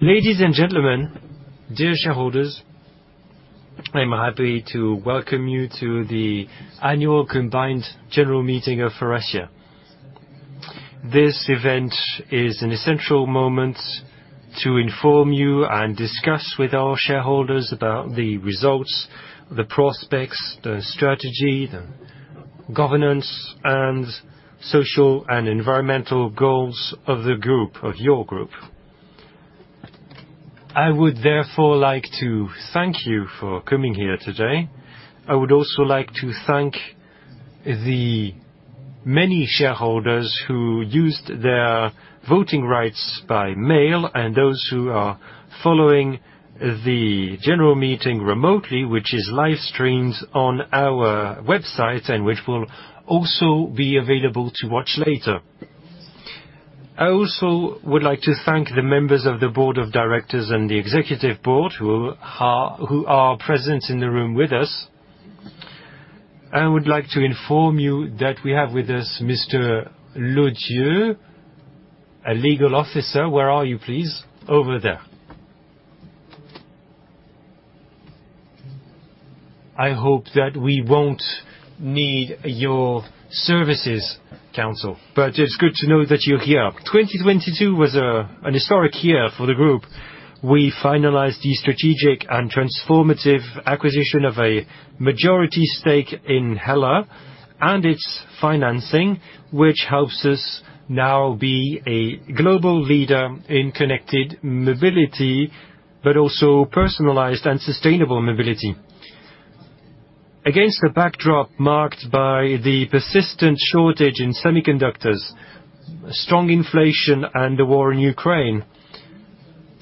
Ladies and gentlemen, dear shareholders, I am happy to welcome you to the annual combined general meeting of Faurecia. This event is an essential moment to inform you and discuss with our shareholders about the results, the prospects, the strategy, the governance, and social and environmental goals of the group, of your group. I would therefore like to thank you for coming here today. I would also like to thank the many shareholders who used their voting rights by mail, and those who are following the general meeting remotely, which is live-streamed on our website and which will also be available to watch later. I also would like to thank the members of the board of directors and the executive board, who are present in the room with us. I would like to inform you that we have with us Mr. Lodieu, a legal officer. Where are you, please? Over there. I hope that we won't need your services, Counsel, but it's good to know that you're here. 2022 was an historic year for the group. We finalized the strategic and transformative acquisition of a majority stake in HELLA and its financing, which helps us now be a global leader in connected mobility, but also personalized and sustainable mobility. Against a backdrop marked by the persistent shortage in semiconductors, strong inflation, and the war in Ukraine,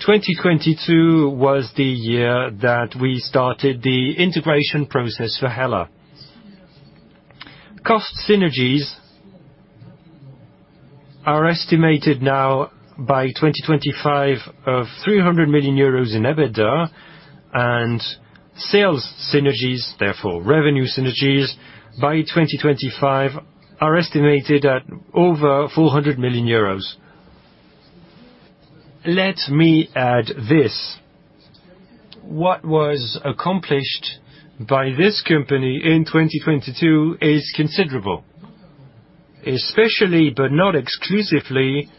2022 was the year that we started the integration process for HELLA. Cost synergies are estimated now by 2025 of 300 million euros in EBITDA, and sales synergies, therefore, revenue synergies by 2025, are estimated at over 400 million euros. Let me add this: What was accomplished by this company in 2022 is considerable, especially, but not exclusively,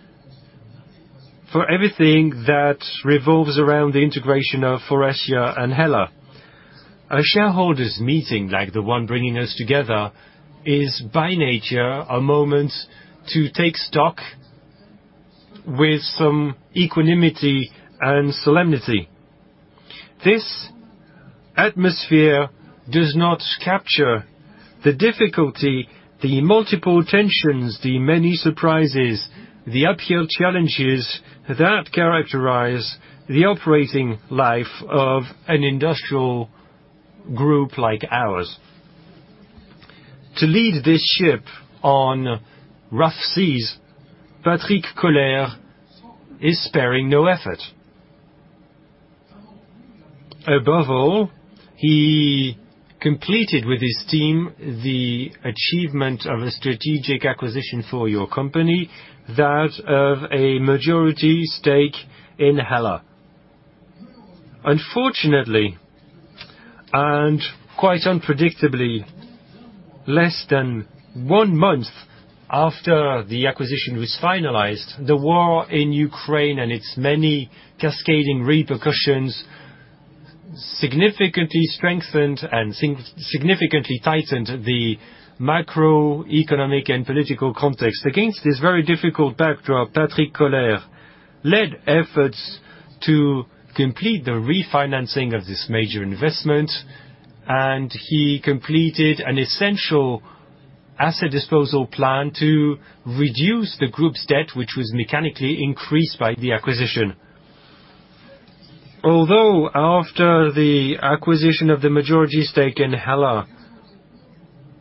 for everything that revolves around the integration of Faurecia and HELLA. A shareholders' meeting, like the one bringing us together, is by nature, a moment to take stock with some equanimity and solemnity. This atmosphere does not capture the difficulty, the multiple tensions, the many surprises, the uphill challenges that characterize the operating life of an industrial group like ours. To lead this ship on rough seas, Patrick Koller is sparing no effort. He completed with his team the achievement of a strategic acquisition for your company, that of a majority stake in HELLA. Quite unpredictably, less than one month after the acquisition was finalized, the war in Ukraine and its many cascading repercussions significantly strengthened and significantly tightened the macroeconomic and political context. Against this very difficult backdrop, Patrick Koller led efforts to complete the refinancing of this major investment, and he completed an essential asset disposal plan to reduce the group's debt, which was mechanically increased by the acquisition. Although after the acquisition of the majority stake in HELLA,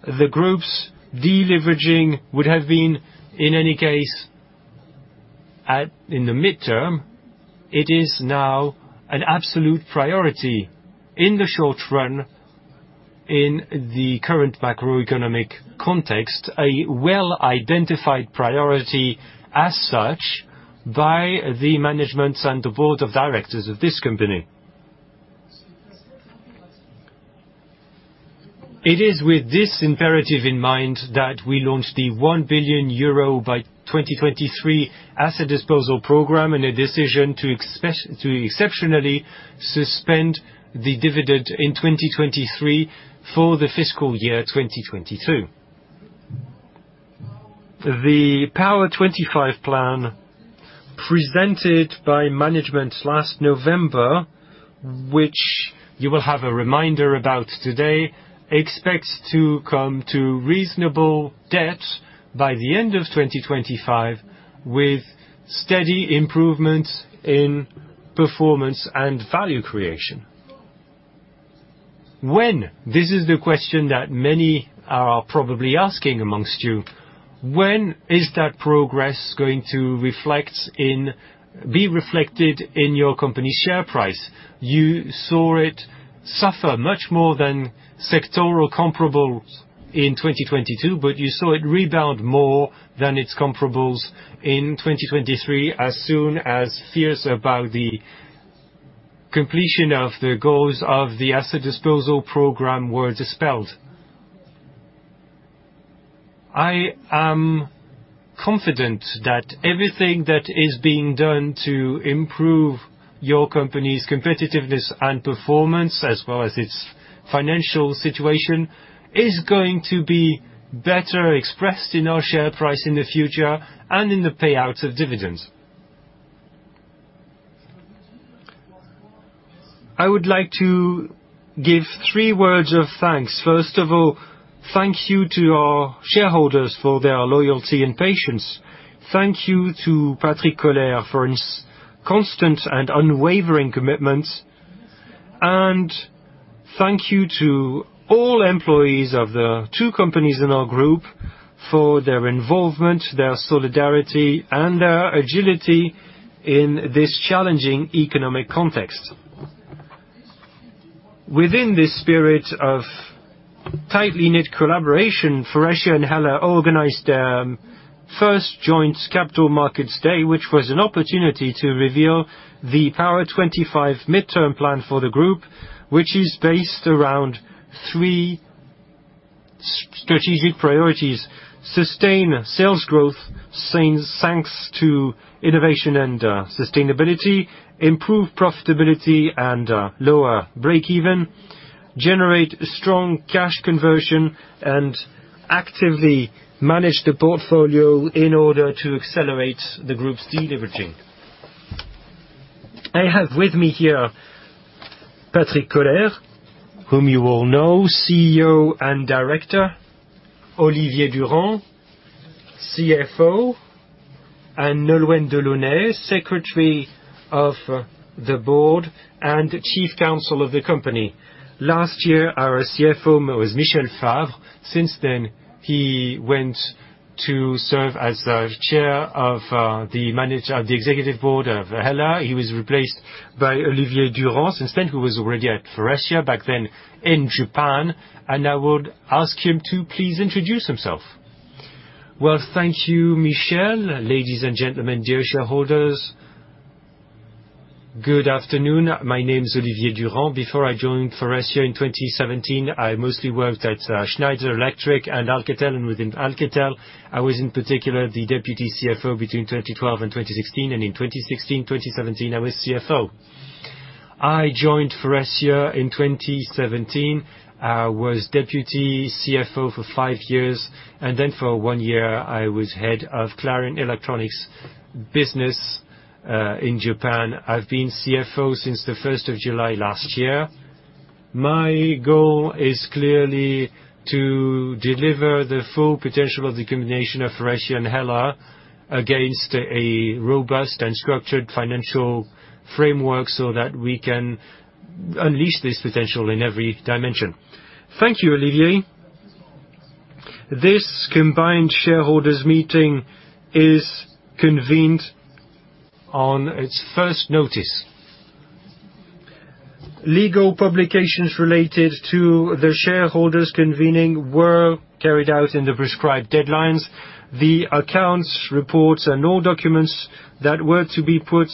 the group's deleveraging would have been, in any case, at in the midterm, it is now an absolute priority in the short run, in the current macroeconomic context, a well-identified priority as such by the managements and the board of directors of this company. It is with this imperative in mind that we launched the 1 billion euro by 2023 asset disposal program, and a decision to exceptionally suspend the dividend in 2023 for the fiscal year 2022. The Power25 plan, presented by management last November, which you will have a reminder about today, expects to come to reasonable debt by the end of 2025, with steady improvements in performance and value creation. When? This is the question that many are probably asking amongst you. When is that progress going to be reflected in your company's share price? You saw it suffer much more than sectoral comparables in 2022, you saw it rebound more than its comparables in 2023, as soon as fears about the completion of the goals of the asset disposal program were dispelled. I am confident that everything that is being done to improve your company's competitiveness and performance, as well as its financial situation, is going to be better expressed in our share price in the future and in the payout of dividends. I would like to give three words of thanks. Thank you to our shareholders for their loyalty and patience. Thank you to Patrick Koller for his constant and unwavering commitment, thank you to all employees of the two companies in our group for their involvement, their solidarity, and their agility in this challenging economic context. Within this spirit of tightly knit collaboration, Faurecia and HELLA organized their first joint Capital Markets Day, which was an opportunity to reveal the Power25 midterm plan for the group, which is based around three strategic priorities: sustain sales growth, thanks to innovation and sustainability; improve profitability and lower break-even; generate strong cash conversion, actively manage the portfolio in order to accelerate the group's deleveraging. I have with me here, Patrick Koller, whom you all know, CEO and Director, Olivier Durand, CFO, and Nolwenn Delaunay, Secretary of the Board and Chief Counsel of the company. Last year, our CFO was Michel Favre. Since then, he went to serve as Chair of the Executive Board of HELLA. He was replaced by Olivier Durand instead, who was already at Faurecia, back then in Japan, and I would ask him to please introduce himself. Well, thank you, Michel. Ladies and gentlemen, dear shareholders, good afternoon. My name is Olivier Durand. Before I joined Faurecia in 2017, I mostly worked at Schneider Electric and Alcatel, and within Alcatel, I was, in particular, the Deputy CFO between 2012 and 2016, and in 2016, 2017, I was CFO. I joined Faurecia in 2017. I was deputy CFO for five years, then for one year, I was head of Faurecia Clarion Electronics business in Japan. I've been CFO since the 1st of July last year. My goal is clearly to deliver the full potential of the combination of Faurecia and HELLA against a robust and structured financial framework, so that we can unleash this potential in every dimension. Thank you, Olivier. This combined shareholders meeting is convened on its first notice. Legal publications related to the shareholders convening were carried out in the prescribed deadlines. The accounts, reports, and all documents that were to be put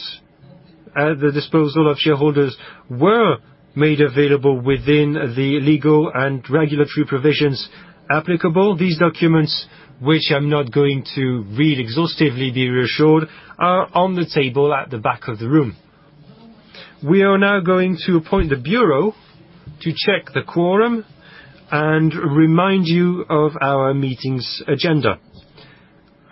at the disposal of shareholders were made available within the legal and regulatory provisions applicable. These documents, which I'm not going to read exhaustively, be reassured, are on the table at the back of the room. We are now going to appoint the bureau to check the quorum and remind you of our meeting's agenda.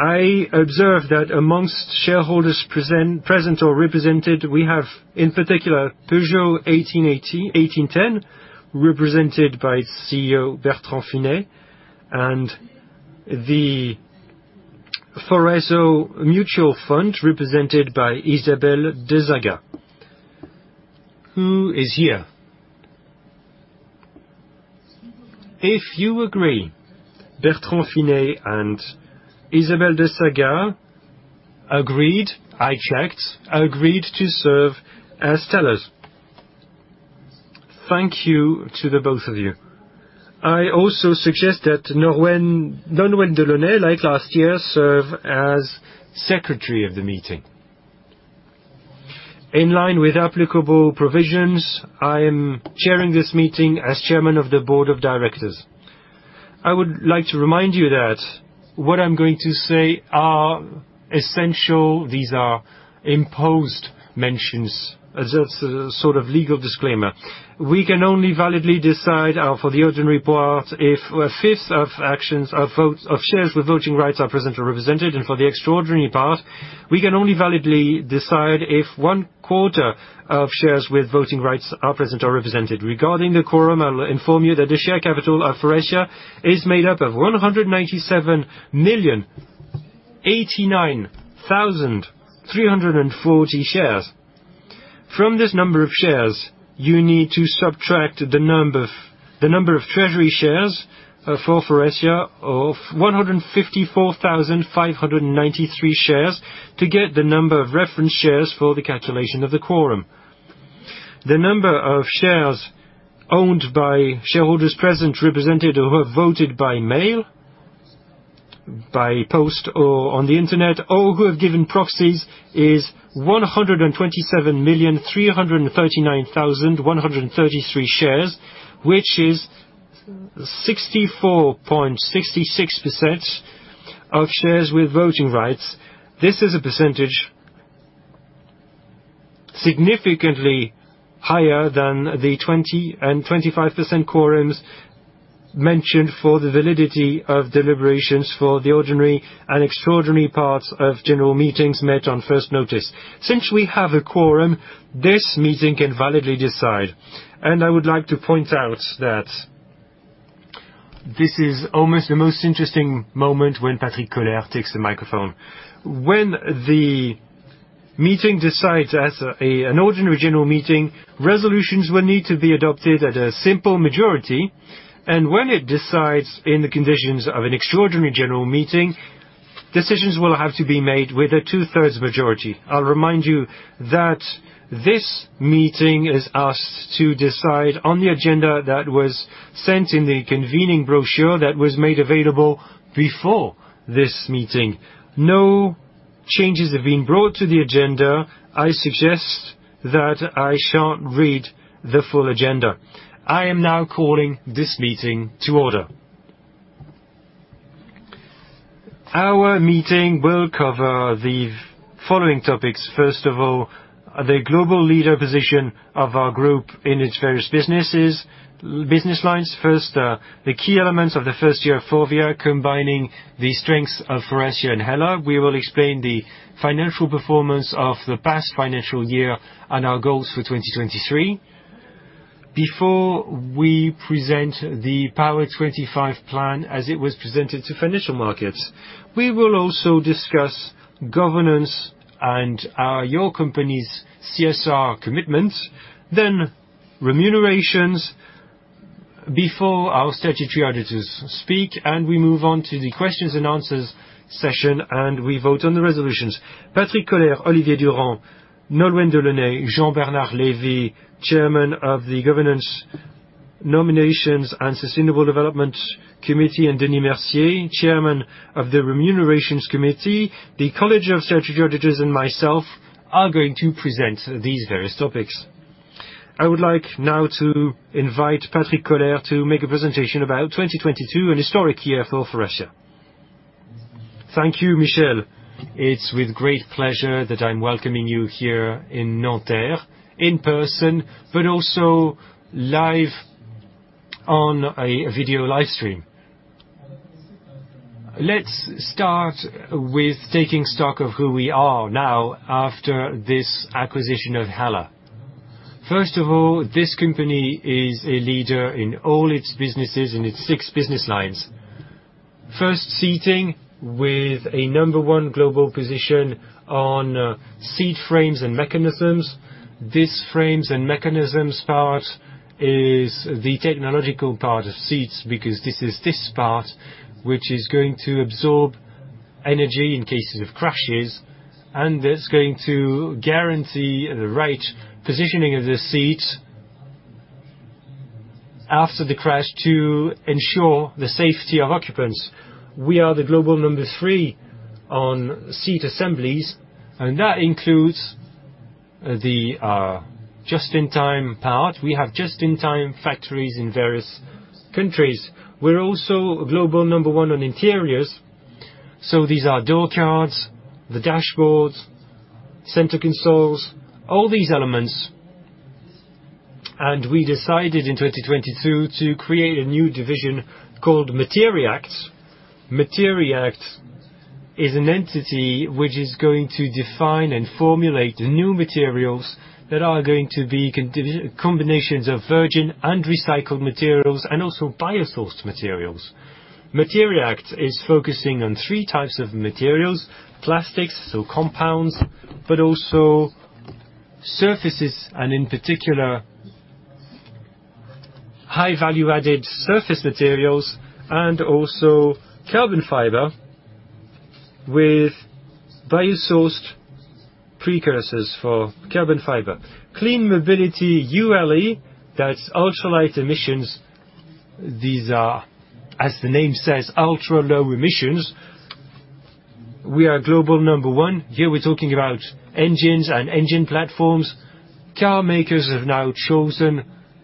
I observe that among shareholders present or represented, we have, in particular, Peugeot 1810, represented by CEO Bertrand Finet, and the Faurecia Mutual Fund, represented by Isabelle Dezaga, who is here. If you agree, Bertrand Finet and Isabelle Dezaga agreed, I checked, agreed to serve as tellers. Thank you to the both of you. I also suggest that Nolwenn Delaunay, like last year, serve as secretary of the meeting. In line with applicable provisions, I am chairing this meeting as chairman of the board of directors. I would like to remind you that what I'm going to say are essential. These are imposed mentions as a sort of legal disclaimer. We can only validly decide for the ordinary part, if a fifth of actions, of votes, of shares with voting rights are present or represented. For the extraordinary part, we can only validly decide if one quarter of shares with voting rights are present or represented. Regarding the quorum, I will inform you that the share capital of Faurecia is made up of 197,089,340 shares. From this number of shares, you need to subtract the number of treasury shares for Faurecia of 154,593 shares to get the number of reference shares for the calculation of the quorum. The number of shares owned by shareholders present, represented, or who have voted by mail. By post or on the internet, all who have given proxies is 127,339,133 shares, which is 64.66% of shares with voting rights. This is a percentage significantly higher than the 20% and 25% quorums mentioned for the validity of deliberations for the ordinary and extraordinary parts of general meetings met on first notice. Since we have a quorum, this meeting can validly decide, and I would like to point out that this is almost the most interesting moment when Patrick Koller takes the microphone. When the meeting decides as a, an ordinary general meeting, resolutions will need to be adopted at a simple majority, and when it decides in the conditions of an extraordinary general meeting, decisions will have to be made with a 2/3 majority. I'll remind you that this meeting is asked to decide on the agenda that was sent in the convening brochure that was made available before this meeting. No changes have been brought to the agenda. I suggest that I shan't read the full agenda. I am now calling this meeting to order. Our meeting will cover the following topics. First of all, the global leader position of our group in its various businesses, business lines. First, the key elements of the first year of FORVIA, combining the strengths of Faurecia and HELLA. We will explain the financial performance of the past financial year and our goals for 2023. Before we present the Power25 plan, as it was presented to financial markets, we will also discuss governance and your company's CSR commitment, then remunerations before our Statutory Auditors speak. We move on to the questions and answers session. We vote on the resolutions. Patrick Koller, Olivier Durand, Nolwenn Delaunay, Jean-Bernard Lévy, Chairman of the Governance, Nominations and Sustainability Committee, and Denis Mercier, Chairman of the Compensation Committee. The College of Statutory Auditors and myself are going to present these various topics. I would like now to invite Patrick Koller to make a presentation about 2022, an historic year for Faurecia. Thank you, Michel. It's with great pleasure that I'm welcoming you here in Nanterre, in person, but also live on a video live stream. Let's start with taking stock of who we are now, after this acquisition of HELLA. First of all, this company is a leader in all its businesses, in its six business lines. First, seating, with a number one global position on seat frames and mechanisms. This frames and mechanisms part is the technological part of seats, because this is this part which is going to absorb energy in cases of crashes, and that's going to guarantee the right positioning of the seat after the crash to ensure the safety of occupants. We are the global number three on seat assemblies, and that includes the just-in-time part. We have just-in-time factories in various countries. We're also global number one on interiors, so these are door cards, the dashboards, center consoles, all these elements. We decided in 2022 to create a new division called MATERI'ACT. MATERI'ACT is an entity which is going to define and formulate new materials that are going to be combinations of virgin and recycled materials, and also biosourced materials. MATERI'ACT is focusing on three types of materials: plastics, so compounds, but also surfaces, and in particular, high value-added surface materials, and also carbon fiber with biosourced precursors for carbon fiber. Clean mobility, ULE, that's ultra-light emissions. These are, as the name says, ultra-low emissions. We are global number one. Here, we're talking about engines and engine platforms. Car makers have now chosen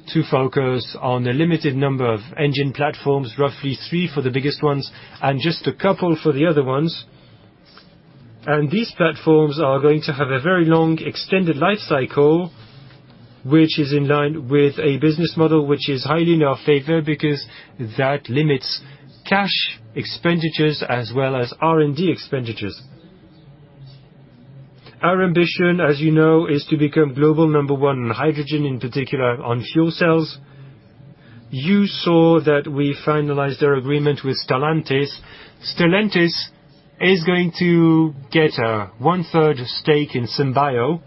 to focus on a limited number of engine platforms, roughly three for the biggest ones and just a couple for the other ones. These platforms are going to have a very long, extended life cycle, which is in line with a business model which is highly in our favor, because that limits cash expenditures as well as R&D expenditures. Our ambition, as you know, is to become global number 1 in hydrogen, in particular on fuel cells. You saw that we finalized our agreement with Stellantis. Stellantis is going to get a 1/3 stake in Symbio.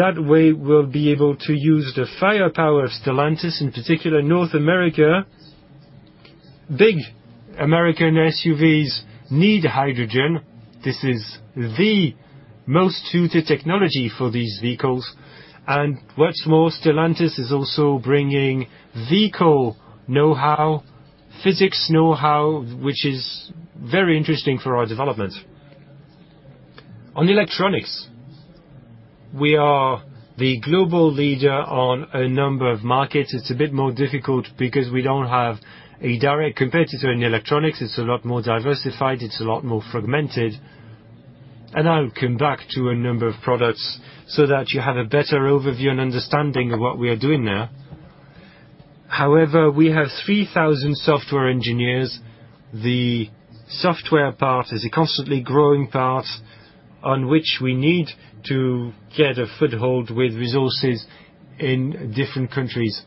That way, we'll be able to use the firepower of Stellantis, in particular, North America. Big American SUVs need hydrogen. This is the most suited technology for these vehicles. What's more, Stellantis is also bringing vehicle know-how, physics know-how, which is very interesting for our development. On electronics, we are the global leader on a number of markets. It's a bit more difficult because we don't have a direct competitor in electronics. It's a lot more diversified, it's a lot more fragmented. I'll come back to a number of products so that you have a better overview and understanding of what we are doing now. However, we have 3,000 software engineers. The software part is a constantly growing part on which we need to get a foothold with resources in different countries.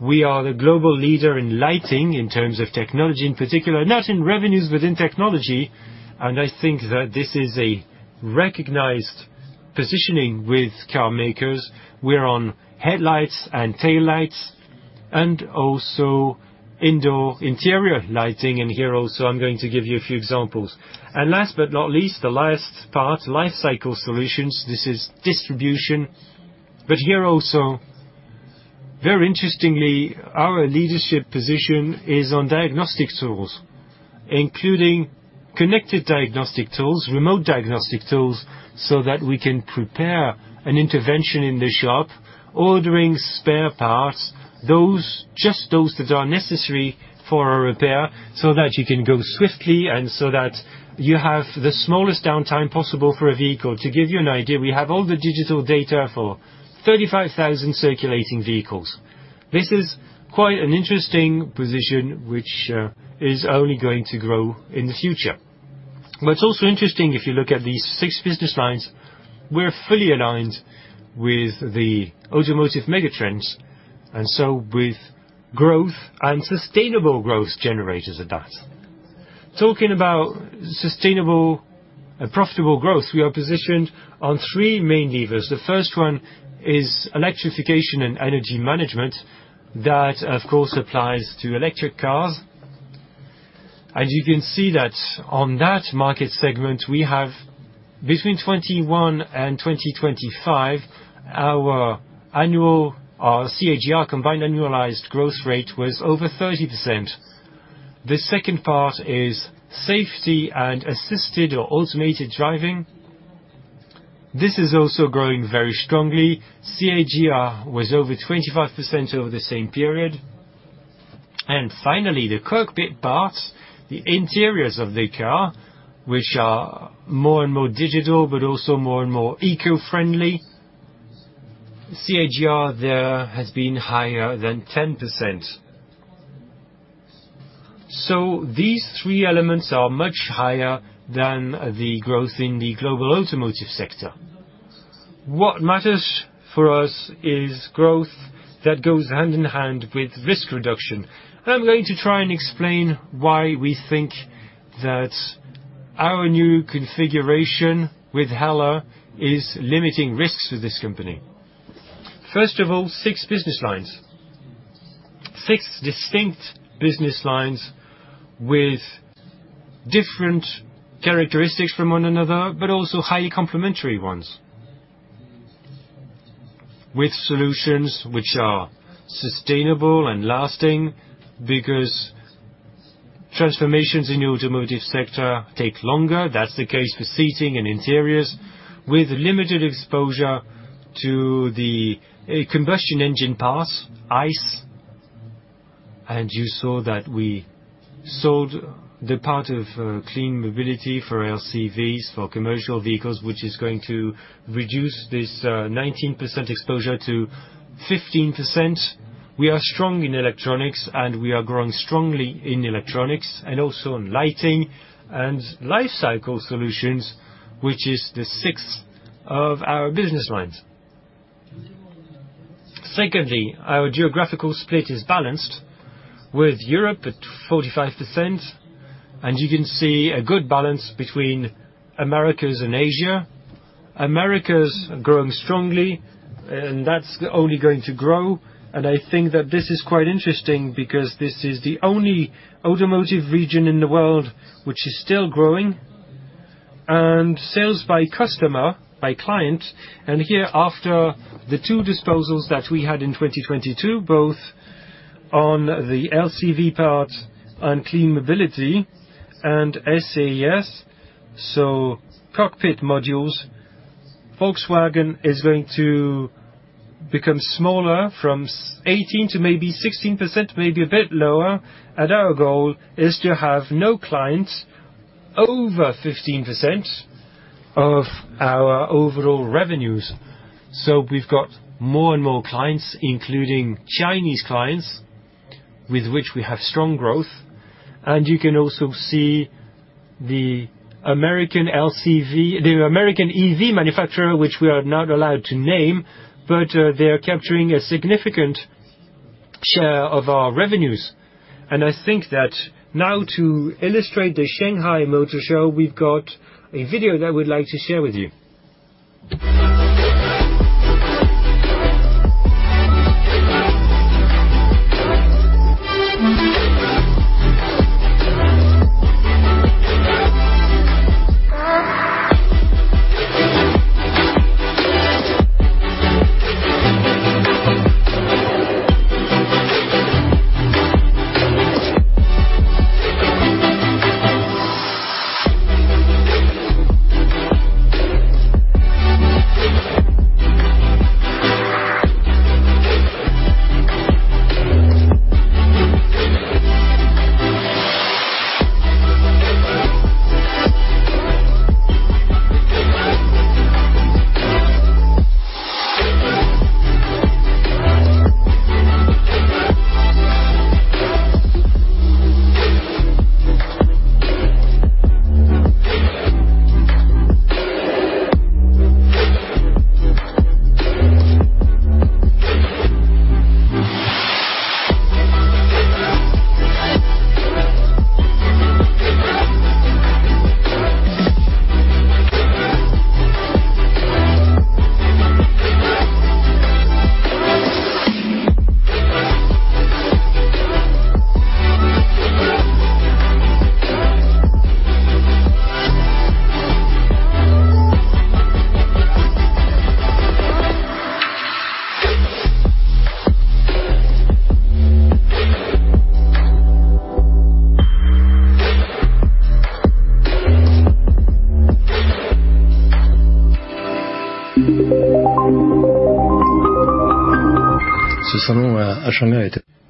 We are the global leader in lighting, in terms of technology in particular, not in revenues, but in technology, and I think that this is a recognized positioning with car makers. We're on headlights and taillights and also indoor interior lighting, and here also, I'm going to give you a few examples. Last but not least, the last part, life cycle solutions. This is distribution. Here also, very interestingly, our leadership position is on diagnostic tools, including connected diagnostic tools, remote diagnostic tools, so that we can prepare an intervention in the shop, ordering spare parts, just those that are necessary for a repair, so that you can go swiftly and so that you have the smallest downtime possible for a vehicle. To give you an idea, we have all the digital data for 35,000 circulating vehicles. This is quite an interesting position, which is only going to grow in the future. What's also interesting if you look at these six business lines, we're fully aligned with the automotive mega trends, so with growth and sustainable growth generators at that. Talking about sustainable and profitable growth, we are positioned on three main levers. The first one is electrification and energy management. That, of course, applies to electric cars. As you can see that on that market segment, we have between 2021 and 2025, our annual CAGR, Combined Annualized Growth Rate, was over 30%. The second part is safety and assisted or automated driving. This is also growing very strongly. CAGR was over 25% over the same period. Finally, the cockpit part, the interiors of the car, which are more and more digital, but also more and more eco-friendly. CAGR there has been higher than 10%. These three elements are much higher than the growth in the global automotive sector. What matters for us is growth that goes hand in hand with risk reduction. I'm going to try and explain why we think that our new configuration with HELLA is limiting risks for this company. First of all, six business lines. Six distinct business lines with different characteristics from one another, also highly complementary ones. With solutions which are sustainable and lasting because transformations in the automotive sector take longer. That's the case for seating and interiors, with limited exposure to the combustion engine parts, ICE. You saw that we sold the part of clean mobility for LCVs, for commercial vehicles, which is going to reduce this 19% exposure to 15%. We are strong in electronics, we are growing strongly in electronics and also in lighting and life cycle solutions, which is the sixth of our business lines. Secondly, our geographical split is balanced, with Europe at 45%, you can see a good balance between Americas and Asia. Americas are growing strongly, that's only going to grow, and I think that this is quite interesting because this is the only automotive region in the world which is still growing. Sales by customer, by client, and here, after the two disposals that we had in 2022, both on the LCV part and clean mobility and SAS, so cockpit modules, Volkswagen is going to become smaller from 18 to maybe 16%, maybe a bit lower, and our goal is to have no clients over 15% of our overall revenues. We've got more and more clients, including Chinese clients, with which we have strong growth. You can also see the American EV manufacturer, which we are not allowed to name, but they are capturing a significant share of our revenues. I think that now to illustrate the Shanghai Motor Show, we've got a video that we'd like to share with you.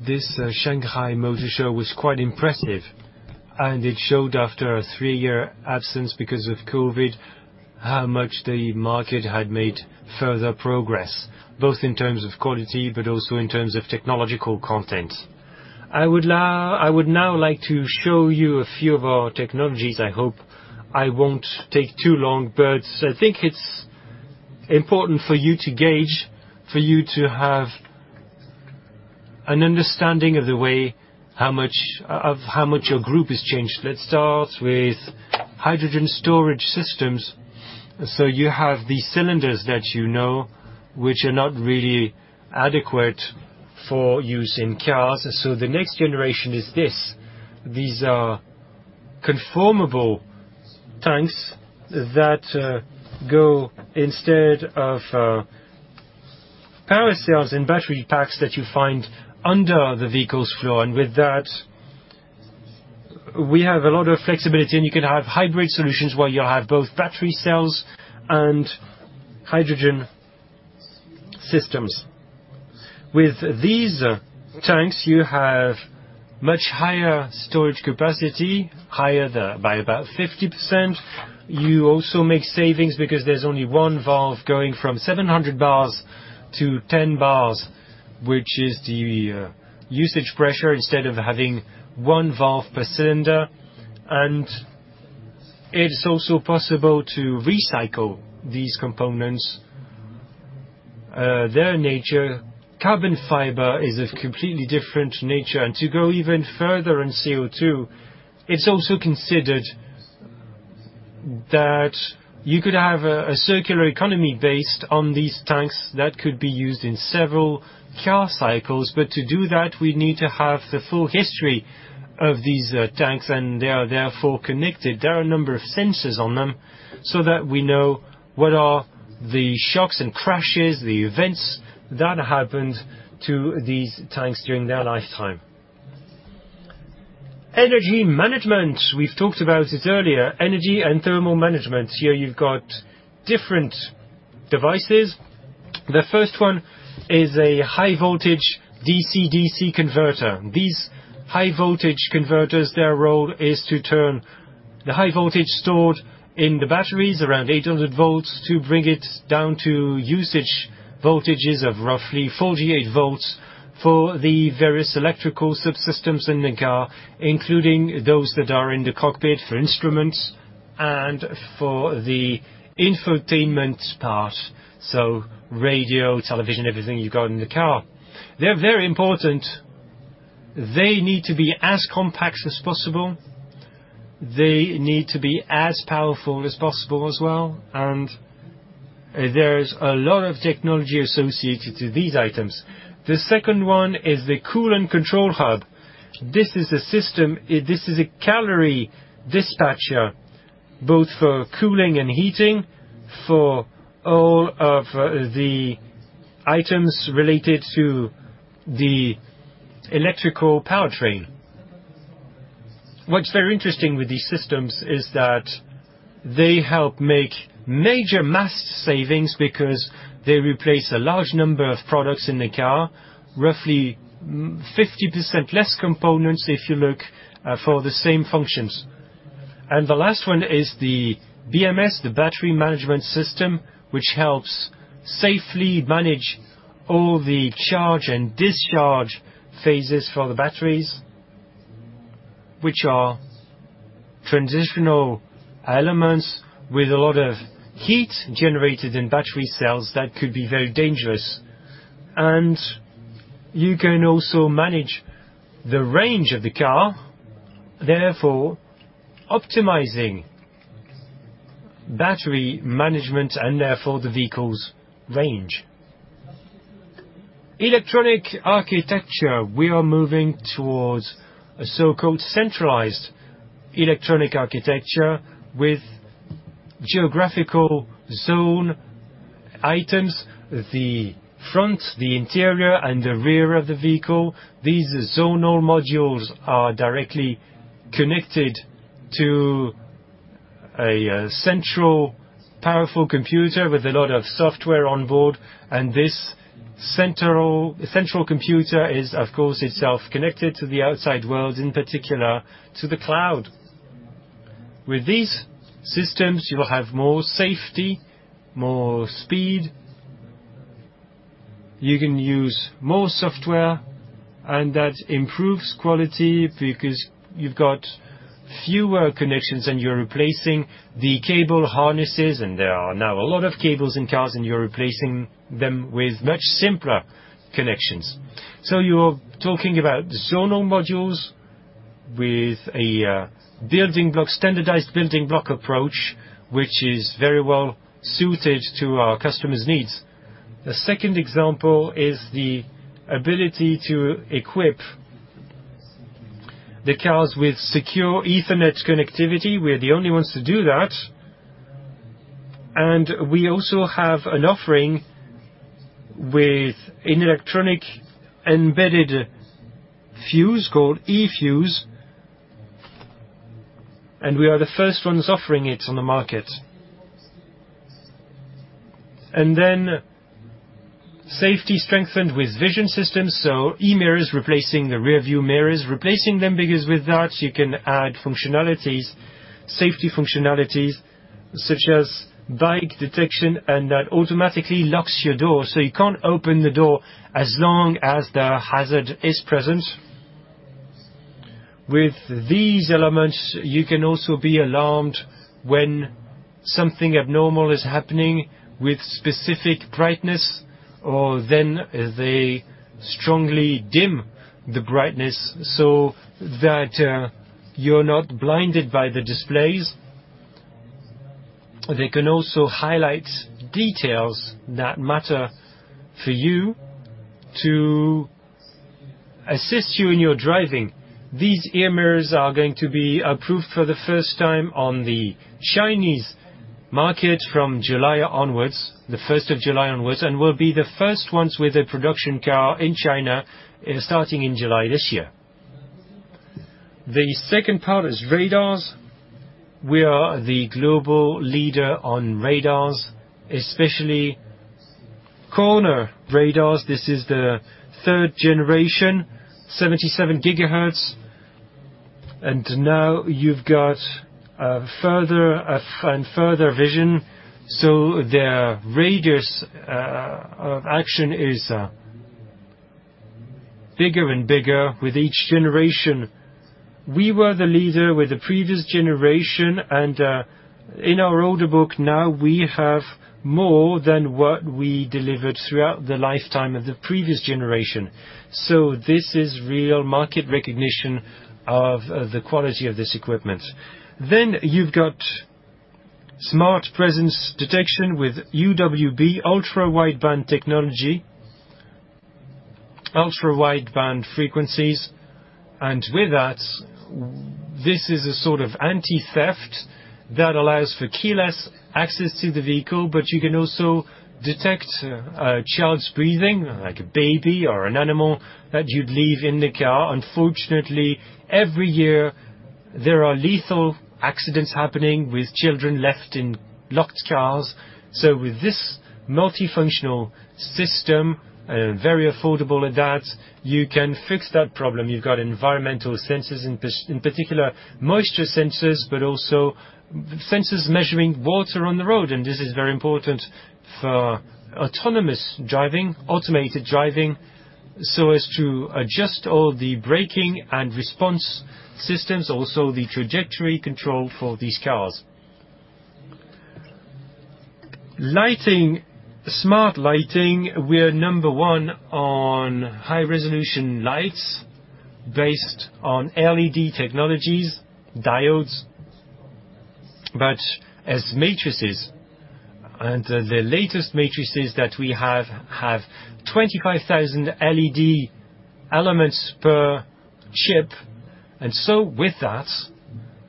This Shanghai Motor Show was quite impressive, and it showed after a three-year absence because of COVID, how much the market had made further progress, both in terms of quality but also in terms of technological content. I would now like to show you a few of our technologies. I hope I won't take too long, but I think it's important for you to gauge, for you to have an understanding of the way, Of how much our group has changed. Let's start with hydrogen storage systems. You have these cylinders that you know, which are not really adequate for use in cars. The next generation is this. These are conformable tanks that go instead of power cells and battery packs that you find under the vehicle's floor. With that, we have a lot of flexibility, and you can have hybrid solutions where you have both battery cells and hydrogen systems. With these tanks, you have much higher storage capacity, higher by about 50%. You also make savings because there's only one valve going from 700 bars to 10 bars, which is the usage pressure, instead of having one valve per cylinder. It's also possible to recycle these components. Their nature, carbon fiber is of completely different nature. To go even further on CO2, it's also considered that you could have a circular economy based on these tanks that could be used in several car cycles. To do that, we'd need to have the full history of these tanks, and they are therefore connected. There are a number of sensors on them so that we know what are the shocks and crashes, the events that happened to these tanks during their lifetime. Energy management. We've talked about this earlier, energy and thermal management. Here you've got different devices. The first one is a high voltage DC-DC converter. These high voltage converters, their role is to turn the high voltage stored in the batteries, around 800 volts, to bring it down to usage voltages of roughly 48 volts for the various electrical subsystems in the car, including those that are in the cockpit for instruments and for the infotainment part, so radio, television, everything you've got in the car. They're very important. They need to be as compact as possible. They need to be as powerful as possible as well, and there's a lot of technology associated to these items. The second one is the coolant control hub. This is a calorie dispatcher, both for cooling and heating, for all of the items related to the electrical powertrain. What's very interesting with these systems is that they help make major mass savings because they replace a large number of products in the car, roughly 50% less components, if you look for the same functions. And the last one is the BMS, the Battery Management System, which helps safely manage all the charge and discharge phases for the batteries, which are transitional elements with a lot of heat generated in battery cells that could be very dangerous. You can also manage the range of the car, therefore optimizing battery management and therefore the vehicle's range. Electronic architecture. We are moving towards a so-called centralized electronic architecture with geographical zone items, the front, the interior, and the rear of the vehicle. These zonal modules are directly connected to a central powerful computer with a lot of software on board. This central computer is, of course, itself connected to the outside world, in particular, to the cloud. With these systems, you will have more safety, more speed. You can use more software, and that improves quality because you've got fewer connections, and you're replacing the cable harnesses, and there are now a lot of cables in cars, and you're replacing them with much simpler connections. You're talking about zonal modules with a building block, standardized building block approach, which is very well-suited to our customers' needs. The second example is the ability to equip the cars with secure Ethernet connectivity. We're the only ones to do that. We also have an offering with an electronic embedded fuse called eFuse, and we are the first ones offering it on the market. Safety strengthened with vision systems, so eMirrors replacing the rearview mirrors. Replacing them because with that, you can add functionalities, safety functionalities, such as bike detection, and that automatically locks your door, so you can't open the door as long as the hazard is present. With these elements, you can also be alarmed when something abnormal is happening with specific brightness, or then they strongly dim the brightness so that you're not blinded by the displays. They can also highlight details that matter for you to assist you in your driving. These eMirrors are going to be approved for the first time on the Chinese market from July onwards, the first of July onwards. We'll be the first ones with a production car in China, starting in July this year. The second part is radars. We are the global leader on radars, especially corner radars. This is the third generation, 77 GHz. Now you've got a further and further vision, so their radius of action is bigger and bigger with each generation. We were the leader with the previous generation. In our order book now, we have more than what we delivered throughout the lifetime of the previous generation. This is real market recognition of the quality of this equipment. You've got smart presence detection with UWB, ultra-wideband technology, ultra-wideband frequencies, and with that, this is a sort of anti-theft that allows for keyless access to the vehicle. You can also detect a child's breathing, like a baby or an animal that you'd leave in the car. Unfortunately, every year, there are lethal accidents happening with children left in locked cars. With this multifunctional system, very affordable at that, you can fix that problem. You've got environmental sensors, in particular, moisture sensors, but also sensors measuring water on the road, and this is very important for autonomous driving, automated driving, so as to adjust all the braking and response systems, also the trajectory control for these cars. Lighting. Smart lighting, we are number one on high-resolution lights based on LED technologies, diodes, but as matrices. The latest matrices that we have 25,000 LED elements per chip. With that,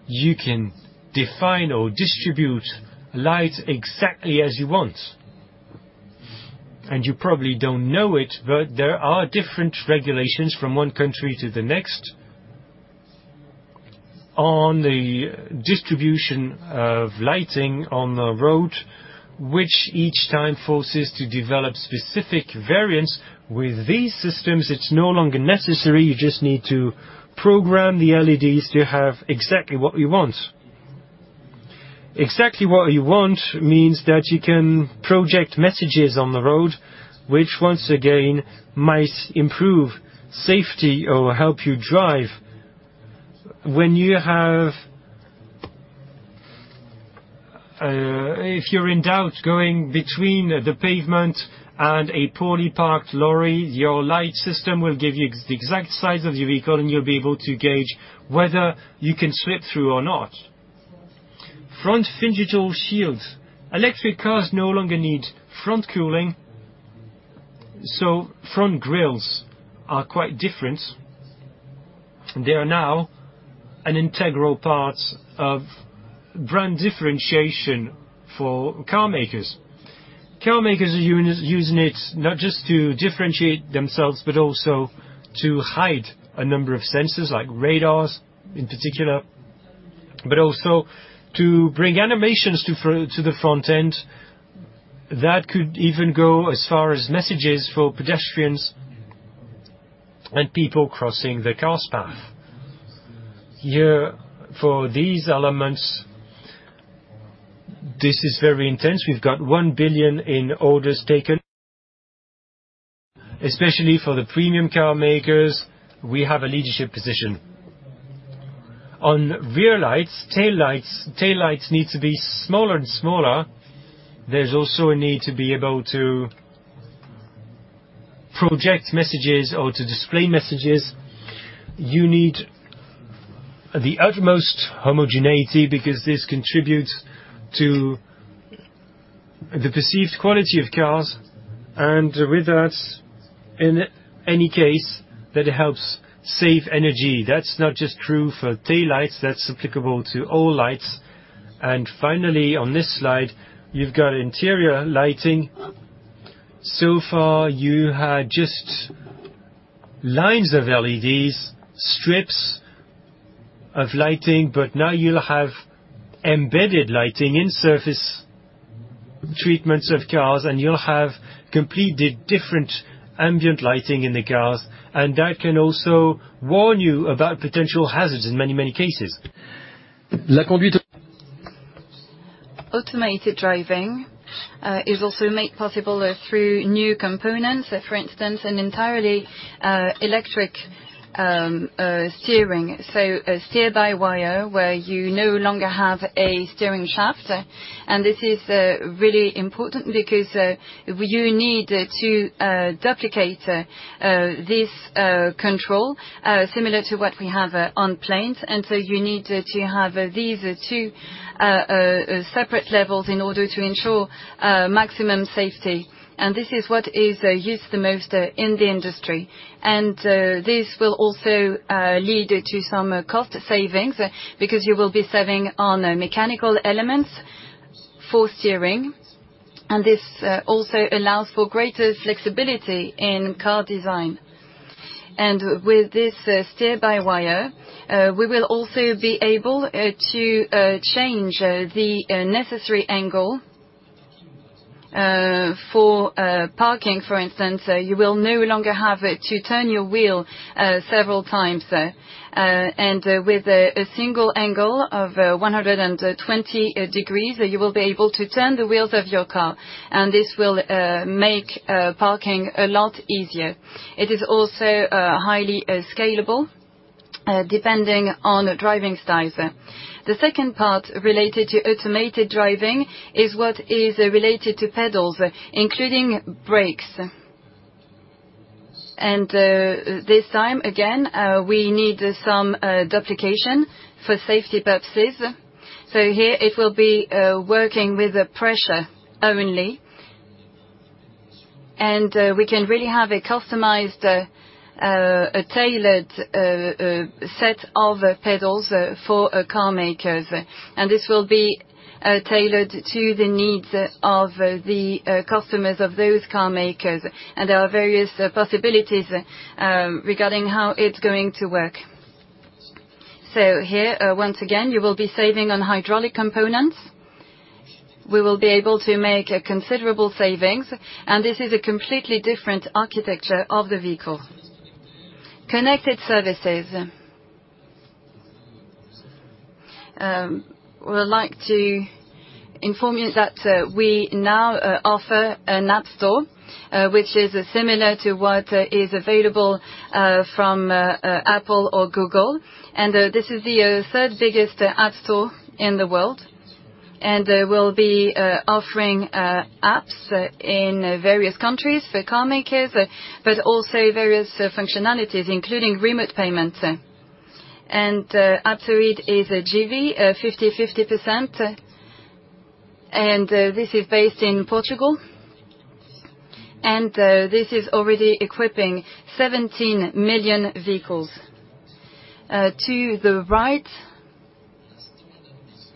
you can define or distribute light exactly as you want. You probably don't know it, but there are different regulations from one country to the next on the distribution of lighting on the road, which each time forces to develop specific variants. With these systems, it's no longer necessary. You just need to program the LEDs to have exactly what you want. Exactly what you want means that you can project messages on the road, which, once again, might improve safety or help you drive. When you have, if you're in doubt, going between the pavement and a poorly parked lorry, your light system will give you the exact size of the vehicle, and you'll be able to gauge whether you can slip through or not. Front Phygital Shield. Electric cars no longer need front cooling, so front grills are quite different. They are now an integral part of brand differentiation for car makers. Car makers are using it not just to differentiate themselves, but also to hide a number of sensors, like radars, in particular, but also to bring animations to the front end. That could even go as far as messages for pedestrians and people crossing the car's path. Here, for these elements, this is very intense. We've got 1 billion in orders taken, especially for the premium car makers, we have a leadership position. On rear lights, tail lights. Tail lights need to be smaller and smaller. There's also a need to be able to project messages or to display messages. You need the utmost homogeneity, because this contributes to the perceived quality of cars, and with that, in any case, that it helps save energy. That's not just true for tail lights, that's applicable to all lights. Finally, on this slide, you've got interior lighting. Far, you had just lines of LEDs, strips of lighting, but now you'll have embedded lighting in surface treatments of cars, and you'll have completely different ambient lighting in the cars, and that can also warn you about potential hazards in many, many cases. Automated driving is also made possible through new components. For instance, an entirely electric steering. So a steer-by-wire, where you no longer have a steering shaft. This is really important because you need to duplicate this control similar to what we have on planes. You need to have these two separate levels in order to ensure maximum safety. This is what is used the most in the industry. This will also lead to some cost savings, because you will be saving on mechanical elements for steering, and this also allows for greater flexibility in car design. With this steer-by-wire, we will also be able to change the necessary angle for parking, for instance. You will no longer have to turn your wheel several times. With a single angle of 120 degrees, you will be able to turn the wheels of your car, and this will make parking a lot easier. It is also highly scalable depending on driving styles. The second part related to automated driving is what is related to pedals, including brakes. This time, again, we need some duplication for safety purposes. Here it will be working with the pressure only, and we can really have a customized, a tailored set of pedals for car makers. This will be tailored to the needs of the customers of those car makers, and there are various possibilities regarding how it's going to work. Here, once again, you will be saving on hydraulic components. We will be able to make a considerable savings, and this is a completely different architecture of the vehicle. Connected services. We would like to inform you that we now offer an app store which is similar to what is available from Apple or Google. This is the third biggest app store in the world, and we'll be offering apps in various countries for car makers, but also various functionalities, including remote payments. Aptoide is a JV 50/50%, and this is based in Portugal. This is already equipping 17 million vehicles. To the right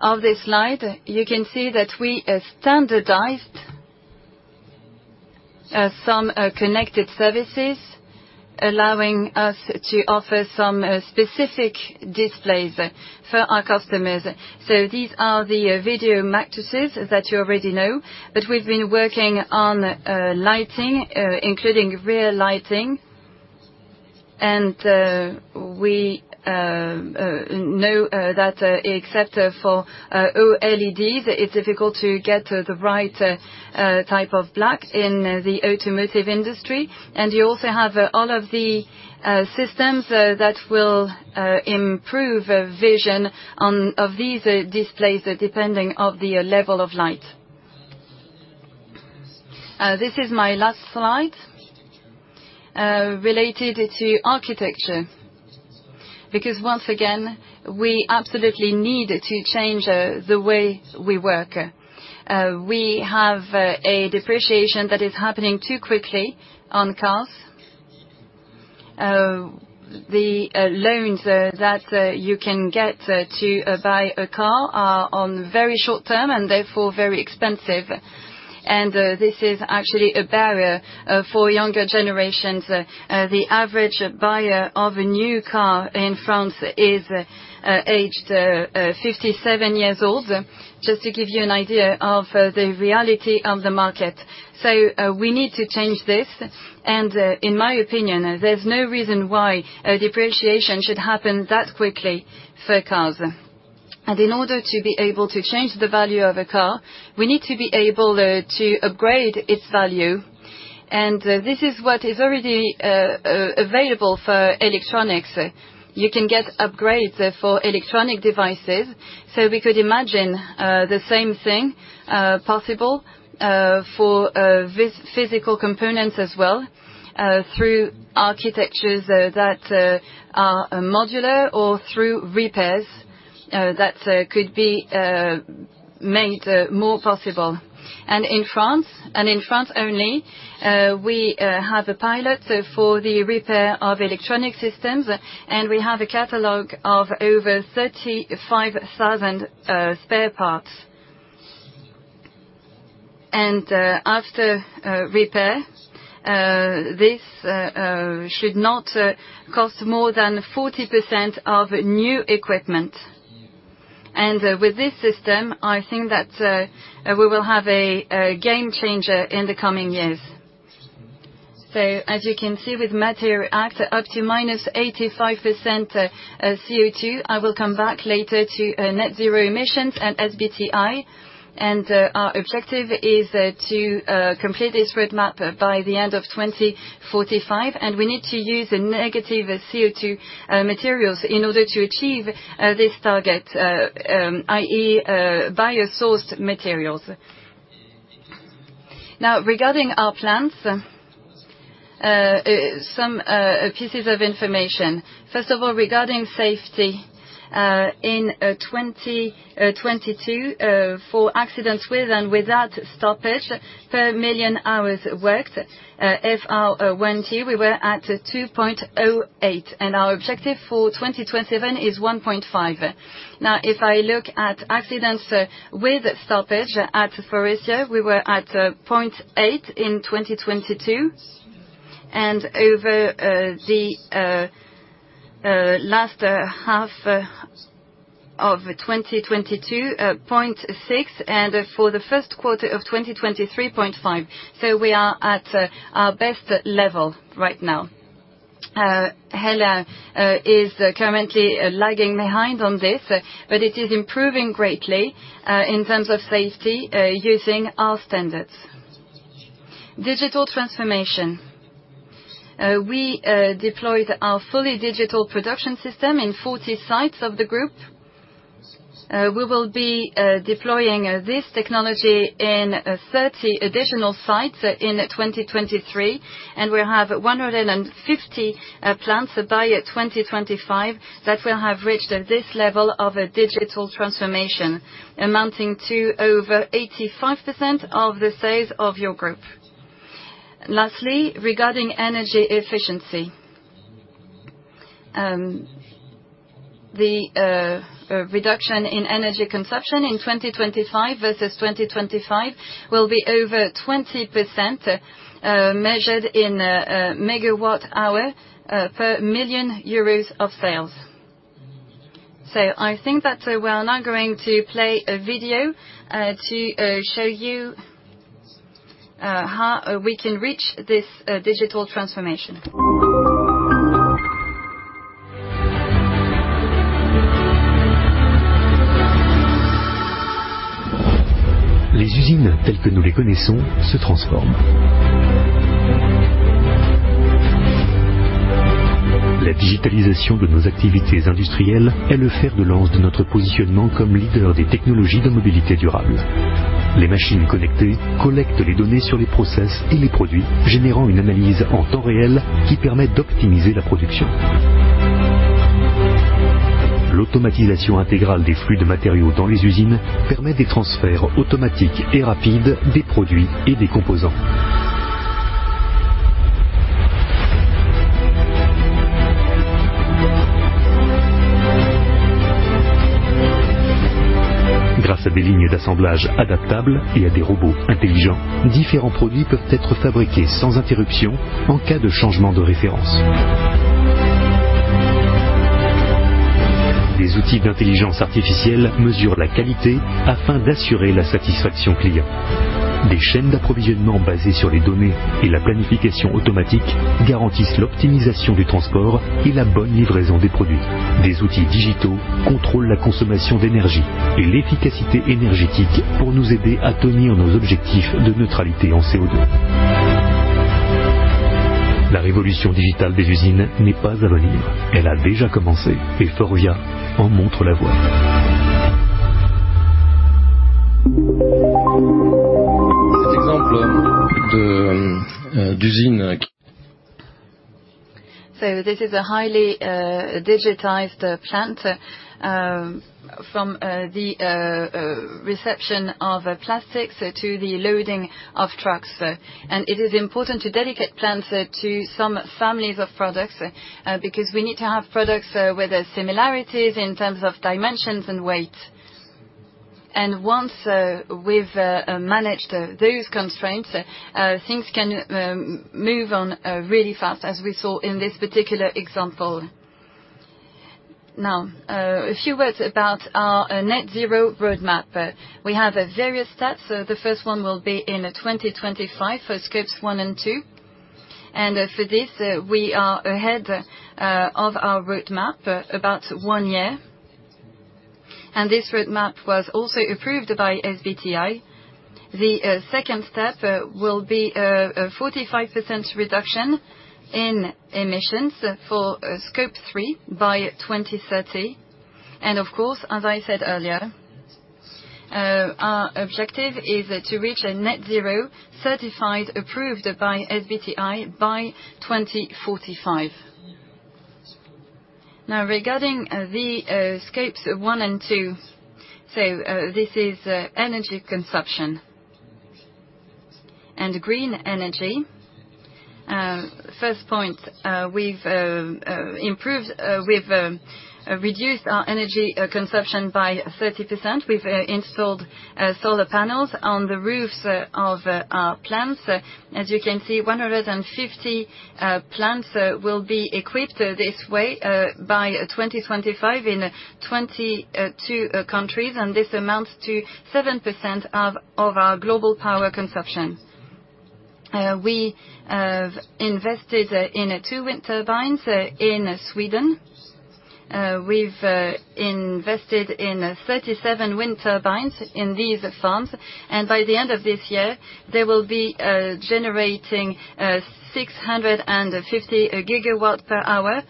of this slide, you can see that we standardized some connected services, allowing us to offer some specific displays for our customers. These are the video matrices that you already know, but we've been working on lighting, including rear lighting. We know that except for OLEDs, it's difficult to get the right type of black in the automotive industry. You also have all of the systems that will improve vision of these displays, depending of the level of light. This is my last slide, related to architecture, because once again, we absolutely need to change the way we work. We have a depreciation that is happening too quickly on cars. The loans that you can get to buy a car are on very short term and therefore very expensive. This is actually a barrier for younger generations. The average buyer of a new car in France is aged 57 years old. Just to give you an idea of the reality of the market. We need to change this, in my opinion, there's no reason why a depreciation should happen that quickly for cars. In order to be able to change the value of a car, we need to be able to upgrade its value. This is what is already available for electronics. You can get upgrades for electronic devices, we could imagine the same thing possible for physical components as well, through architectures that are modular or through repairs that could be made more possible. In France, and in France only, we have a pilot for the repair of electronic systems, and we have a catalog of over 35,000 spare parts. After repair, this should not cost more than 40% of new equipment. With this system, I think that we will have a game changer in the coming years. As you can see with MATERI'ACT, up to -85% CO2, I will come back later to net zero emissions and SBTi. Our objective is to complete this roadmap by the end of 2045, and we need to use a negative CO2 materials in order to achieve this target, i.e., biosourced materials. Now, regarding our plants, some pieces of information. First of all, regarding safety, in 2022, for accidents with and without stoppage, per million hours worked, we were at 2.08, and our objective for 2027 is 1.5. Now, if I look at accidents with stoppage at Faurecia, we were at 0.8 in 2022, and over the last half of 2022, 0.6, and for the Q1 of 2023, 0.5. We are at our best level right now. HELLA is currently lagging behind on this, but it is improving greatly in terms of safety, using our standards. Digital transformation. We deployed our fully digital production system in 40 sites of the group. We will be deploying this technology in 30 additional sites in 2023, and we have 150 plants by 2025, that will have reached this level of a digital transformation, amounting to over 85% of the sales of your group. Lastly, regarding energy efficiency. The reduction in energy consumption in 2025 versus 2025 will be over 20%, measured in megawatt hour per million euros of sales. I think that we are now going to play a video to show you how we can reach this digital transformation. d'usine. This is a highly digitized plant from the reception of plastics to the loading of trucks. It is important to dedicate plants to some families of products because we need to have products with similarities in terms of dimensions and weight. Once we've managed those constraints, things can move on really fast, as we saw in this particular example. Now, a few words about our net zero roadmap. We have various stats. The first one will be in 2025 for Scopes one and two. For this, we are ahead of our roadmap about one year. This roadmap was also approved by SBTi. The second step will be a 45% reduction in emissions for Scope three by 2030. Of course, as I said earlier, our objective is to reach a net zero certified, approved by SBTi by 2045. Regarding the Scopes one and two, this is energy consumption and green energy. First point, we've improved, we've reduced our energy consumption by 30%. We've installed solar panels on the roofs of our plants. As you can see, 150 plants will be equipped this way by 2025 in 22 countries, and this amounts to 7% of our global power consumption. We have invested in two wind turbines in Sweden. We've invested in 37 wind turbines in these farms, and by the end of this year, they will be generating 650 gigawatts per hour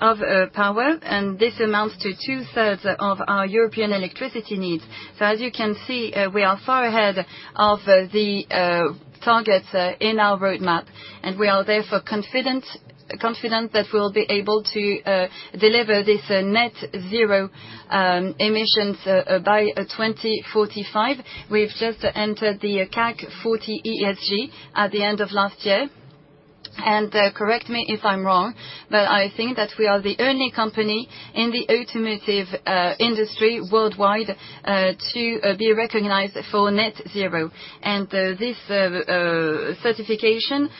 of power, and this amounts to two-thirds of our European electricity needs. As you can see, we are far ahead of the targets in our roadmap, and we are therefore confident that we'll be able to deliver this net zero emissions by 2045. We've just entered the CAC 40 ESG at the end of last year. Correct me if I'm wrong, but I think that we are the only company in the automotive industry worldwide to be recognized for net zero. This certification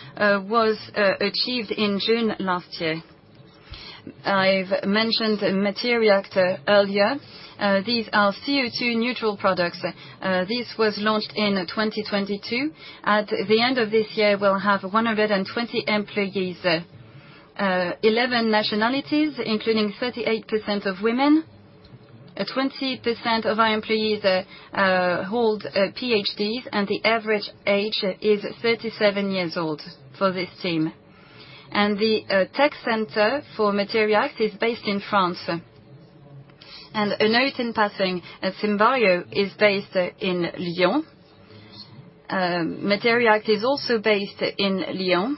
was achieved in June last year. I've mentioned MATERI'ACT earlier. These are CO2 neutral products. This was launched in 2022. At the end of this year, we'll have 120 employees, 11 nationalities, including 38% of women. 20% of our employees hold PhDs, and the average age is 37 years old for this team. The tech center for MATERI'ACT is based in France. A note in passing, Symbio is based in Lyon. MATERI'ACT is also based in Lyon,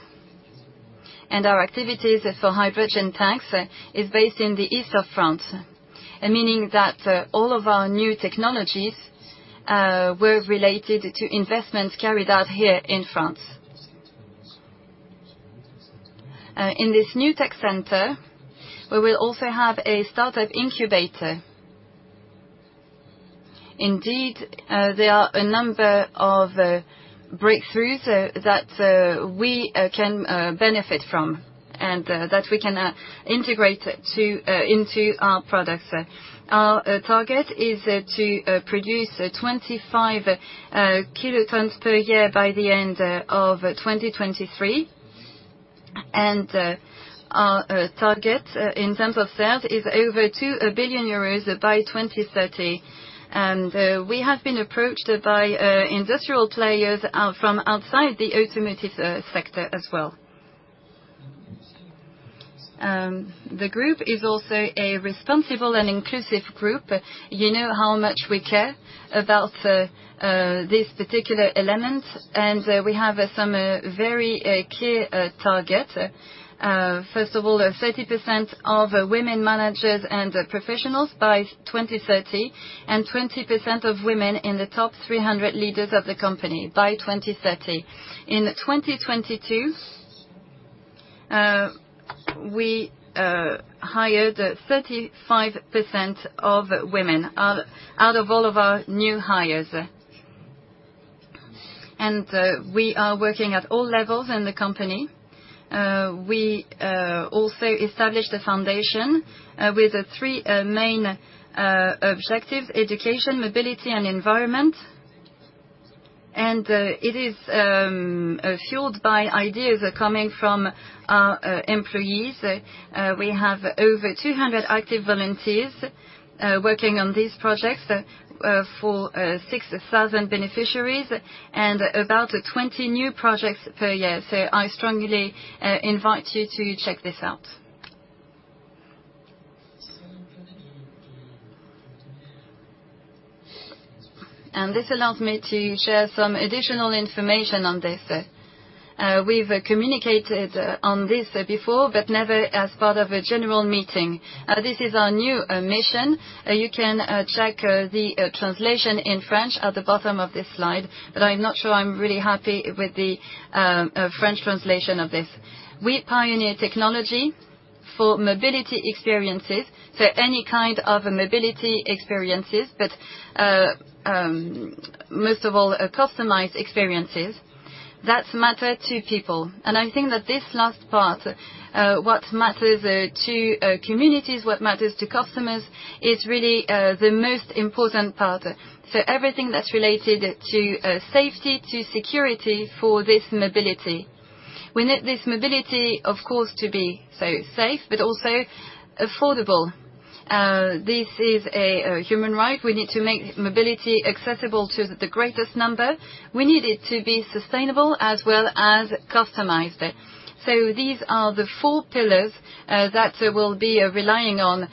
and our activities for hydrogen tanks is based in the east of France, meaning that all of our new technologies were related to investments carried out here in France. In this new tech center, we will also have a startup incubator. Indeed, there are a number of breakthroughs that we can benefit from and that we can integrate into our products. Our target is to produce 25 kilotons per year by the end of 2023, and our target in terms of sales is over 2 billion euros by 2030. We have been approached by industrial players from outside the automotive sector as well. The group is also a responsible and inclusive group. You know how much we care about these particular elements, and we have some very clear targets. First of all, 30% of women managers and professionals by 2030, and 20% of women in the top 300 leaders of the company by 2030. In 2022, we hired 35% of women out of all of our new hires. We are working at all levels in the company. We also established a foundation with three main objectives: education, mobility, and environment. It is fueled by ideas coming from our employees. We have over 200 active volunteers working on these projects for 6,000 beneficiaries and about 20 new projects per year. I strongly invite you to check this out. This allows me to share some additional information on this. We've communicated on this before, but never as part of a general meeting. This is our new mission. You can check the translation in French at the bottom of this slide, but I'm not sure I'm really happy with the French translation of this. We pioneer technology for mobility experiences, so any kind of mobility experiences, but most of all, customized experiences that matter to people. I think that this last part, what matters to communities, what matters to customers, is really the most important part. Everything that's related to safety, to security for this mobility. We need this mobility, of course, to be so safe, but also affordable. This is a human right. We need to make mobility accessible to the greatest number. We need it to be sustainable as well as customized. These are the four pillars that we'll be relying on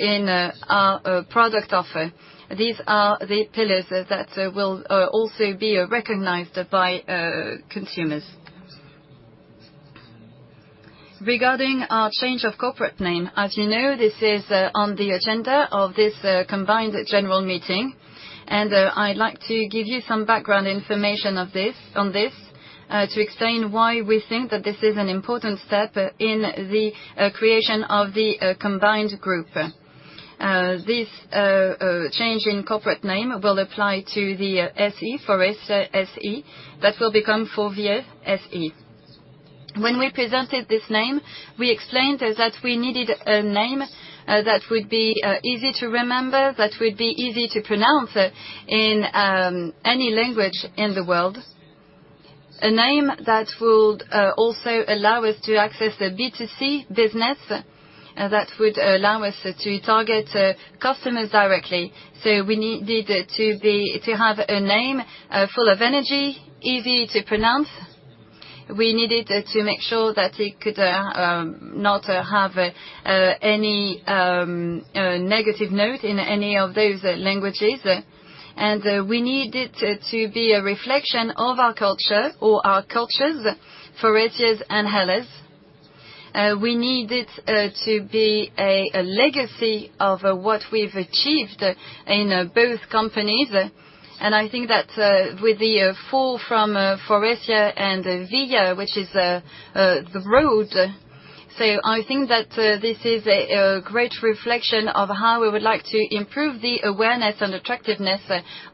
in our product offer. These are the pillars that will also be recognized by consumers. Regarding our change of corporate name, as you know, this is on the agenda of this combined general meeting. I'd like to give you some background information on this to explain why we think that this is an important step in the creation of the combined group. This change in corporate name will apply to the SE, Faurecia SE. That will become FORVIA SE. When we presented this name, we explained that we needed a name that would be easy to remember, that would be easy to pronounce in any language in the world. A name that would also allow us to access the B2C business that would allow us to target customers directly. We needed to have a name full of energy, easy to pronounce. We needed to make sure that it could not have any negative note in any of those languages. We need it to be a reflection of our culture or our cultures, Faurecia and HELLA. We need it to be a legacy of what we've achieved in both companies. I think that with the Faure from Faurecia, and Via, which is the road. I think that this is a great reflection of how we would like to improve the awareness and attractiveness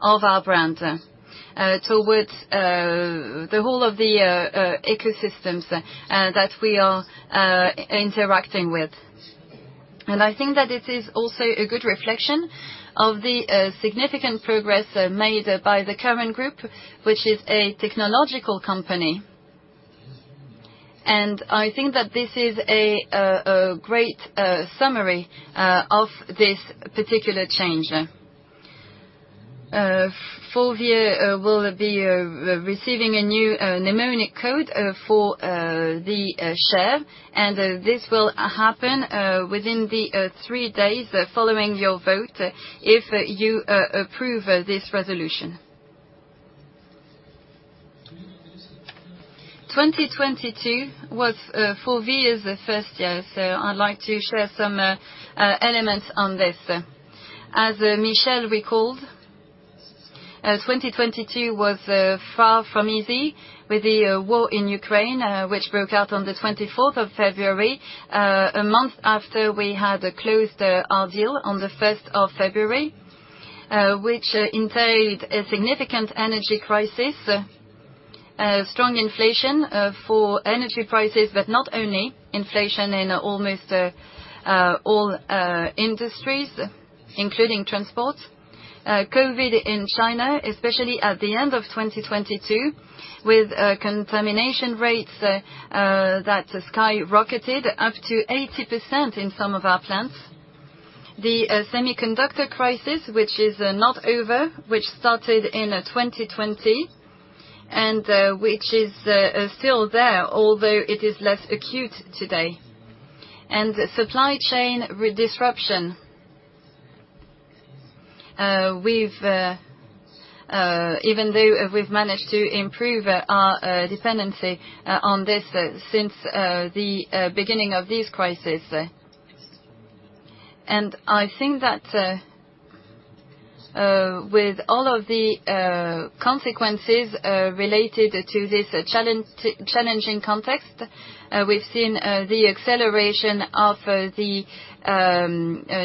of our brand towards the whole of the ecosystems that we are interacting with. I think that it is also a good reflection of the significant progress made by the current group, which is a technological company. I think that this is a great summary of this particular change. Forvia will be receiving a new mnemonic code for the share, and this will happen within the three days following your vote, if you approve this resolution. 2022 was Forvia's first year, so I'd like to share some elements on this. As Michel recalled, 2022 was far from easy with the war in Ukraine, which broke out on the 24th of February, a month after we had closed our deal on the 1st of February. Which entailed a significant energy crisis, strong inflation for energy prices, but not only inflation in almost all industries, including transport. COVID in China, especially at the end of 2022, with contamination rates that skyrocketed up to 80% in some of our plants. The semiconductor crisis, which is not over, which started in 2020, and which is still there, although it is less acute today. Supply chain disruption. We've even though we've managed to improve our dependency on this since the beginning of this crisis. I think that with all of the consequences related to this challenging context, we've seen the acceleration of the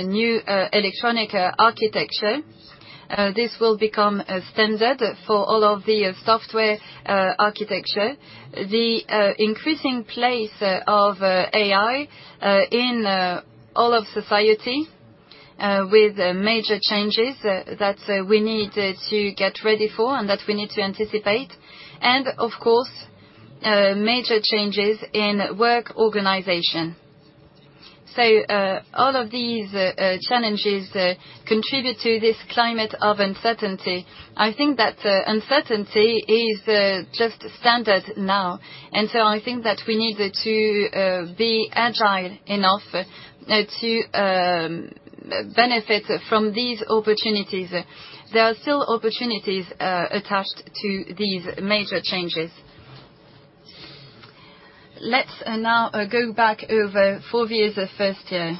new electronic architecture. This will become a standard for all of the software architecture. The increasing place of AI in all of society with major changes that we need to get ready for and that we need to anticipate. Of course, major changes in work organization. All of these challenges contribute to this climate of uncertainty. I think that uncertainty is just standard now. I think that we need to be agile enough to benefit from these opportunities. There are still opportunities attached to these major changes. Let's now go back over four years of first year.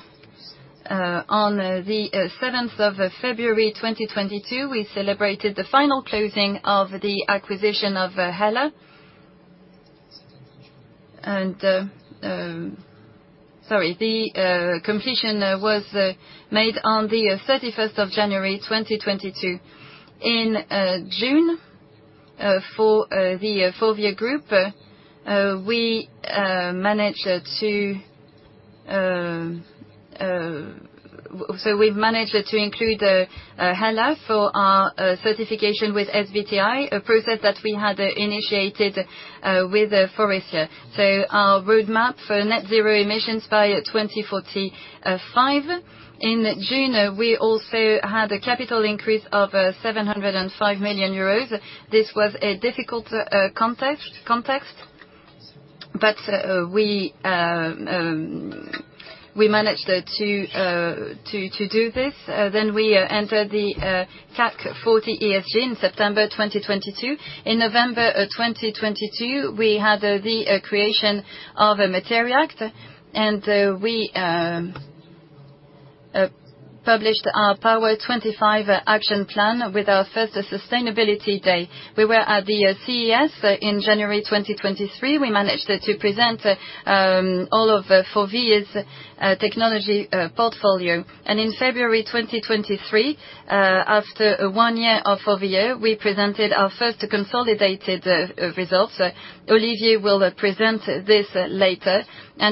On the 7th of February 2022, we celebrated the final closing of the acquisition of HELLA. Sorry, the completion was made on the 31st of January 2022. In June, for the FORVIA Group, we managed to include HELLA for our certification with SBTi, a process that we had initiated with Faurecia. Our roadmap for net zero emissions by 2045. In June, we also had a capital increase of 705 million euros. This was a difficult context, but we managed to do this. We entered the CAC 40 ESG in September 2022. In November of 2022, we had the creation of MATERI'ACT, and we published our Power25 action plan with our first Sustainability Day. We were at the CES in January 2023. We managed to present all of FORVIA's technology portfolio. In February 2023, after one year of FORVIA, we presented our first consolidated results. Olivier will present this later.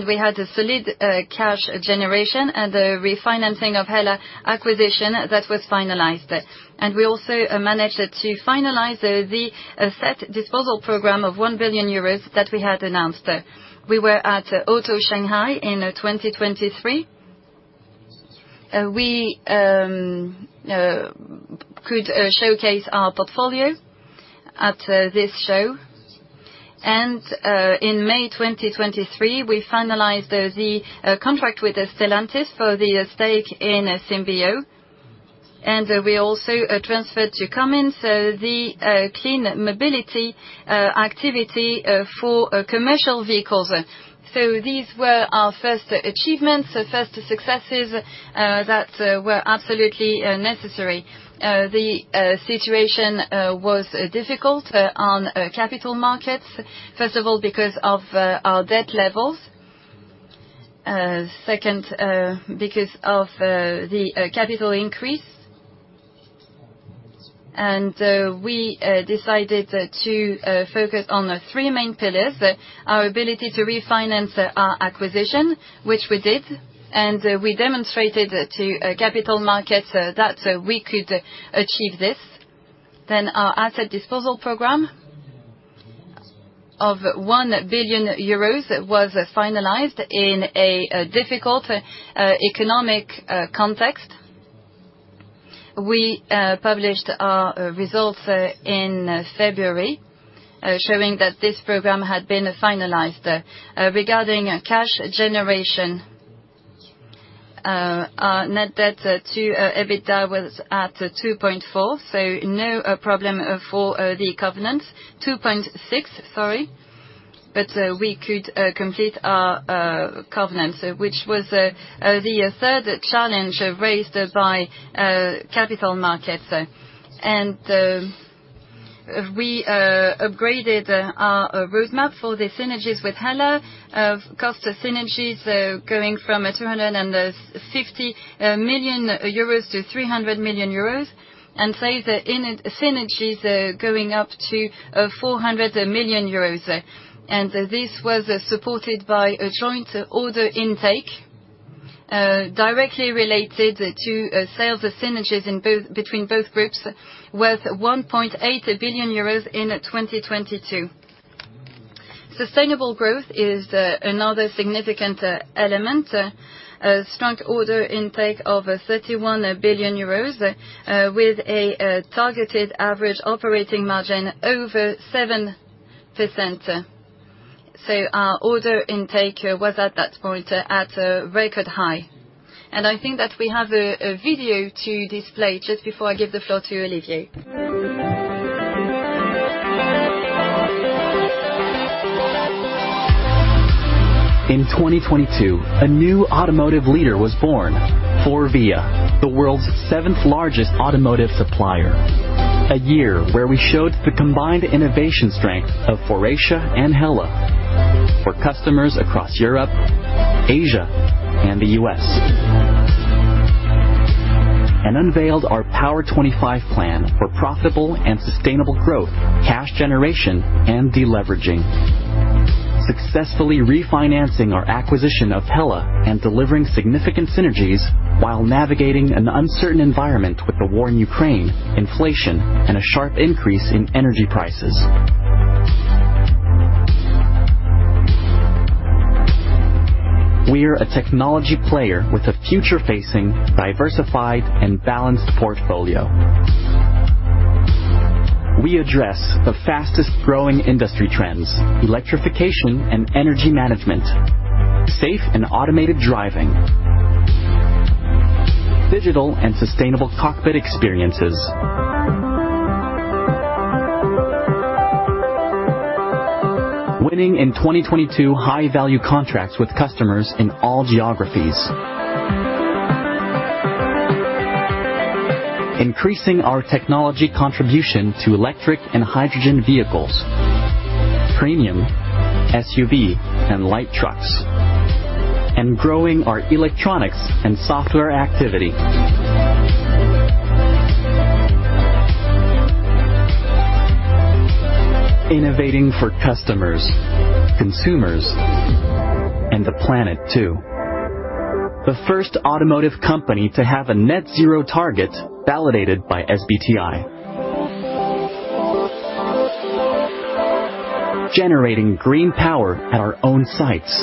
We had a solid cash generation and a refinancing of HELLA acquisition that was finalized. We also managed to finalize the set disposal program of 1 billion euros that we had announced. We were at Auto Shanghai in 2023. We could showcase our portfolio at this show. In May 2023, we finalized the contract with Stellantis for the stake in Symbio, and we also transferred to Cummins the clean mobility activity for commercial vehicles. These were our first achievements, first successes that were absolutely necessary. The situation was difficult on capital markets. First of all, because of our debt levels, second, because of the capital increase. We decided to focus on the three main pillars: our ability to refinance our acquisition, which we did, and we demonstrated to capital markets that we could achieve this. Our asset disposal program of 1 billion euros was finalized in a difficult economic context. We published our results in February, showing that this program had been finalized. Regarding cash generation, our net debt to EBITDA was at 2.4, so no problem for the covenants. 2.6, sorry, we could complete our covenants, which was the third challenge raised by capital markets. We upgraded our roadmap for the synergies with HELLA. Of cost synergies, going from 250 million euros to 300 million euros, and say the in- synergies, going up to 400 million euros. This was supported by a joint order intake, directly related to sales synergies between both groups, worth 1.8 billion euros in 2022. Sustainable growth is another significant element. Strong order intake of 31 billion euros, with a targeted average operating margin over 7%. Our order intake was at that point, at a record high. I think that we have a video to display just before I give the floor to Olivier. In 2022, a new automotive leader was born, FORVIA, the world's seventh-largest automotive supplier. A year where we showed the combined innovation strength of Faurecia and HELLA for customers across Europe, Asia, and the U.S. unveiled our Power25 plan for profitable and sustainable growth, cash generation, and deleveraging. Successfully refinancing our acquisition of HELLA and delivering significant synergies while navigating an uncertain environment with the war in Ukraine, inflation, and a sharp increase in energy prices. We're a technology player with a future-facing, diversified, and balanced portfolio. We address the fastest-growing industry trends: electrification and energy management, safe and automated driving, digital and sustainable cockpit experiences. Winning in 2022, high-value contracts with customers in all geographies. Increasing our technology contribution to electric and hydrogen vehicles, premium SUV, and light trucks, and growing our electronics and software activity. Innovating for customers, consumers, and the planet, too. The first automotive company to have a net zero target validated by SBTi. Generating green power at our own sites,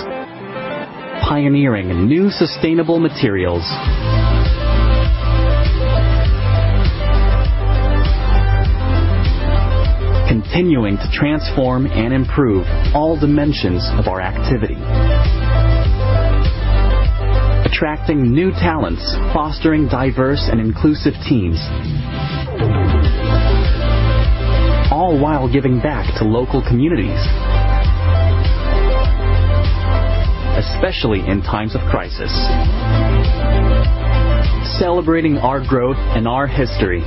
pioneering new sustainable materials. Continuing to transform and improve all dimensions of our activity. Attracting new talents, fostering diverse and inclusive teams. All while giving back to local communities. Especially in times of crisis. Celebrating our growth and our history.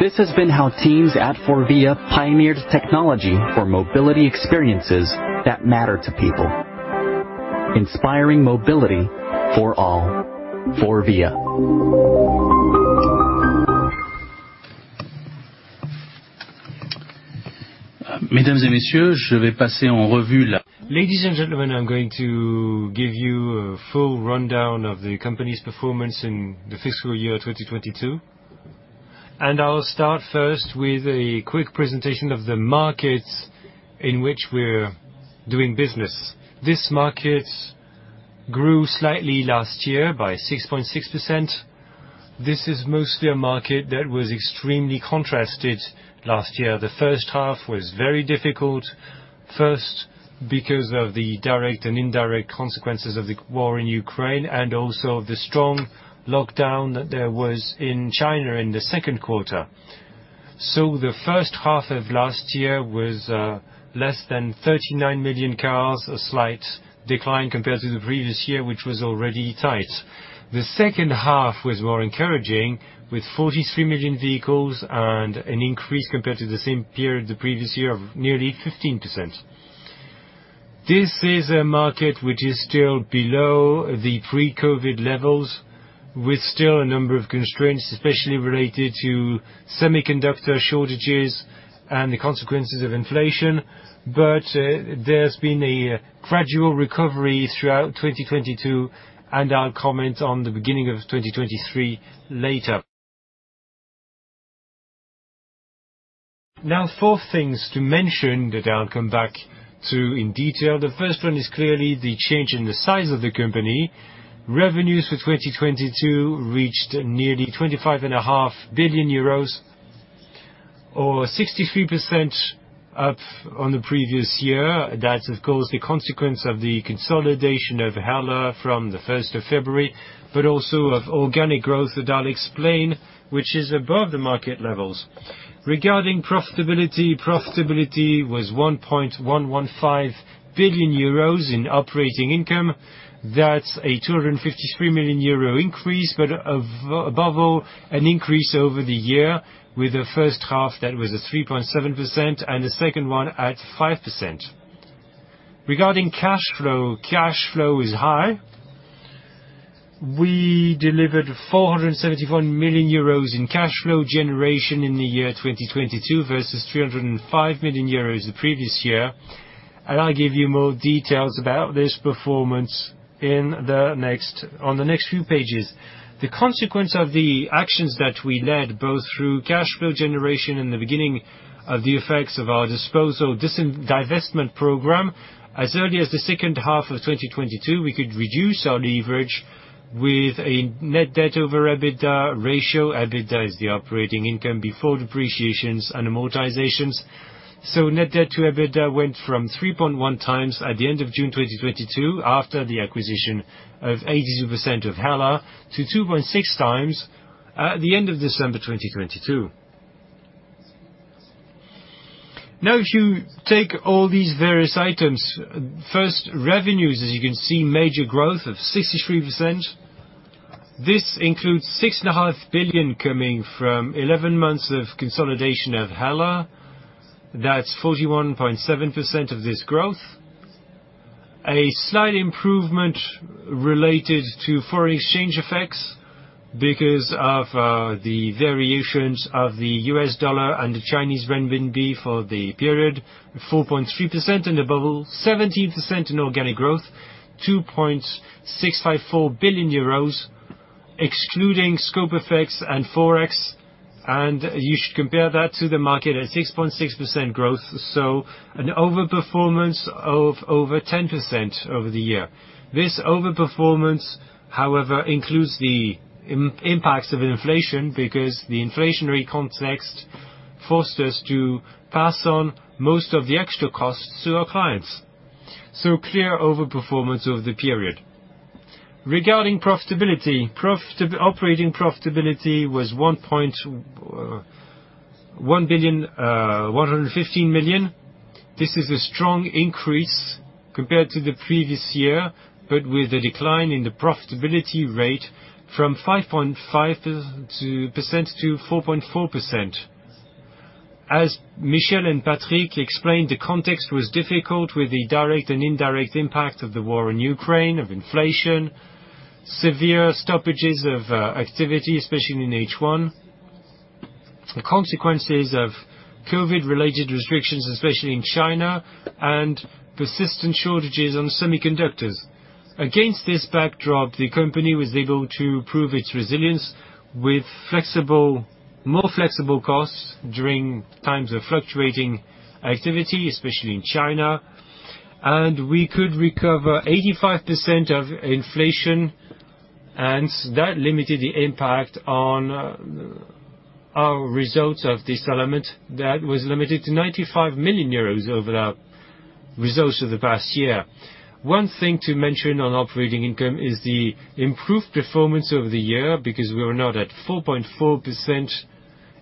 This has been how teams at FORVIA pioneered technology for mobility experiences that matter to people. Inspiring mobility for all. FORVIA. Ladies and gentlemen, I'm going to give you a full rundown of the company's performance in the fiscal year 2022, and I'll start first with a quick presentation of the markets in which we're doing business. This market grew slightly last year by 6.6%. This is mostly a market that was extremely contrasted last year. The first half was very difficult. First, because of the direct and indirect consequences of the war in Ukraine, and also the strong lockdown that there was in China in the second quarter. The first half of last year was less than 39 million cars, a slight decline compared to the previous year, which was already tight. The second half was more encouraging, with 43 million vehicles and an increase compared to the same period the previous year of nearly 15%. This is a market which is still below the pre-COVID levels, with still a number of constraints, especially related to semiconductor shortages and the consequences of inflation, but there's been a gradual recovery throughout 2022, and I'll comment on the beginning of 2023 later. Four things to mention that I'll come back to in detail. The first one is clearly the change in the size of the company. Revenues for 2022 reached nearly 25.5 billion euros, or 63% up on the previous year. That's, of course, the consequence of the consolidation of HELLA from the 1st of February, but also of organic growth that I'll explain, which is above the market levels. Regarding profitability was 1.115 billion euros in operating income. That's a 253 million euro increase, but above all, an increase over the year with the first half, that was a 3.7% and the second one at 5%. Regarding cash flow, cash flow is high. We delivered 471 million euros in cash flow generation in the year 2022 versus 305 million euros the previous year. I'll give you more details about this performance on the next few pages. The consequence of the actions that we led, both through cash flow generation and the beginning of the effects of our disposal divestment program. As early as the second half of 2022, we could reduce our leverage with a net debt over EBITDA ratio. EBITDA is the operating income before depreciations and amortizations. Net debt to EBITDA went from 3.1x at the end of June 2022, after the acquisition of 82% of HELLA, to 2.6x at the end of December 2022. If you take all these various items, first, revenues, as you can see, major growth of 63%. This includes 6.5 billion coming from 11 months of consolidation of HELLA. That's 41.7% of this growth. A slight improvement related to foreign exchange effects because of the variations of the U.S. dollar and the Chinese renminbi for the period, 4.3%, and above all, 17% in organic growth, 2.654 billion euros excluding scope effects and Forex, and you should compare that to the market at 6.6% growth, so an over-performance of over 10% over the year. This over-performance, however, includes the impacts of inflation, because the inflationary context forced us to pass on most of the extra costs to our clients. So clear over-performance over the period. Regarding profitability, operating profitability was 1.115 billion. This is a strong increase compared to the previous year, but with a decline in the profitability rate from 5.5% to 4.4%. As Michel and Patrick explained, the context was difficult, with the direct and indirect impact of the war in Ukraine, of inflation, severe stoppages of activity, especially in H1, the consequences of COVID-related restrictions, especially in China, and persistent shortages on semiconductors. Against this backdrop, the company was able to prove its resilience with more flexible costs during times of fluctuating activity, especially in China. We could recover 85% of inflation. That limited the impact on our results of this element that was limited to 95 million euros over the results of the past year. One thing to mention on operating income is the improved performance over the year, because we were not at 4.4%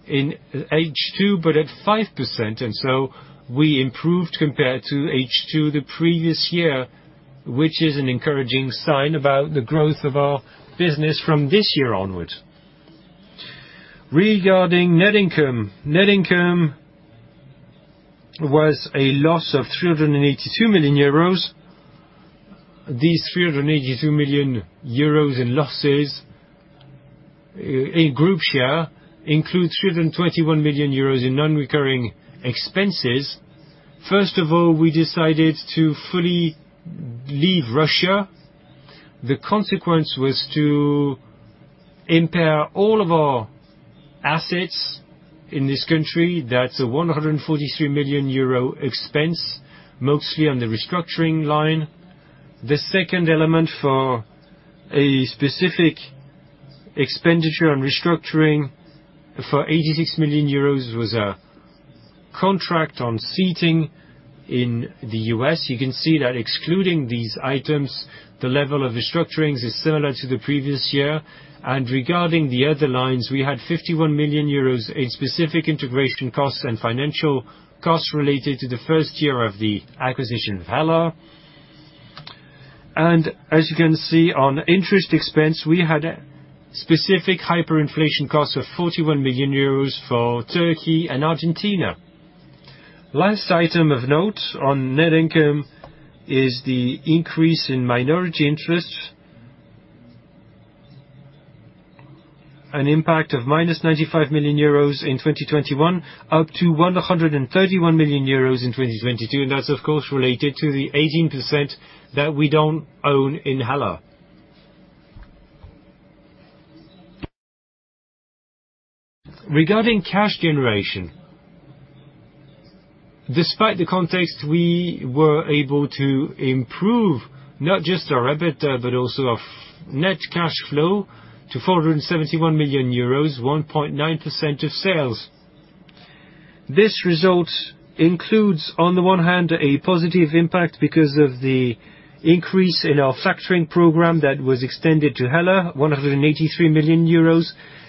in H2, but at 5%. We improved compared to H2 the previous year, which is an encouraging sign about the growth of our business from this year onward. Regarding net income. Net income was a loss of 382 million euros. These 382 million euros in losses, in group share, includes 321 million euros in non-recurring expenses. First of all, we decided to fully leave Russia. The consequence was to impair all of our assets in this country. That's a 143 million euro expense, mostly on the restructuring line. The second element for a specific expenditure on restructuring for 86 million euros was a contract on seating in the U.S. You can see that excluding these items, the level of restructurings is similar to the previous year. Regarding the other lines, we had 51 million euros in specific integration costs and financial costs related to the first year of the acquisition of HELLA. As you can see, on interest expense, we had specific hyperinflation costs of 41 million euros for Turkey and Argentina. Last item of note on net income is the increase in minority interest. An impact of minus 95 million euros in 2021, up to 131 million euros in 2022. That's, of course, related to the 18% that we don't own in HELLA. Regarding cash generation, despite the context, we were able to improve not just our EBITDA, but also our net cash flow to 471 million euros, 1.9% of sales. This result includes, on the one hand, a positive impact because of the increase in our factoring program that was extended to HELLA, 183 million euros,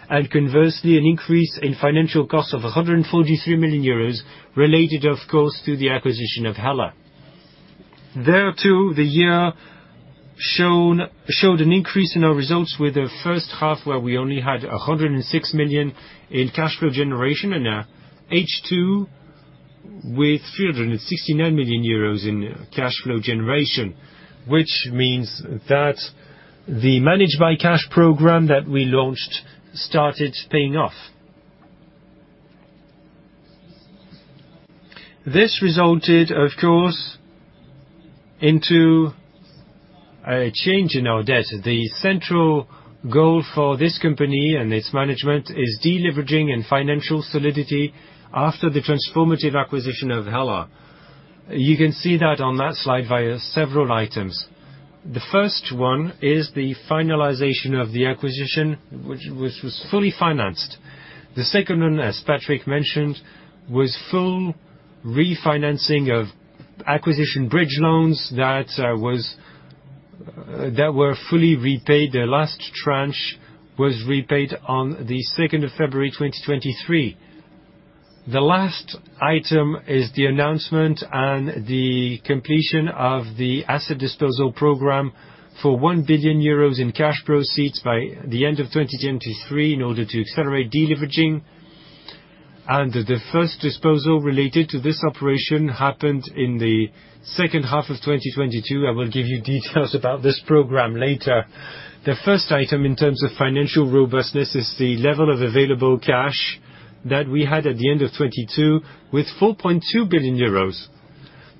and conversely, an increase in financial costs of 143 million euros, related, of course, to the acquisition of HELLA. There, too, the year showed an increase in our results with the first half, where we only had 106 million in cash flow generation, and H2 with 369 million euros in cash flow generation, which means that the Manage by Cash program that we launched started paying off. This resulted, of course, into a change in our debt. The central goal for this company and its management is deleveraging and financial solidity after the transformative acquisition of HELLA. You can see that on that slide via several items. The first one is the finalization of the acquisition, which was fully financed. The second one, as Patrick mentioned, was full refinancing of acquisition bridge loans that were fully repaid. The last tranche was repaid on the 2nd of February, 2023. The last item is the announcement and the completion of the asset disposal program for 1 billion euros in cash proceeds by the end of 2023 in order to accelerate deleveraging, and the first disposal related to this operation happened in the second half of 2022. I will give you details about this program later. The first item, in terms of financial robustness, is the level of available cash that we had at the end of 2022, with 4.2 billion euros.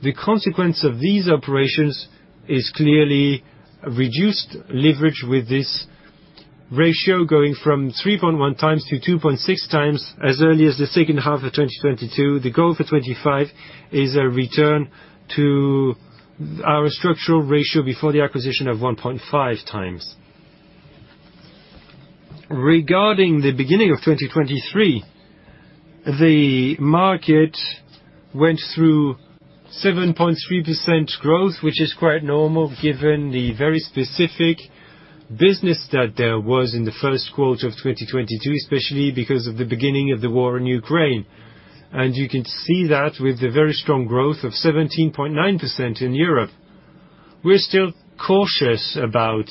The consequence of these operations is clearly reduced leverage, with this ratio going from 3.1x to 2.6x as early as the second half of 2022. The goal for 2025 is a return to our structural ratio before the acquisition of 1.5x. Regarding the beginning of 2023, the market went through 7.3% growth, which is quite normal given the very specific business that there was in the first quarter of 2022, especially because of the beginning of the war in Ukraine. You can see that with the very strong growth of 17.9% in Europe. We're still cautious about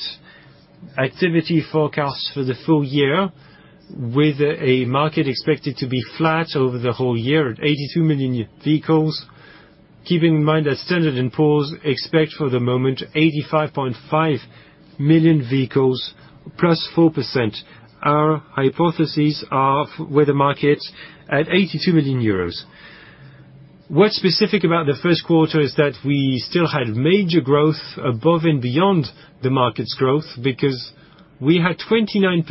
activity forecasts for the full year, with a market expected to be flat over the whole year at 82 million vehicles. Keep in mind that Standard & Poor's expect, for the moment, 85.5 million vehicles, +4%. Our hypotheses are with the market at 82 million euros. What's specific about the first quarter is that we still had major growth above and beyond the market's growth, because we had 29%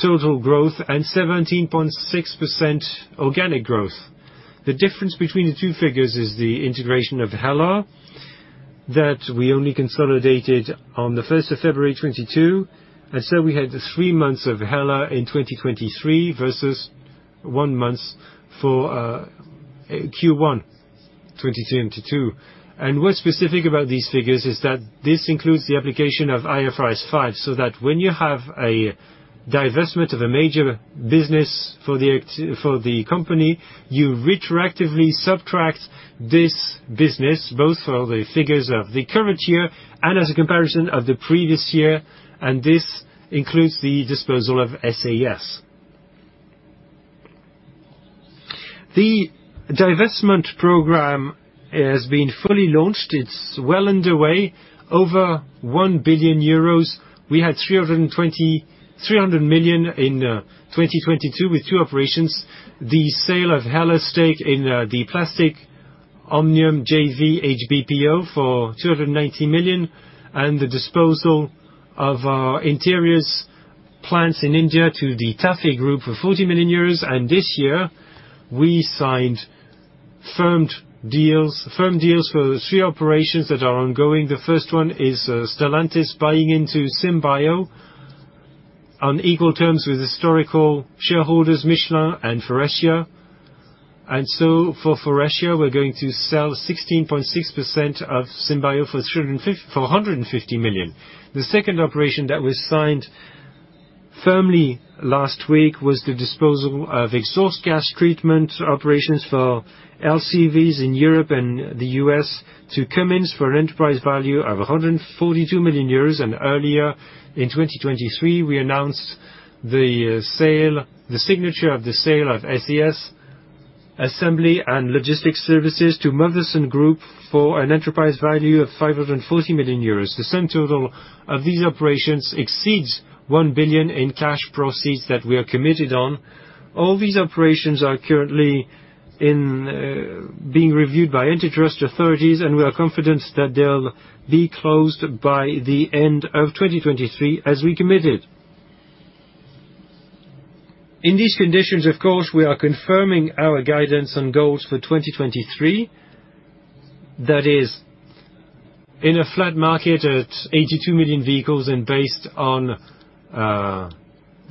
total growth and 17.6% organic growth. The difference between the two figures is the integration of HELLA, that we only consolidated on the 1st of February 2022, and so we had three months of HELLA in 2023 versus one month for Q1 2022. What's specific about these figures is that this includes the application of IFRS 5. When you have a divestment of a major business for the company, you retroactively subtract this business, both for the figures of the current year and as a comparison of the previous year, and this includes the disposal of SAS. The divestment program has been fully launched. It's well underway, over 1 billion euros. We had 320. 300 million in 2022, with two operations: the sale of HELLA's stake in the Plastic Omnium JV, HBPO, for 290 million, and the disposal of our interiors plants in India to the TAFE Group for 40 million euros. This year, we signed firm deals for the three operations that are ongoing. The first one is Stellantis buying into Symbio on equal terms with historical shareholders, Michelin and Faurecia. For Faurecia, we're going to sell 16.6% of Symbio for 150 million. The second operation that was signed firmly last week was the disposal of exhaust gas treatment operations for LCVs in Europe and the US to Cummins, for an enterprise value of 142 million euros. Earlier in 2023, we announced the signature of the sale of SAS Assembly and Logistics Services to Motherson Group for an enterprise value of 540 million euros. The sum total of these operations exceeds 1 billion in cash proceeds that we are committed on. All these operations are currently being reviewed by antitrust authorities, and we are confident that they'll be closed by the end of 2023, as we committed. In these conditions, of course, we are confirming our guidance and goals for 2023. That is, in a flat market at 82 million vehicles and based on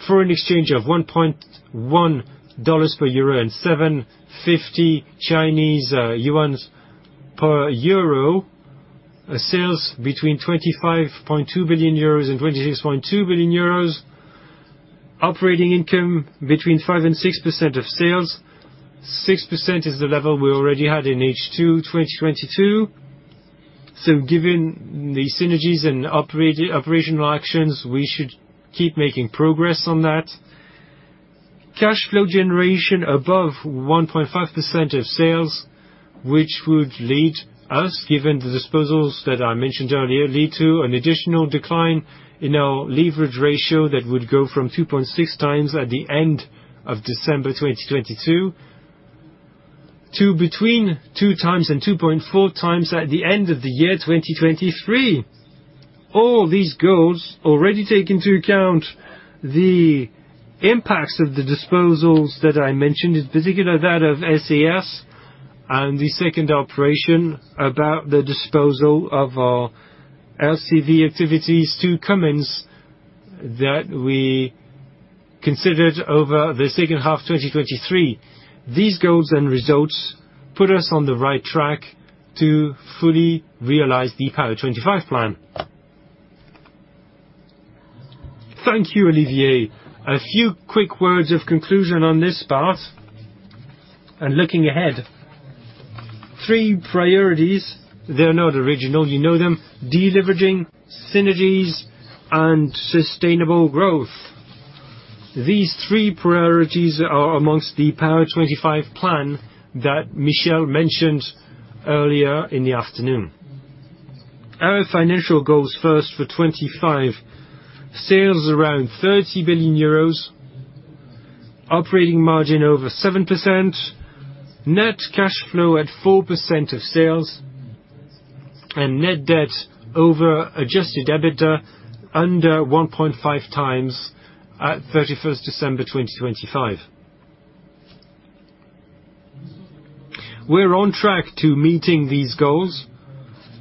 foreign exchange of $1.1 per euro and 7.50 Chinese yuan per euro, sales between 25.2 billion euros and 26.2 billion euros. Operating income between 5% and 6% of sales. 6% is the level we already had in H2 2022. Given the synergies and operational actions, we should keep making progress on that. Cash flow generation above 1.5% of sales, which would lead us, given the disposals that I mentioned earlier, lead to an additional decline in our leverage ratio that would go from 2.6x at the end of December 2022, to between 2x and 2.4x at the end of the year 2023. All these goals already take into account the impacts of the disposals that I mentioned, in particular, that of SAS and the second operation about the disposal of our LCV activities to Cummins, that we considered over the second half 2023. These goals and results put us on the right track to fully realize the Power25 plan. Thank you, Olivier. A few quick words of conclusion on this part and looking ahead. Three priorities, they're not original, you know them: deleveraging, synergies, and sustainable growth. These three priorities are amongst the Power25 plan that Michel mentioned earlier in the afternoon. Our financial goals first for 25, sales around 30 billion euros. operating margin over 7%, net cash flow at 4% of sales, and net debt over adjusted EBITDA under 1.5x at 31st December 2025. We're on track to meeting these goals.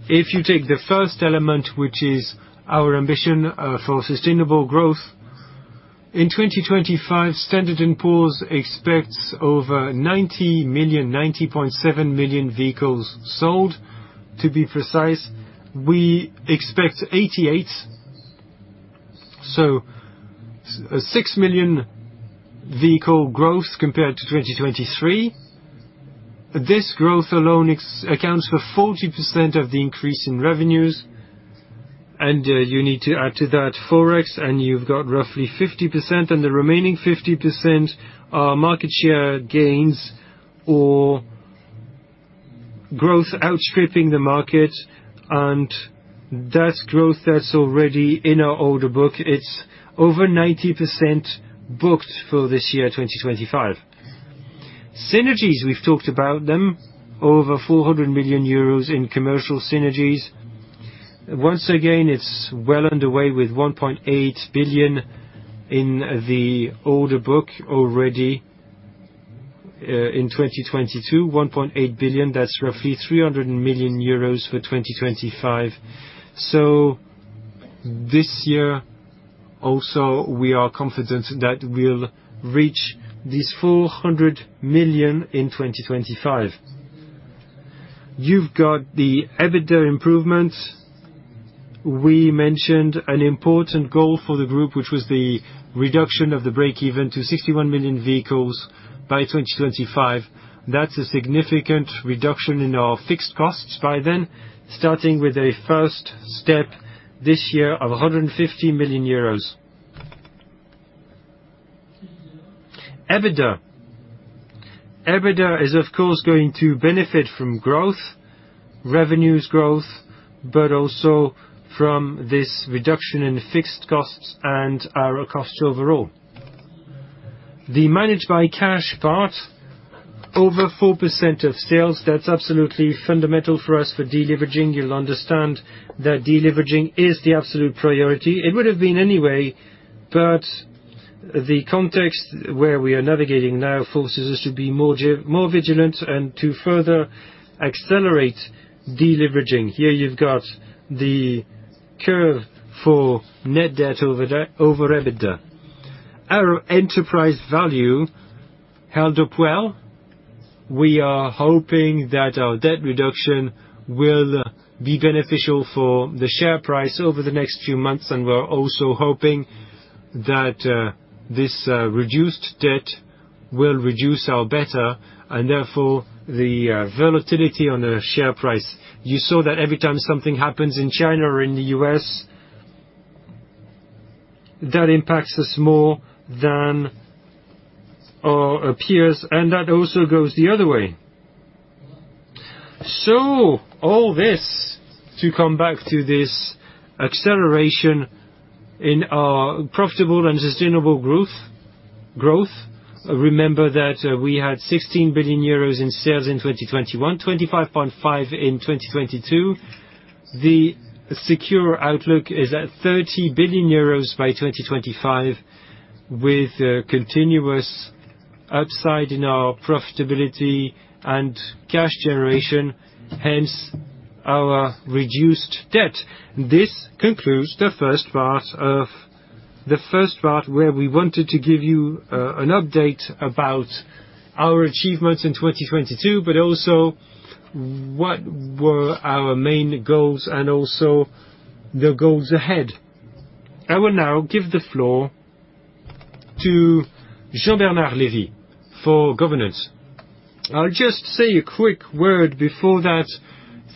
If you take the first element, which is our ambition for sustainable growth. In 2025, Standard & Poor's expects over 90 million, 90.7 million vehicles sold, to be precise. We expect 88, a 6 million vehicle growth compared to 2023. This growth alone accounts for 40% of the increase in revenues, and you need to add to that Forex, and you've got roughly 50%, and the remaining 50% are market share gains or growth outstripping the market, and that's growth that's already in our older book. It's over 90% booked for this year, 2025. Synergies, we've talked about them, over 400 million euros in commercial synergies. Once again, it's well underway with 1.8 billion in the older book already in 2022. 1.8 billion, that's roughly 300 million euros for 2025. This year also, we are confident that we'll reach this 400 million in 2025. You've got the EBITDA improvements. We mentioned an important goal for the group, which was the reduction of the breakeven to 61 million vehicles by 2025. That's a significant reduction in our fixed costs by then, starting with a first step this year of 150 million euros. EBITDA. EBITDA is, of course, going to benefit from growth, revenues growth, but also from this reduction in fixed costs and our costs overall. The Manage by Cash part, over 4% of sales, that's absolutely fundamental for us for deleveraging. You'll understand that deleveraging is the absolute priority. It would have been anyway, but the context where we are navigating now forces us to be more vigilant and to further accelerate deleveraging. Here you've got the curve for net debt over EBITDA. Our enterprise value held up well. We are hoping that our debt reduction will be beneficial for the share price over the next few months, and we're also hoping that this reduced debt will reduce our beta, and therefore, the volatility on the share price. You saw that every time something happens in China or in the US, that impacts us more than our peers, and that also goes the other way. All this, to come back to this acceleration in our profitable and sustainable growth. Remember that we had 16 billion euros in sales in 2021, 25.5 billion in 2022. The secure outlook is at 30 billion euros by 2025, with a continuous upside in our profitability and cash generation, hence our reduced debt. This concludes the first part of, the first part, where we wanted to give you an update about our achievements in 2022, also what were our main goals and also the goals ahead. I will now give the floor to Jean-Bernard Lévy for governance. I'll just say a quick word before that,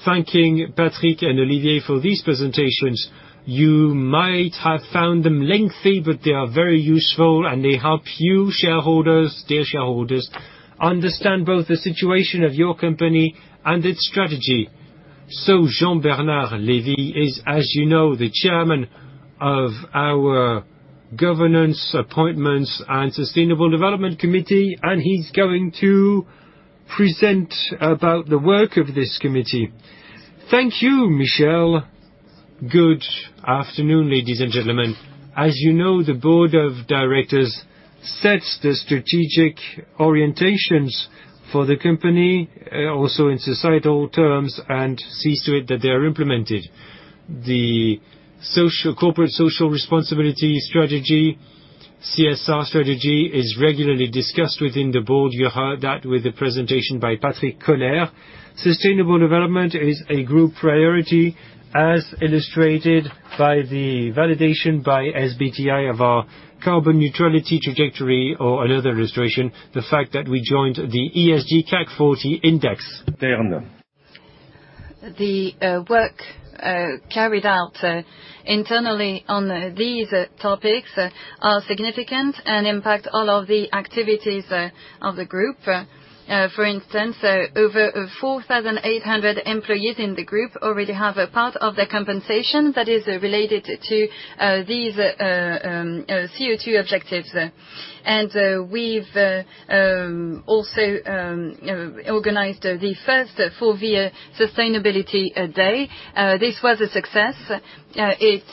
thanking Patrick and Olivier for these presentations. You might have found them lengthy, but they are very useful, and they help you, shareholders, dear shareholders, understand both the situation of your company and its strategy. Jean-Bernard Lévy is, as you know, the chairman of our Governance, appointments, and sustainable development committee, and he's going to present about the work of this committee. Thank you, Michel. Good afternoon, ladies and gentlemen. As you know, the board of directors sets the strategic orientations for the company, also in societal terms, and sees to it that they are implemented. The corporate social responsibility strategy, CSR strategy, is regularly discussed within the board. You heard that with the presentation by Patrick Koller. Sustainable development is a group priority, as illustrated by the validation by SBTi of our carbon neutrality trajectory, or another illustration, the fact that we joined the ESG CAC 40 index. The work carried out internally on these topics are significant and impact all of the activities of the group. For instance, over 4,800 employees in the group already have a part of their compensation that is related to these CO2 objectives. We've also organized the first FORVIA Sustainability Day. This was a success. It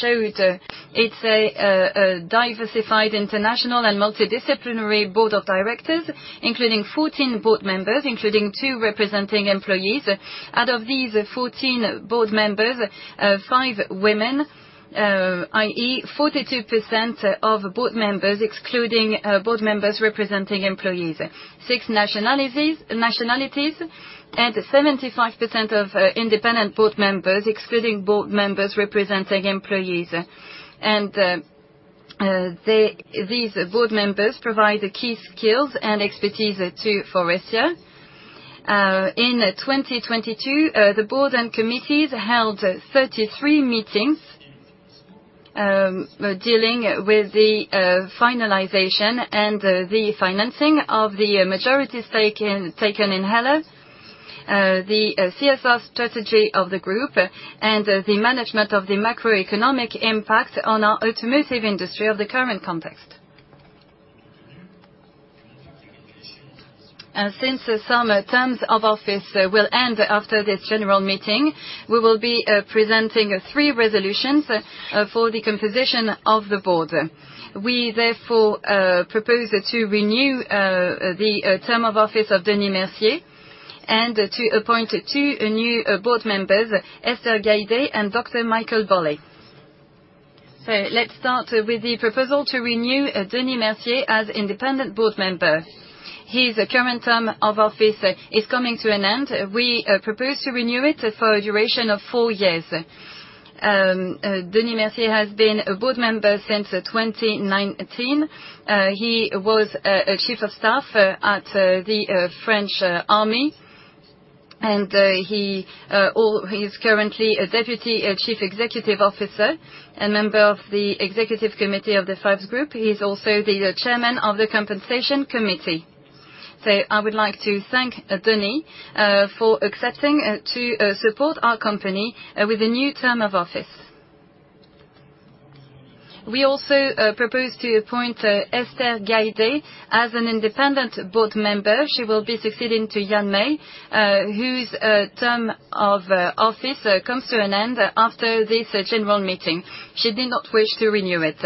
showed. It's a diversified, international, and multidisciplinary board of directors, including 14 board members, including 2 representing employees. Out of these 14 board members, 5 women, i.e., 42% of board members, excluding board members representing employees, 6 nationalities and 75% of independent board members, excluding board members representing employees. These board members provide the key skills and expertise to Faurecia. In 2022, the board and committees held 33 meetings, dealing with the finalization and the financing of the majority stake taken in HELLA, the CSR strategy of the group, and the management of the macroeconomic impact on our automotive industry of the current context. Since some terms of office will end after this general meeting, we will be presenting three resolutions for the composition of the board. We, therefore, propose to renew the term of office of Denis Mercier, and to appoint two new board members, Esther Gaide and Dr. Michael Bolle. Let's start with the proposal to renew Denis Mercier as independent board member. His current term of office is coming to an end. We propose to renew it for a duration of four years. Denis Mercier has been a board member since 2019. He was a chief of staff at the French army, and he is currently a deputy chief executive officer and member of the executive committee of the Fives Group. He is also the Chairman of the Compensation Committee. I would like to thank Denis for accepting to support our company with a new term of office. We also propose to appoint Esther Gaide as an independent board member. She will be succeeding to Yan Mei, whose term of office comes to an end after this general meeting. She did not wish to renew it.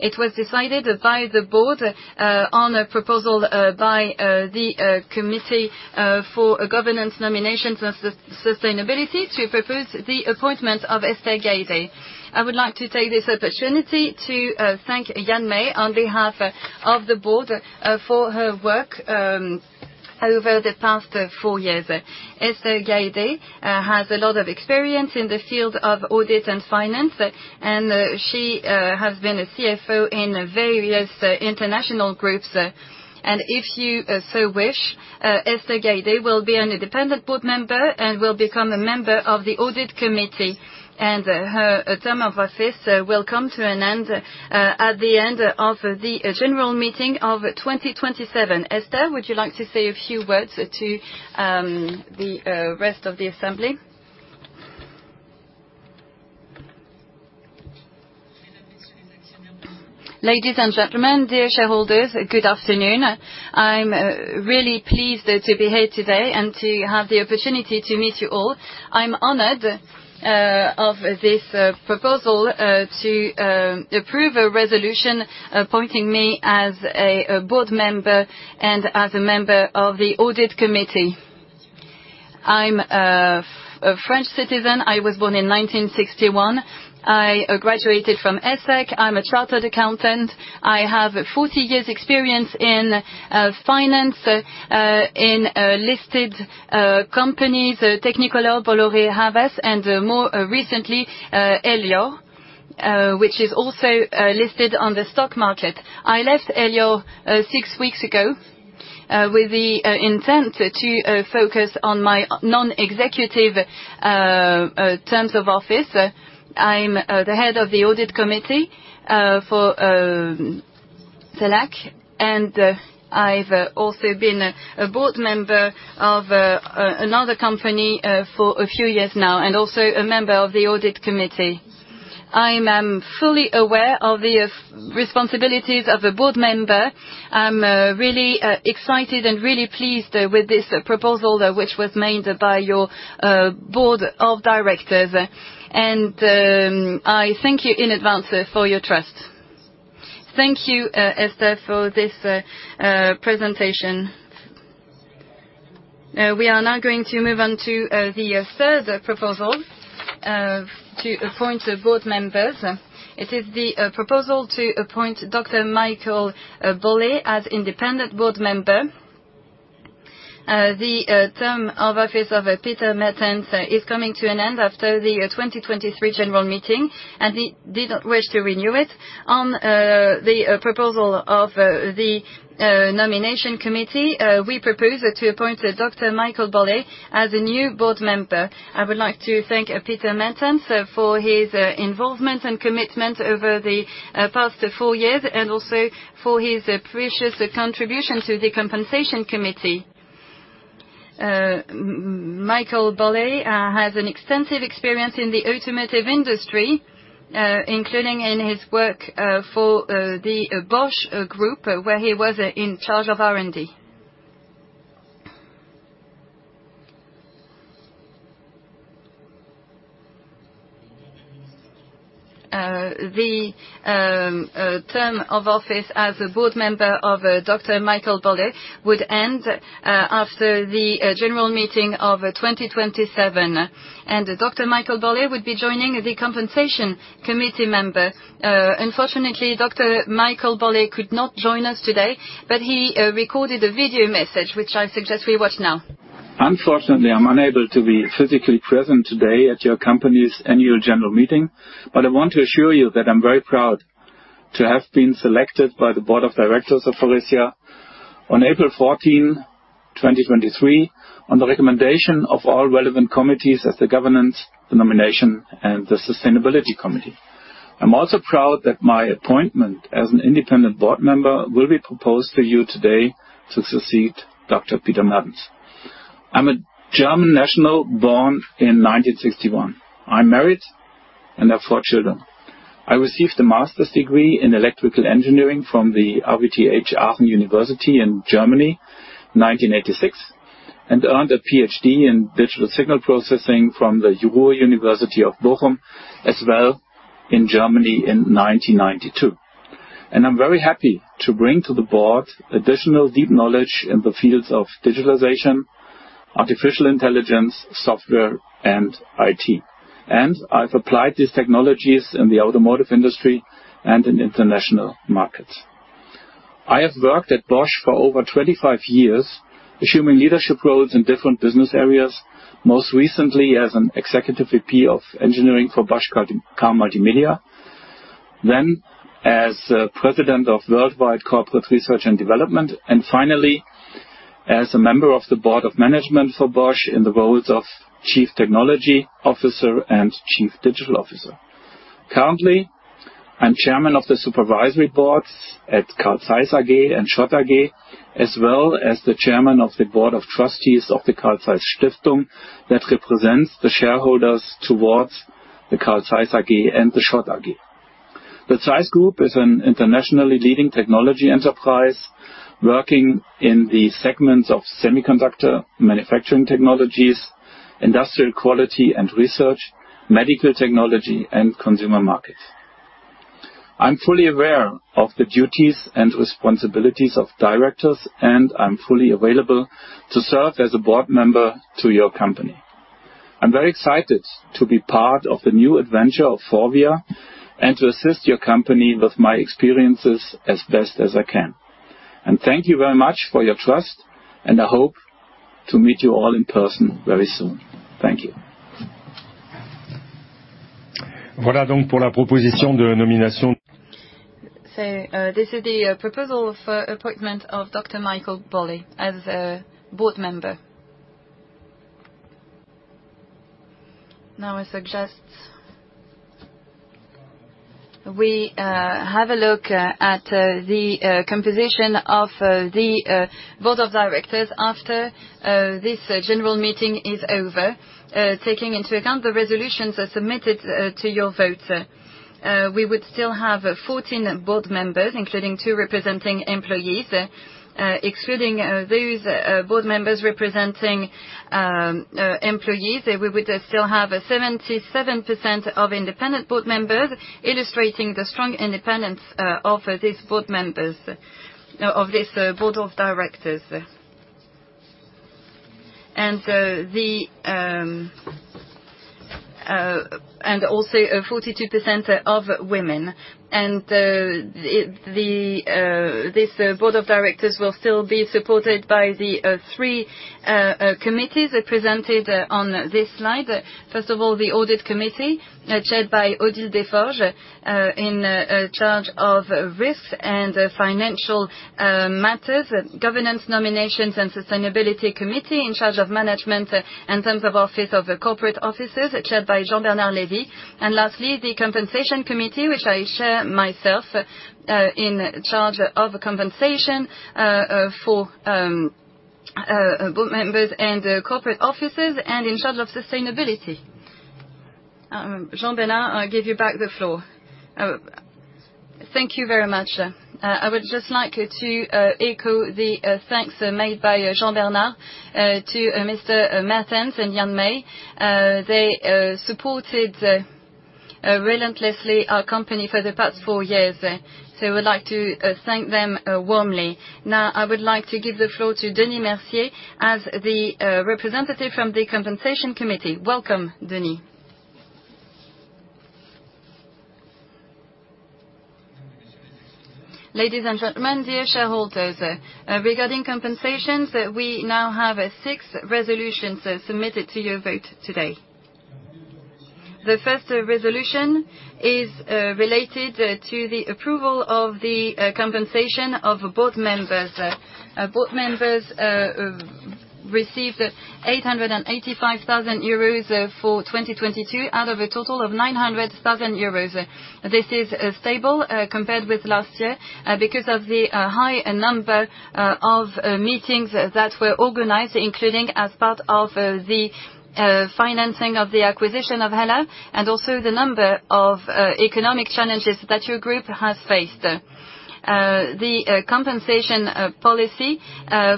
It was decided by the board, on a proposal by the Governance, Nominations and Sustainability Committee, to propose the appointment of Esther Gaide. I would like to take this opportunity to thank Yan Mei on behalf of the board, for her work over the past four years. Esther Gaide has a lot of experience in the field of audit and finance, and she has been a CFO in various international groups. If you so wish, Esther Gaide will be an independent board member and will become a member of the Audit Committee, and her term of office will come to an end at the end of the general meeting of 2027. Esther, would you like to say a few words to the rest of the assembly? Ladies and gentlemen, dear shareholders, good afternoon. I'm really pleased to be here today and to have the opportunity to meet you all. I'm honored of this proposal to approve a resolution appointing me as a board member and as a member of the Audit Committee. I'm a French citizen. I was born in 1961. I graduated from ESSEC. I'm a chartered accountant. I have 40 years' experience in finance in listed companies, Technicolor, Bolloré, Havas, and more recently Elior, which is also listed on the stock market. I left Elior six weeks ago with the intent to focus on my non-executive terms of office. I'm the head of the Audit Committee for Selak, and I've also been a board member of another company for a few years now, and also a member of the Audit Committee. I'm fully aware of the responsibilities of a board member. I'm really excited and really pleased with this proposal, which was made by your board of directors, and I thank you in advance for your trust. Thank you, Esther, for this presentation. We are now going to move on to the third proposal to appoint the board members. It is the proposal to appoint Dr. Michael Bolle as Independent Board Member. The term of office of Peter Mertens is coming to an end after the 2023 general meeting, and he didn't wish to renew it. On the proposal of the Nomination Committee, we propose to appoint Dr. Michael Bolle as a new board member. I would like to thank Peter Mertens for his involvement and commitment over the past four years, and also for his precious contribution to the Compensation Committee. Michael Bolle has an extensive experience in the automotive industry, including in his work for the Bosch Group, where he was in charge of R&D. The term of office as a board member of Dr. Michael Bolle would end after the general meeting of 2027, and Dr. Michael Bolle would be joining the Compensation Committee member. Unfortunately, Dr. Michael Bolle could not join us today, but he recorded a video message, which I suggest we watch now. Unfortunately, I'm unable to be physically present today at your company's annual general meeting. I want to assure you that I'm very proud to have been selected by the Board of Directors of Faurecia on April 14, 2023, on the recommendation of all relevant committees at the Governance, the Nominations, and the Sustainability Committee. I'm also proud that my appointment as an independent board member will be proposed to you today to succeed Dr. Peter Mertens. I'm a German national, born in 1961. I'm married and have four children. I received a master's degree in electrical engineering from the RWTH Aachen University in Germany, 1986, and earned a PhD in digital signal processing from the Ruhr University Bochum, as well, in Germany in 1992. I'm very happy to bring to the board additional deep knowledge in the fields of digitalization, artificial intelligence, software, and IT. I've applied these technologies in the automotive industry and in international markets. I have worked at Bosch for over 25 years, assuming leadership roles in different business areas, most recently as an executive VP of engineering for Bosch Car Multimedia, then as president of worldwide corporate research and development, and finally, as a member of the board of management for Bosch in the roles of Chief Technology Officer and Chief Digital Officer. Currently, I'm chairman of the supervisory boards at Carl Zeiss AG and SCHOTT AG, as well as the chairman of the board of trustees of the Carl-Zeiss-Stiftung, that represents the shareholders towards the Carl Zeiss AG and the SCHOTT AG. The ZEISS Group is an internationally leading technology enterprise, working in the segments of semiconductor manufacturing technologies, industrial quality and research, medical technology, and consumer markets. I'm fully aware of the duties and responsibilities of directors, and I'm fully available to serve as a board member to your company. I'm very excited to be part of the new adventure of FORVIA, and to assist your company with my experiences as best as I can. Thank you very much for your trust, and I hope to meet you all in person very soon. Thank you. This is the proposal for appointment of Dr. Michael Bolle as a board member. Now, we have a look at the composition of the board of directors after this general meeting is over. Taking into account the resolutions are submitted to your vote. We would still have 14 board members, including two representing employees. Excluding those board members representing employees, we would still have 77% of independent board members, illustrating the strong independence of these board members of this board of directors. Also 42% of women, and it, the, this board of directors will still be supported by the three committees presented on this slide. First of all, the Audit Committee, chaired by Odile Deforges, in charge of risks and financial matters. Governance, Nominations, and Sustainability Committee, in charge of management in terms of office of the corporate offices, chaired by Jean-Bernard Lévy. Lastly, the Compensation Committee, which I chair myself, in charge of compensation for board members and corporate officers and in charge of sustainability. Jean-Bernard, I give you back the floor. Thank you very much. I would just like to echo the thanks made by Jean-Bernard to Mr. Mertens and Yan Mei. They supported relentlessly, our company for the past four years, so I would like to thank them warmly. I would like to give the floor to Denis Mercier as the representative from the Compensation Committee. Welcome, Denis. Ladies and gentlemen, dear shareholders, regarding compensations, we now have six resolutions submitted to your vote today. The first resolution is related to the approval of the compensation of board members. Board members received 885,000 euros for 2022, out of a total of 900,000 euros. This is stable compared with last year because of the high number of meetings that were organized, including as part of the financing of the acquisition of HELLA, and also the number of economic challenges that your group has faced. The compensation policy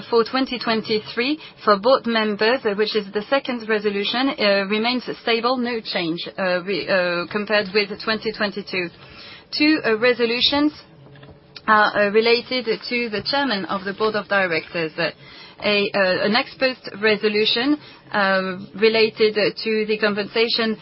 for 2023 for board members, which is the second resolution, remains stable, no change, we compared with 2022. Two resolutions are related to the Chairman of the Board of Directors. An ex-post resolution related to the compensation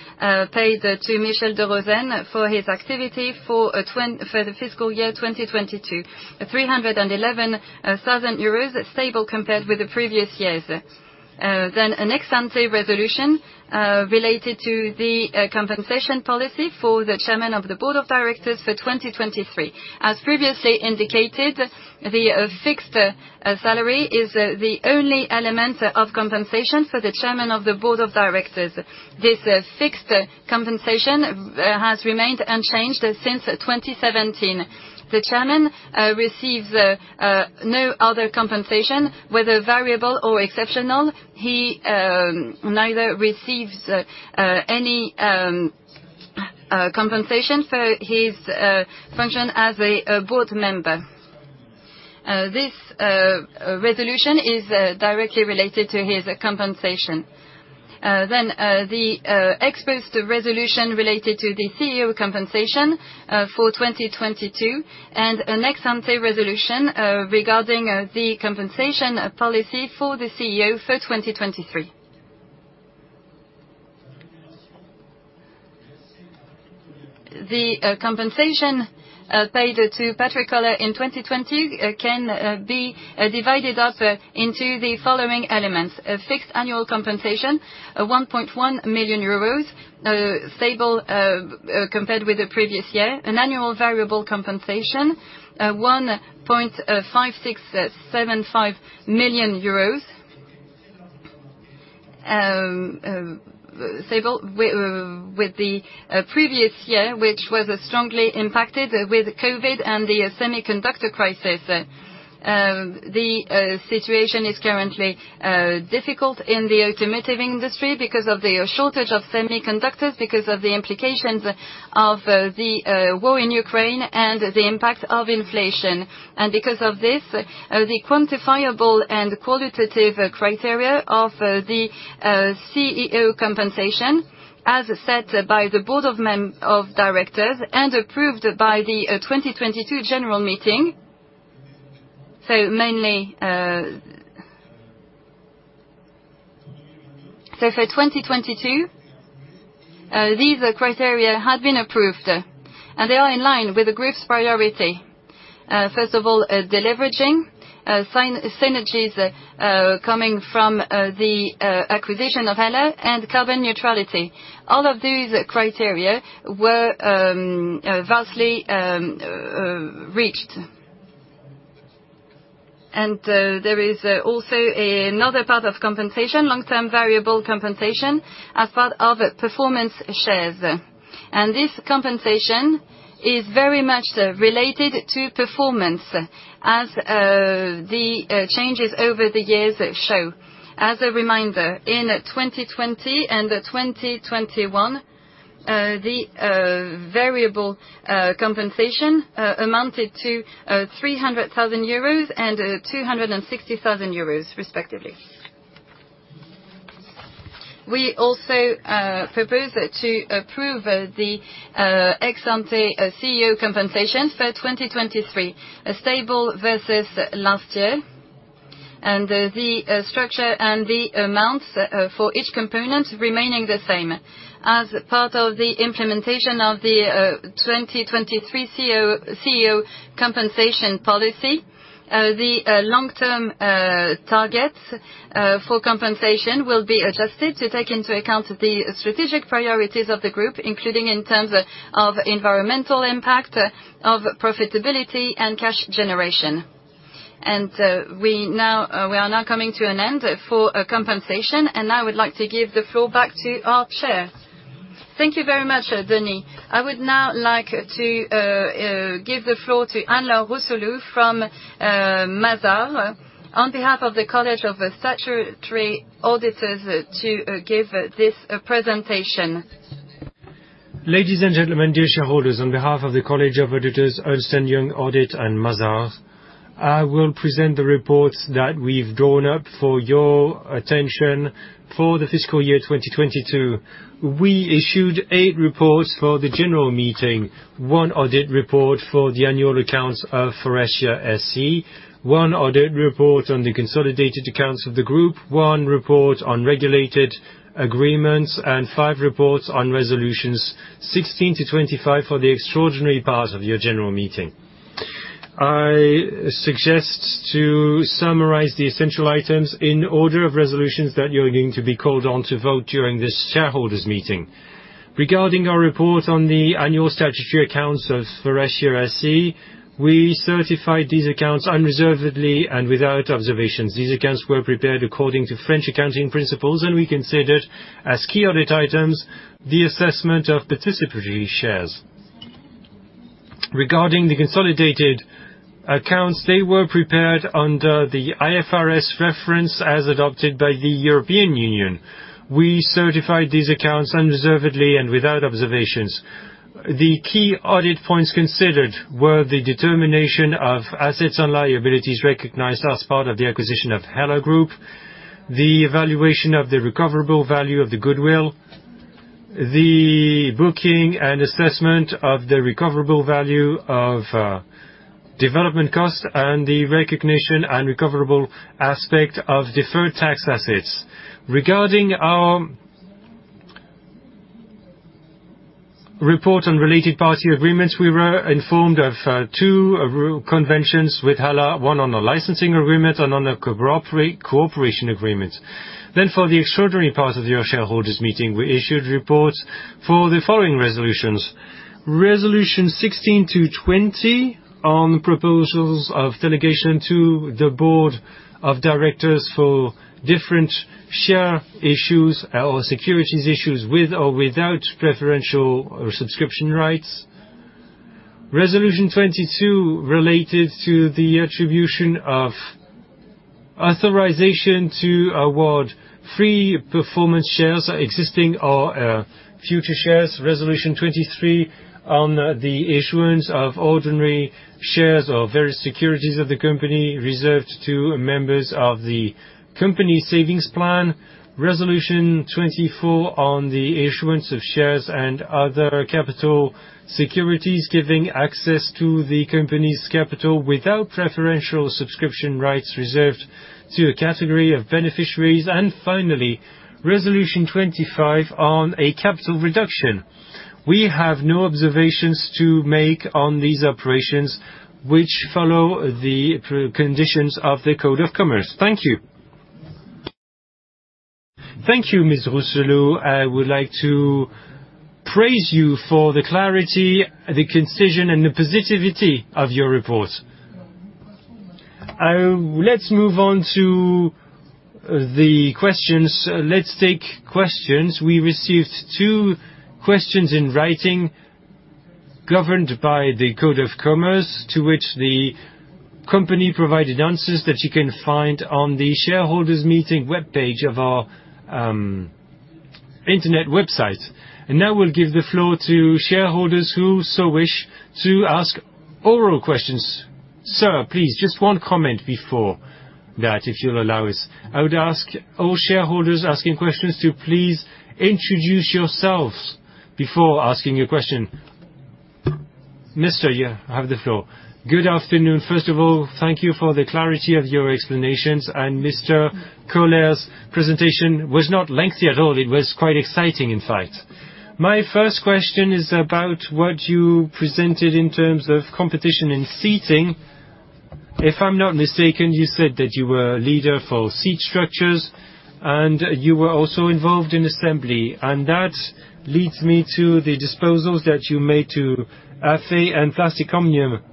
paid to Michel de Rosen for his activity for the fiscal year 2022, 311,000 euros, stable compared with the previous years. An ex-ante resolution related to the compensation policy for the Chairman of the Board of Directors for 2023. As previously indicated, the fixed salary is the only element of compensation for the Chairman of the Board of Directors. This fixed compensation has remained unchanged since 2017. The Chairman receives no other compensation, whether variable or exceptional. He neither receives any compensation for his function as a board member. This resolution is directly related to his compensation. The ex-post resolution related to the CEO compensation for 2022, and an ex-ante resolution regarding the compensation policy for the CEO for 2023. The compensation paid to Patrick Koller in 2020 can be divided up into the following elements: a fixed annual compensation, 1.1 million euros, stable compared with the previous year; an annual variable compensation, 1.5675 million euros, stable with the previous year, which was strongly impacted with COVID and the semiconductor crisis. The situation is currently difficult in the automotive industry because of the shortage of semiconductors, because of the implications of the war in Ukraine and the impact of inflation. Because of this, the quantifiable and qualitative criteria of the CEO compensation, as set by the board of directors and approved by the 2022 general meeting. Mainly, for 2022, these criteria have been approved, and they are in line with the group's priority. First of all, deleveraging, synergies coming from the acquisition of HELLA and carbon neutrality. All of these criteria were vastly reached. There is also another part of compensation, long-term variable compensation, as part of performance shares. This compensation is very much related to performance, as the changes over the years show. As a reminder, in 2020 and 2021, the variable compensation amounted to 300,000 euros and 260,000 euros, respectively. We also propose to approve the ex-ante CEO compensation for 2023, stable versus last year, and the structure and the amounts for each component remaining the same. As part of the implementation of the 2023 CEO compensation policy, the long-term targets for compensation will be adjusted to take into account the strategic priorities of the group, including in terms of environmental impact, of profitability, and cash generation. We are now coming to an end for compensation, I would like to give the floor back to our chair. Thank you very much, Denis. I would now like to give the floor to Alain Rousselou from Mazars, on behalf of the College of Statutory Auditors, to give this presentation. Ladies and gentlemen, dear shareholders, on behalf of the Statutory Auditors, Ernst & Young Audit, and Mazars, I will present the reports that we've drawn up for your attention for the fiscal year 2022. We issued eight reports for the general meeting, one audit report for the annual accounts of Faurecia SE, one audit report on the consolidated accounts of the group, one report on regulated agreements, and five reports on resolutions 16 to 25 for the extraordinary part of your general meeting. I suggest to summarize the essential items in order of resolutions that you're going to be called on to vote during this shareholders' meeting. Regarding our report on the annual statutory accounts of Faurecia SE, we certified these accounts unreservedly and without observations. These accounts were prepared according to French accounting principles, and we considered, as key audit items, the assessment of participatory shares. Regarding the consolidated accounts, they were prepared under the IFRS reference as adopted by the European Union. We certified these accounts unreservedly and without observations. The key audit points considered were the determination of assets and liabilities recognized as part of the acquisition of HELLA Group, the evaluation of the recoverable value of the goodwill, the booking and assessment of the recoverable value of development costs, and the recognition and recoverable aspect of deferred tax assets. Regarding our report on related party agreements, we were informed of two rural conventions with FORVIA, one on a licensing agreement and on a cooperative cooperation agreement. For the extraordinary part of your shareholders meeting, we issued reports for the following resolutions: Resolution 16 to 20 on the proposals of delegation to the Board of Directors for different share issues or securities issues, with or without preferential or subscription rights. Resolution 22, related to the attribution of authorization to award free performance shares, existing or future shares. Resolution 23 on the issuance of ordinary shares or various securities of the company, reserved to members of the company savings plan. Resolution 24 on the issuance of shares and other capital securities, giving access to the company's capital without preferential subscription rights reserved to a category of beneficiaries. Finally, resolution 25 on a capital reduction. We have no observations to make on these operations, which follow the conditions of the French Commercial Code. Thank you. Thank you, Ms. Rousseau. I would like to praise you for the clarity, the concision, and the positivity of your report. Let's move on to the questions. Let's take questions. We received two questions in writing, governed by the French Commercial Code, to which the company provided answers that you can find on the shareholders meeting webpage of our internet website. Now we'll give the floor to shareholders who so wish to ask oral questions. Sir, please, just one comment before that, if you'll allow us. I would ask all shareholders asking questions to please introduce yourselves before asking your question. Mr., you have the floor. Good afternoon. First of all, thank you for the clarity of your explanations, and Mr. Koller's presentation was not lengthy at all. It was quite exciting, in fact. My first question is about what you presented in terms of competition in seating. If I'm not mistaken, you said that you were a leader for seat structures, and you were also involved in assembly, and that leads me to the disposals that you made to AFE and Plastic Omnium.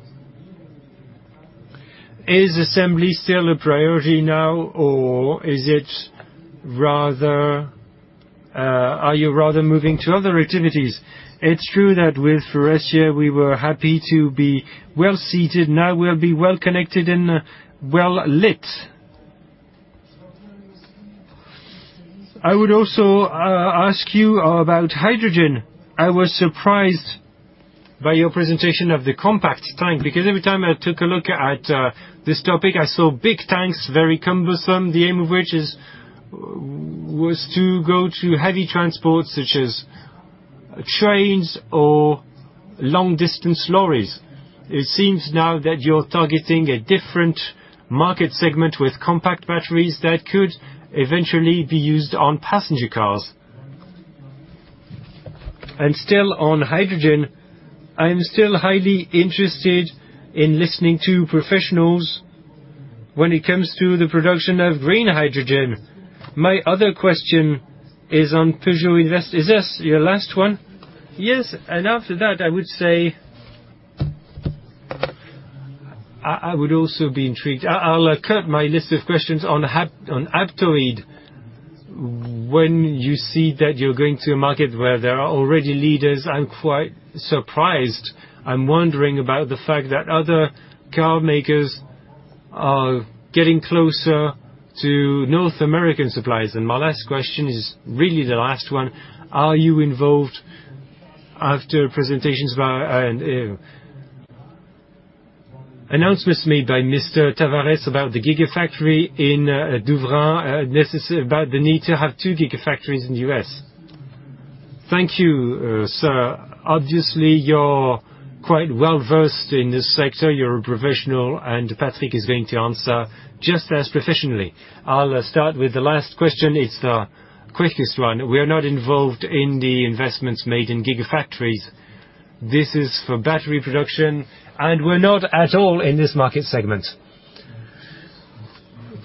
Is assembly still a priority now, or is it rather, Are you rather moving to other activities? It's true that with Faurecia, we were happy to be well seated. Now we'll be well connected and well lit. I would also ask you about hydrogen. I was surprised by your presentation of the compact tank, because every time I took a look at this topic, I saw big tanks, very cumbersome, the aim of which was to go to heavy transport, such as trains or long-distance lorries. It seems now that you're targeting a different market segment with compact batteries that could eventually be used on passenger cars. Still on hydrogen, I am still highly interested in listening to professionals when it comes to the production of green hydrogen. My other question is on Peugeot. Is this your last one? Yes, after that, I would say. I would also be intrigued. I'll cut my list of questions on Aptoide. When you see that you're going to a market where there are already leaders, I'm quite surprised. I'm wondering about the fact that other car makers are getting closer to North American suppliers. My last question is really the last one: Are you involved after presentations by and announcements made by Mr. Tavares about the gigafactory in Saint-Fons, necessary, about the need to have two gigafactories in the U.S.? Thank you, sir. Obviously, you're quite well-versed in this sector. You're a professional. Patrick is going to answer just as professionally. I'll start with the last question. It's the quickest one. We are not involved in the investments made in gigafactories. This is for battery production. We're not at all in this market segment.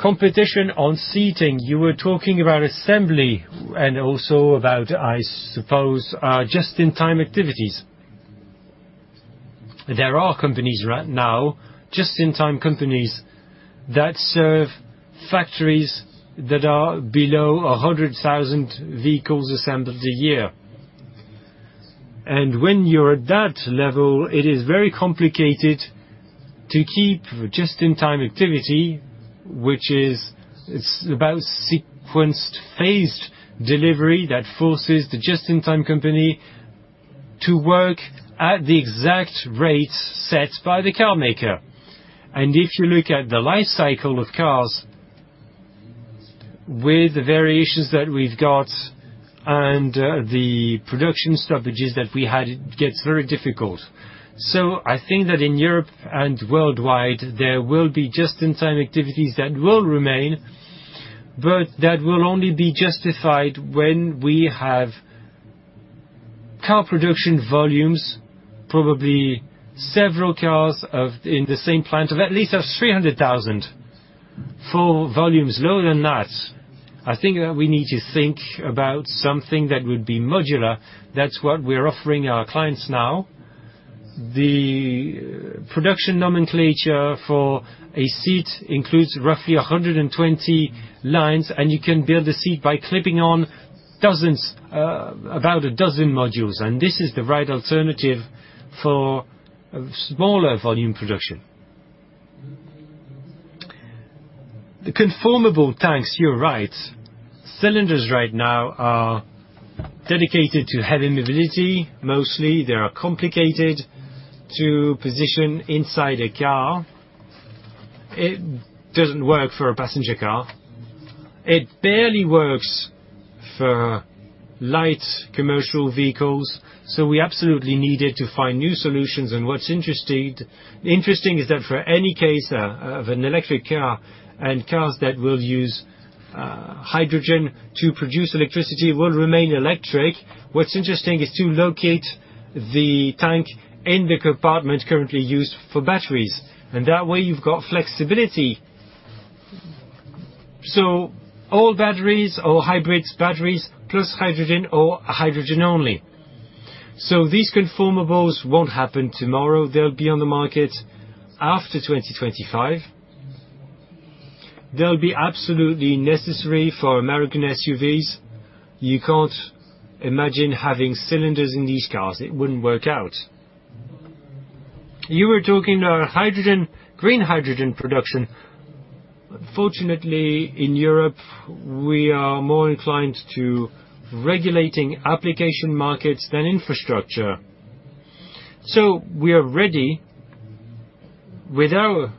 Competition on seating. You were talking about assembly and also about, I suppose, just-in-time activities. There are companies right now, just-in-time companies, that serve factories that are below 100,000 vehicles assembled a year. When you're at that level, it is very complicated to keep just-in-time activity. It's about sequenced, phased delivery that forces the just-in-time company to work at the exact rate set by the car maker. If you look at the life cycle of cars, with the variations that we've got and the production stoppages that we had, it gets very difficult. I think that in Europe and worldwide, there will be just-in-time activities that will remain, but that will only be justified when we have car production volumes, probably several cars in the same plant, of at least 300,000. For volumes lower than that, I think, we need to think about something that would be modular. That's what we're offering our clients now. The production nomenclature for a seat includes roughly 120 lines. You can build a seat by clipping on dozens, about a dozen modules. This is the right alternative for smaller volume production. The conformable tanks, you're right. Cylinders right now are dedicated to heavy mobility. Mostly they are complicated to position inside a car. It doesn't work for a passenger car. It barely works for light commercial vehicles, so we absolutely needed to find new solutions. What's interesting, is that for any case of an electric car and cars that will use hydrogen to produce electricity, will remain electric. What's interesting is to locate the tank in the compartment currently used for batteries, and that way you've got flexibility. All batteries, or hybrids batteries, plus hydrogen or hydrogen only. These conformables won't happen tomorrow. They'll be on the market after 2025. They'll be absolutely necessary for American SUVs. You can't imagine having cylinders in these cars. It wouldn't work out. You were talking about hydrogen, green hydrogen production. Fortunately, in Europe, we are more inclined to regulating application markets than infrastructure. We are ready, with our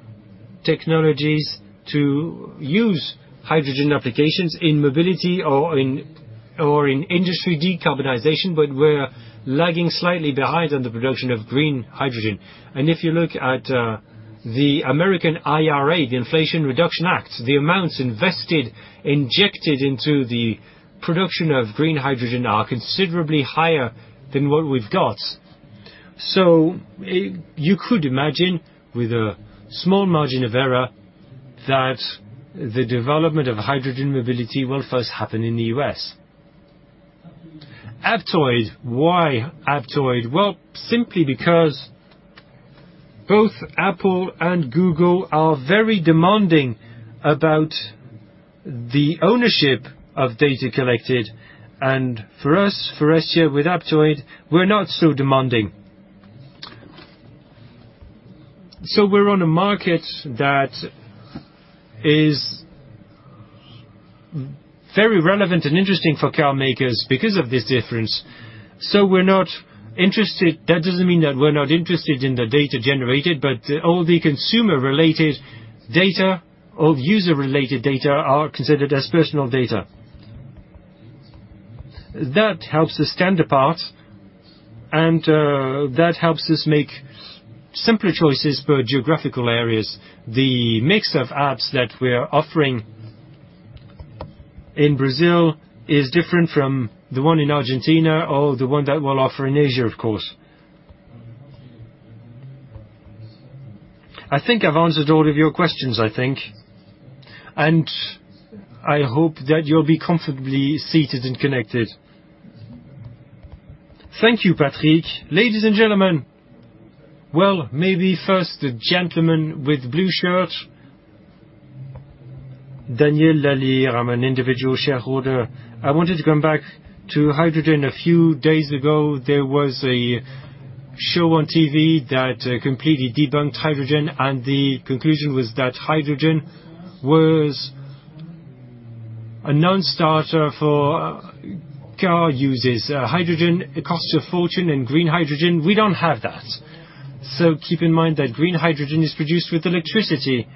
technologies, to use hydrogen applications in mobility or in industry decarbonization, but we're lagging slightly behind on the production of green hydrogen. If you look at the American IRA, the Inflation Reduction Act, the amounts invested, injected into the production of green hydrogen, are considerably higher than what we've got. You could imagine, with a small margin of error, that the development of hydrogen mobility will first happen in the US. Aptoide, why Aptoide? Well, simply because both Apple and Google are very demanding about the ownership of data collected, and for us, Faurecia, with Aptoide, we're not so demanding. We're on a market that is very relevant and interesting for car makers because of this difference. We're not interested. That doesn't mean that we're not interested in the data generated, but all the consumer-related data or user-related data are considered as personal data. That helps us stand apart, and that helps us make simpler choices for geographical areas. The mix of apps that we are offering in Brazil is different from the one in Argentina or the one that we'll offer in Asia, of course. I think I've answered all of your questions, I think, and I hope that you'll be comfortably seated and connected. Thank you, Patrick. Ladies and gentlemen. Well, maybe first, the gentleman with blue shirt. Daniel Lallier, I'm an individual shareholder. I wanted to come back to hydrogen. A few days ago, there was a show on TV that completely debunked hydrogen, and the conclusion was that hydrogen was a non-starter for car uses. Hydrogen, it costs a fortune, and green hydrogen, we don't have that. Keep in mind that green hydrogen is produced with electricity,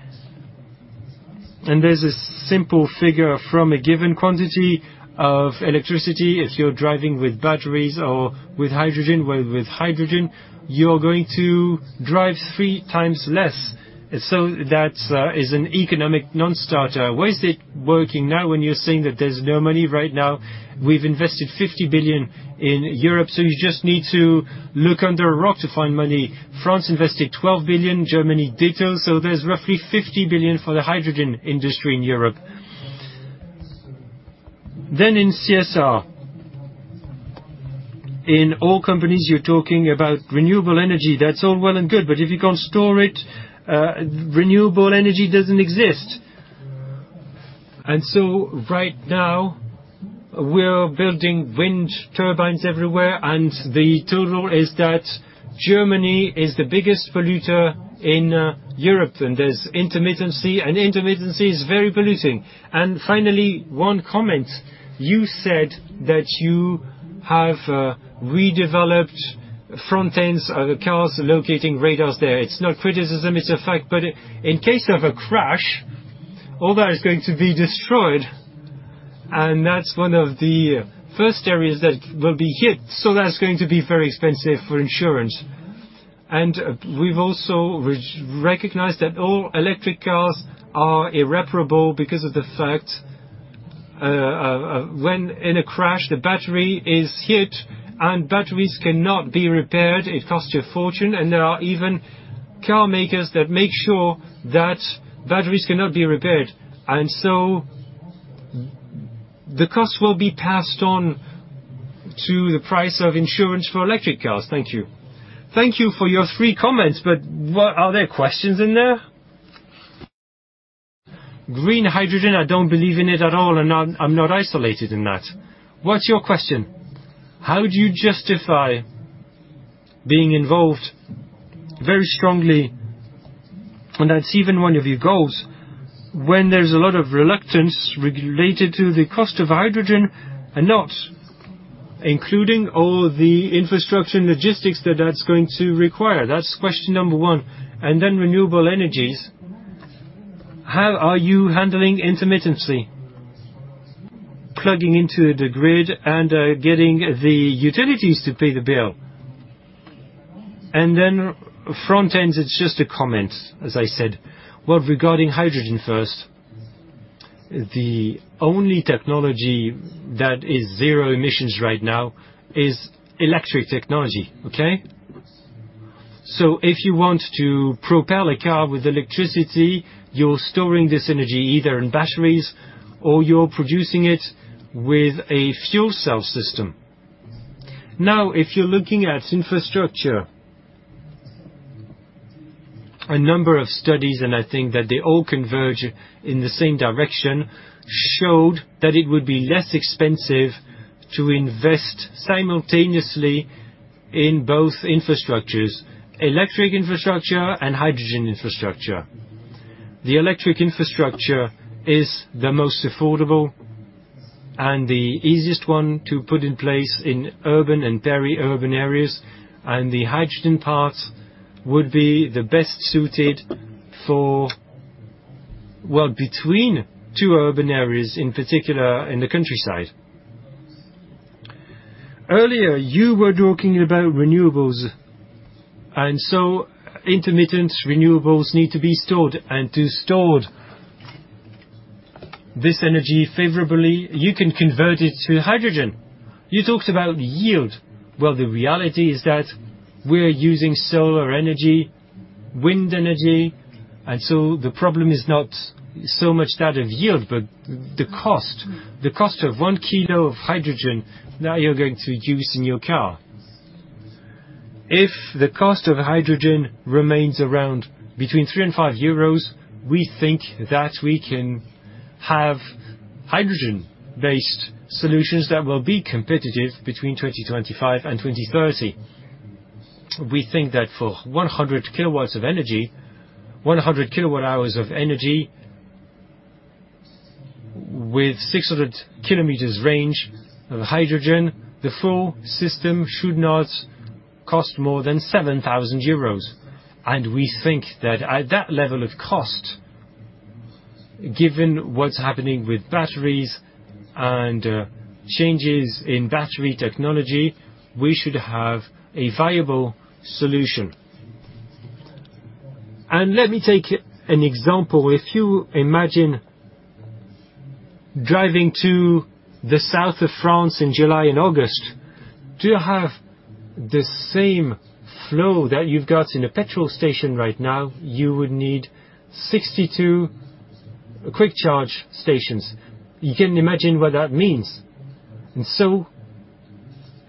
and there's a simple figure from a given quantity of electricity. If you're driving with batteries or with hydrogen, well, with hydrogen, you're going to drive three times less. That's an economic non-starter. Why is it working now when you're saying that there's no money right now? We've invested 50 billion in Europe, you just need to look under a rock to find money. France invested 12 billion, Germany, ditto, there's roughly 50 billion for the hydrogen industry in Europe. In CSR, in all companies, you're talking about renewable energy. That's all well and good, but if you can't store it, renewable energy doesn't exist. Right now, we're building wind turbines everywhere, and the total is that Germany is the biggest polluter in Europe, and there's intermittency, and intermittency is very polluting. Finally, one comment: you said that you have redeveloped front ends of the cars, locating radars there. It's not criticism, it's a fact, but in case of a crash, all that is going to be destroyed, and that's one of the first areas that will be hit, so that's going to be very expensive for insurance. We've also re-recognized that all electric cars are irreparable because of the fact, when in a crash, the battery is hit, and batteries cannot be repaired. It costs you a fortune, and there are even car makers that make sure that batteries cannot be repaired, and so the cost will be passed on to the price of insurance for electric cars. Thank you. Thank you for your three comments, but are there questions in there? Green hydrogen, I don't believe in it at all, and I'm not isolated in that. What's your question? How do you justify being involved very strongly, and that's even one of your goals, when there's a lot of reluctance related to the cost of hydrogen and not including all the infrastructure and logistics that that's going to require? That's question number one. Then renewable energies, how are you handling intermittency, plugging into the grid, and getting the utilities to pay the bill? Then front ends, it's just a comment, as I said. Well, regarding hydrogen first, the only technology that is zero emissions right now is electric technology. Okay? If you want to propel a car with electricity, you're storing this energy either in batteries or you're producing it with a fuel cell system. If you're looking at infrastructure, a number of studies, and I think that they all converge in the same direction, showed that it would be less expensive to invest simultaneously in both infrastructures, electric infrastructure and hydrogen infrastructure. The electric infrastructure is the most affordable and the easiest one to put in place in urban and very urban areas, and the hydrogen part would be the best suited for. Well, between two urban areas, in particular in the countryside. Earlier, you were talking about renewables, and so intermittent renewables need to be stored, and to stored this energy favorably, you can convert it to hydrogen. You talked about yield. Well, the reality is that we're using solar energy, wind energy, and so the problem is not so much that of yield, but the cost. The cost of 1 kilo of hydrogen that you're going to use in your car. If the cost of hydrogen remains around between 3 and 5 euros, we think that we can have hydrogen-based solutions that will be competitive between 2025 and 2030. We think that for 100 kW of energy, 100 kWh of energy, with 600 km range of hydrogen, the full system should not cost more than 7,000 euros. We think that at that level of cost, given what's happening with batteries and changes in battery technology, we should have a viable solution. Let me take an example: if you imagine driving to the south of France in July and August, to have the same flow that you've got in a petrol station right now, you would need 62 quick charge stations. You can imagine what that means.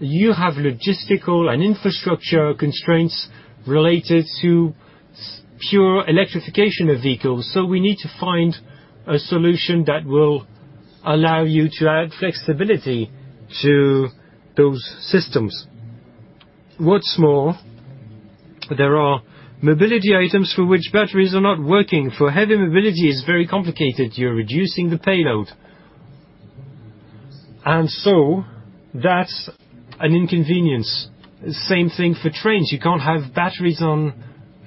You have logistical and infrastructure constraints related to pure electrification of vehicles, so we need to find a solution that will allow you to add flexibility to those systems. What's more, there are mobility items for which batteries are not working. For heavy mobility, it's very complicated. You're reducing the payload, and so that's an inconvenience. Same thing for trains. You can't have batteries on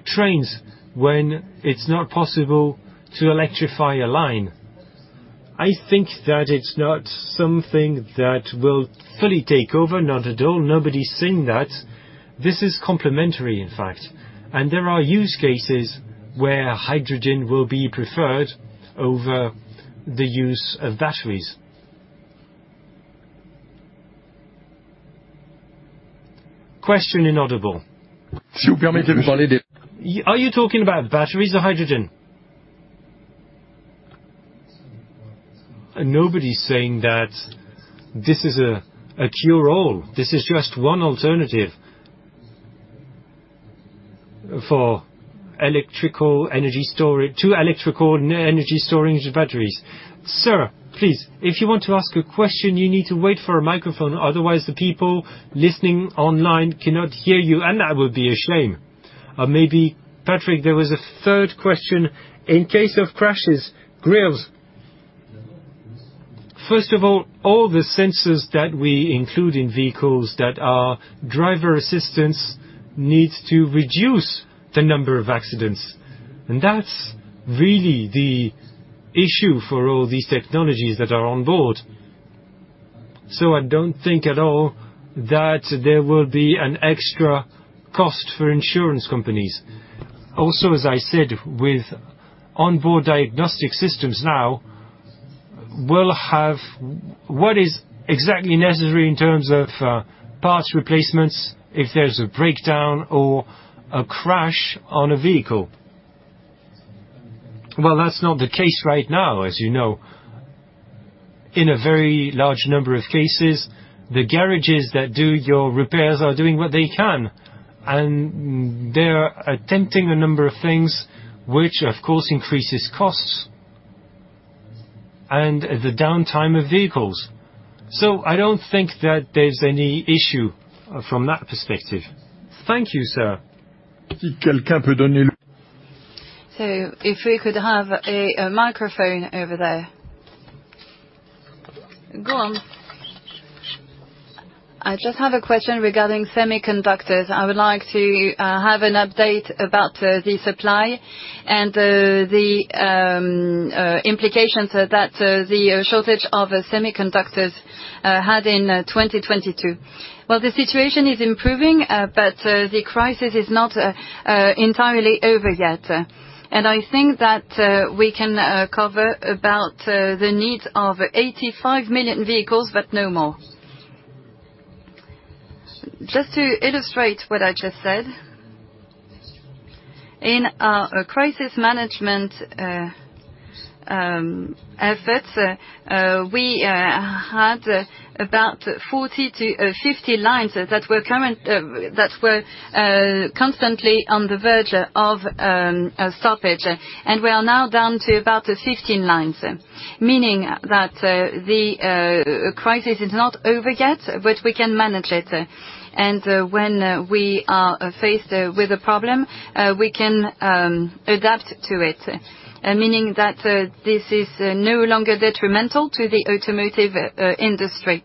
trains when it's not possible to electrify a line. I think that it's not something that will fully take over. Not at all. Nobody's saying that. This is complementary, in fact. There are use cases where hydrogen will be preferred over the use of batteries. Are you talking about batteries or hydrogen? Nobody's saying that this is a cure-all. This is just one alternative for electrical energy storage, to electrical energy storage batteries. Sir, please, if you want to ask a question, you need to wait for a microphone, otherwise, the people listening online cannot hear you, and that would be a shame. Maybe, Patrick, there was a third question. In case of crashes, grills. First of all the sensors that we include in vehicles that are driver assistance needs to reduce the number of accidents, and that's really the issue for all these technologies that are on board. I don't think at all that there will be an extra cost for insurance companies. As I said, with onboard diagnostic systems now, we'll have what is exactly necessary in terms of parts replacements if there's a breakdown or a crash on a vehicle. That's not the case right now, as you know. In a very large number of cases, the garages that do your repairs are doing what they can, and they're attempting a number of things which, of course, increases costs and the downtime of vehicles. I don't think that there's any issue from that perspective. Thank you, sir. If we could have a microphone over there, go on. I just have a question regarding semiconductors. I would like to have an update about the supply and the implications that the shortage of semiconductors had in 2022. The situation is improving, but the crisis is not entirely over yet. I think that we can cover about the needs of 85 million vehicles, but no more. Just to illustrate what I just said, in our crisis management efforts, we had about 40-50 lines that were current, that were constantly on the verge of a stoppage. We are now down to about 15 lines, meaning that the crisis is not over yet, but we can manage it. And, uh, when, uh, we are faced, uh, with a problem, uh, we can, um, adapt to it, uh, meaning that, uh, this is no longer detrimental to the automotive, uh, industry.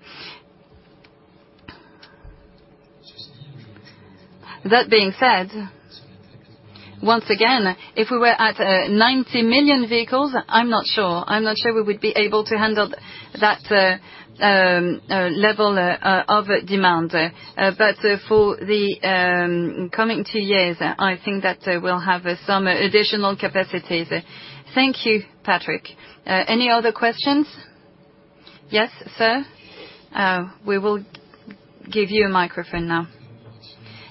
That being said, once again, if we were at, uh, ninety million vehicles, I'm not sure. I'm not sure we would be able to handle that, uh, um, uh, level, uh, of demand. Uh, but, uh, for the, um, coming two years, I think that, uh, we'll have some additional capacities. Thank you, Patrick. Uh, any other questions? Yes, sir. Uh, we will give you a microphone now.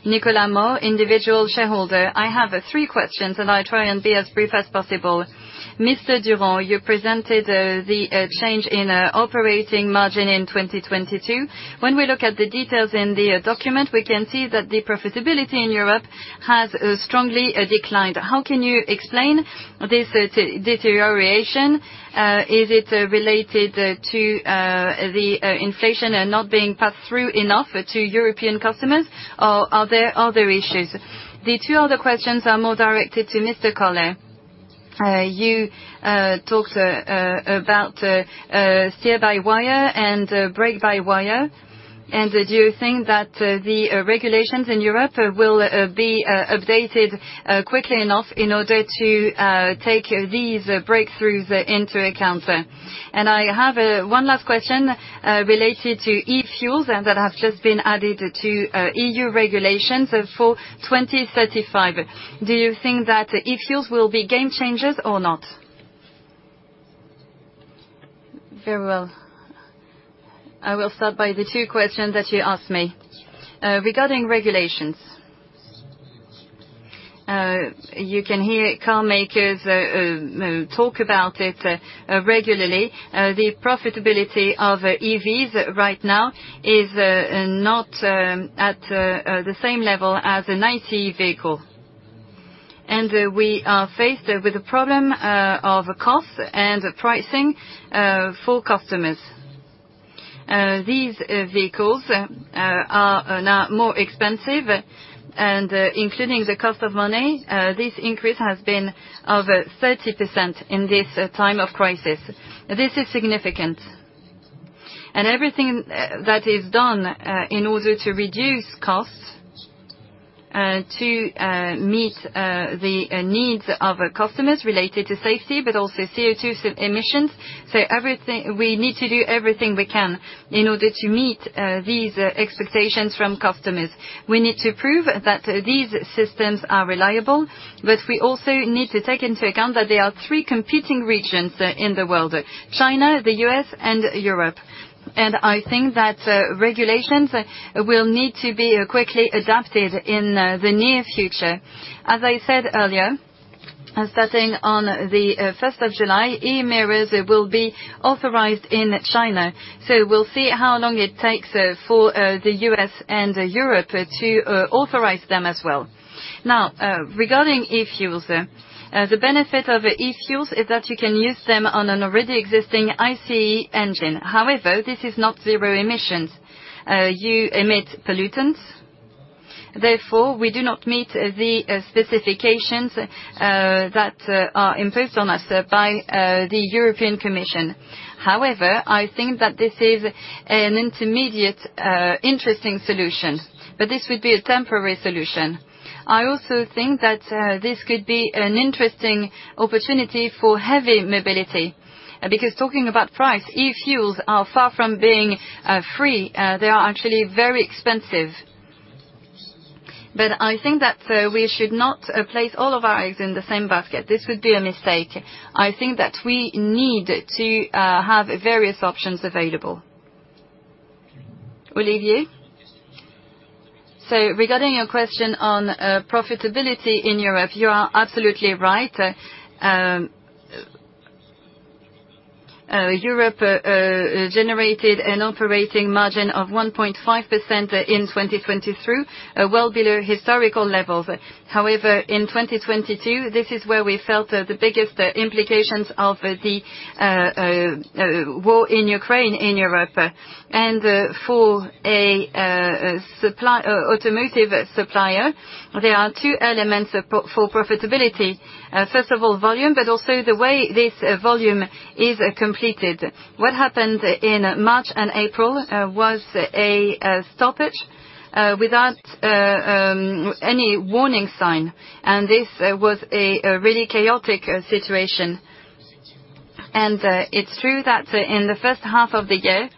Nicolas Moore, individual shareholder. I have, uh, three questions, and I'll try and be as brief as possible. Mr. Durand, you presented, uh, the, uh, change in, uh, operating margin in 2022. When we look at the details in the document, we can see that the profitability in Europe has strongly declined. How can you explain this deterioration? Is it related to the inflation and not being passed through enough to European customers, or are there other issues? The two other questions are more directed to Mr. Koller. You talked about steer-by-wire and brake-by-wire. Do you think that the regulations in Europe will be updated quickly enough in order to take these breakthroughs into account? I have one last question related to eFuels, and that have just been added to EU regulations for 2035. Do you think that eFuels will be game changers or not? Very well. I will start by the two questions that you asked me. Regarding regulations, you can hear carmakers talk about it regularly. The profitability of EVs right now is not at the same level as an ICE vehicle. We are faced with a problem of cost and pricing for customers. These vehicles are now more expensive, and including the cost of money, this increase has been over 30% in this time of crisis. This is significant. Everything that is done in order to reduce costs to meet the needs of our customers related to safety, but also CO2 emissions. We need to do everything we can in order to meet these expectations from customers. We need to prove that these systems are reliable, but we also need to take into account that there are three competing regions in the world, China, the U.S., and Europe. I think that regulations will need to be quickly adapted in the near future. As I said earlier, starting on the 1st of July, eMirrors will be authorized in China. We'll see how long it takes for the U.S. and Europe to authorize them as well. Now, regarding e-fuels, the benefit of eFuels is that you can use them on an already existing ICE engine. However, this is not zero emissions. You emit pollutants, therefore, we do not meet the specifications that are imposed on us by the European Commission. I think that this is an intermediate, interesting solution, but this would be a temporary solution. I also think that this could be an interesting opportunity for heavy mobility, because talking about price, e-fuels are far from being free, they are actually very expensive. I think that we should not place all of our eggs in the same basket. This would be a mistake. I think that we need to have various options available. Olivier? Regarding your question on profitability in Europe, you are absolutely right. Europe generated an operating margin of 1.5% in 2022, well below historical levels. In 2022, this is where we felt the biggest implications of the war in Ukraine, in Europe. For a automotive supplier, there are two elements for profitability. First of all, volume, but also the way this volume is completed. What happened in March and April was a stoppage without any warning sign, and this was a really chaotic situation. It's true that in the first half of the year,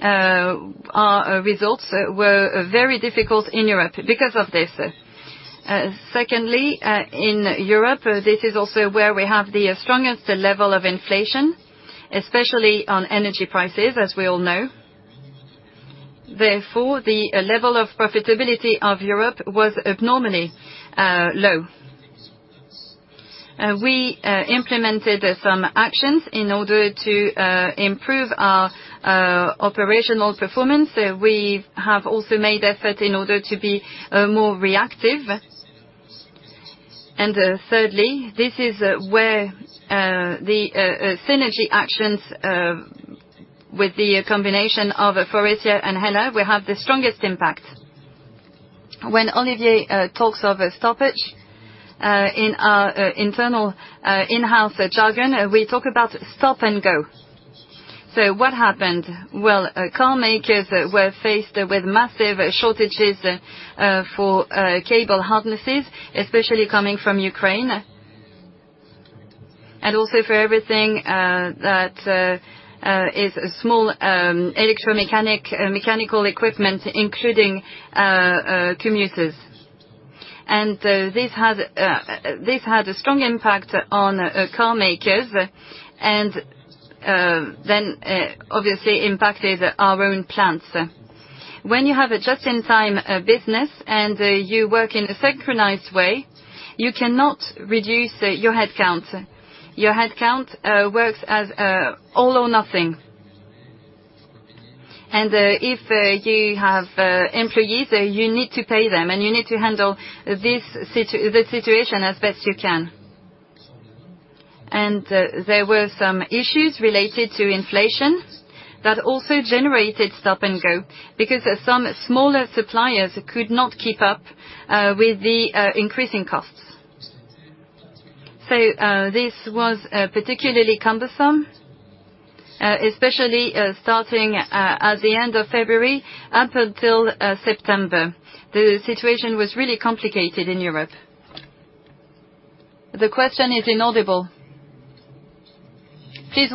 our results were very difficult in Europe because of this. Secondly, in Europe, this is also where we have the strongest level of inflation, especially on energy prices, as we all know. Therefore, the level of profitability of Europe was abnormally low. We implemented some actions in order to improve our operational performance. We have also made effort in order to be more reactive. Thirdly, this is where the synergy actions with the combination of Faurecia and HELLA will have the strongest impact. When Olivier talks of a stoppage in our internal in-house jargon, we talk about stop and go. What happened? Car makers were faced with massive shortages for cable harnesses, especially coming from Ukraine, and also for everything that is small, electromechanic, mechanical equipment, including commuters. This had a strong impact on car makers and then obviously impacted our own plants. When you have a just-in-time business and you work in a synchronized way, you cannot reduce your headcount. Your headcount works as all or nothing. If you have employees, you need to pay them, and you need to handle the situation as best you can. There were some issues related to inflation that also generated stop and go, because some smaller suppliers could not keep up with the increasing costs. This was particularly cumbersome, especially starting at the end of February up until September. The situation was really complicated in Europe. Are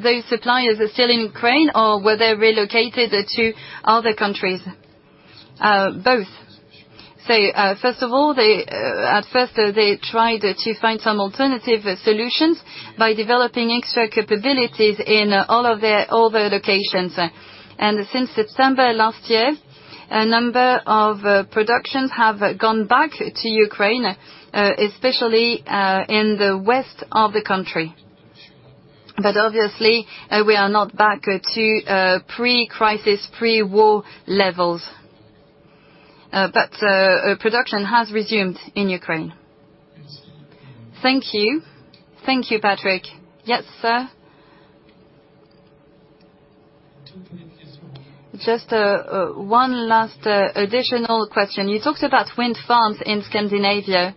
those suppliers still in Ukraine, or were they relocated to other countries? Both. First of all, at first, they tried to find some alternative solutions by developing extra capabilities in all their locations. Since September last year, a number of productions have gone back to Ukraine, especially in the west of the country. Obviously, we are not back to pre-crisis, pre-war levels. Production has resumed in Ukraine. Thank you. Thank you, Patrick. Yes, sir? Just one last additional question. You talked about wind farms in Scandinavia.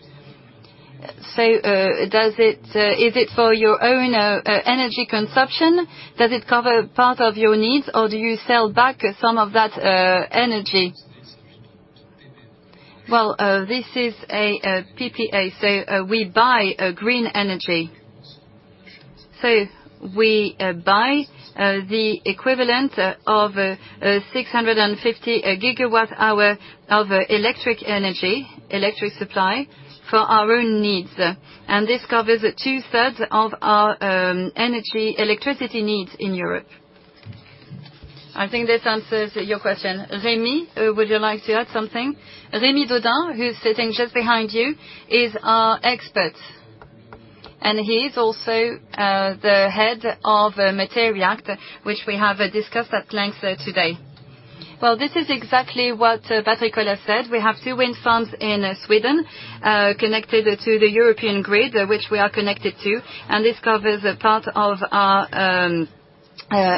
Does it, is it for your own energy consumption? Does it cover part of your needs, or do you sell back some of that energy? Well, this is a PPA, so we buy green energy. We buy the equivalent of 650 GWh of electric energy, electric supply for our own needs. This covers two-thirds of our energy, electricity needs in Europe. I think this answers your question. Remy, would you like to add something? Rémi Daudin, who's sitting just behind you, is our expert, and he is also the head of MATERI'ACT, which we have discussed at length today. Well, this is exactly what Patrick has said. We have two wind farms in Sweden, connected to the European grid, which we are connected to, and this covers a part of our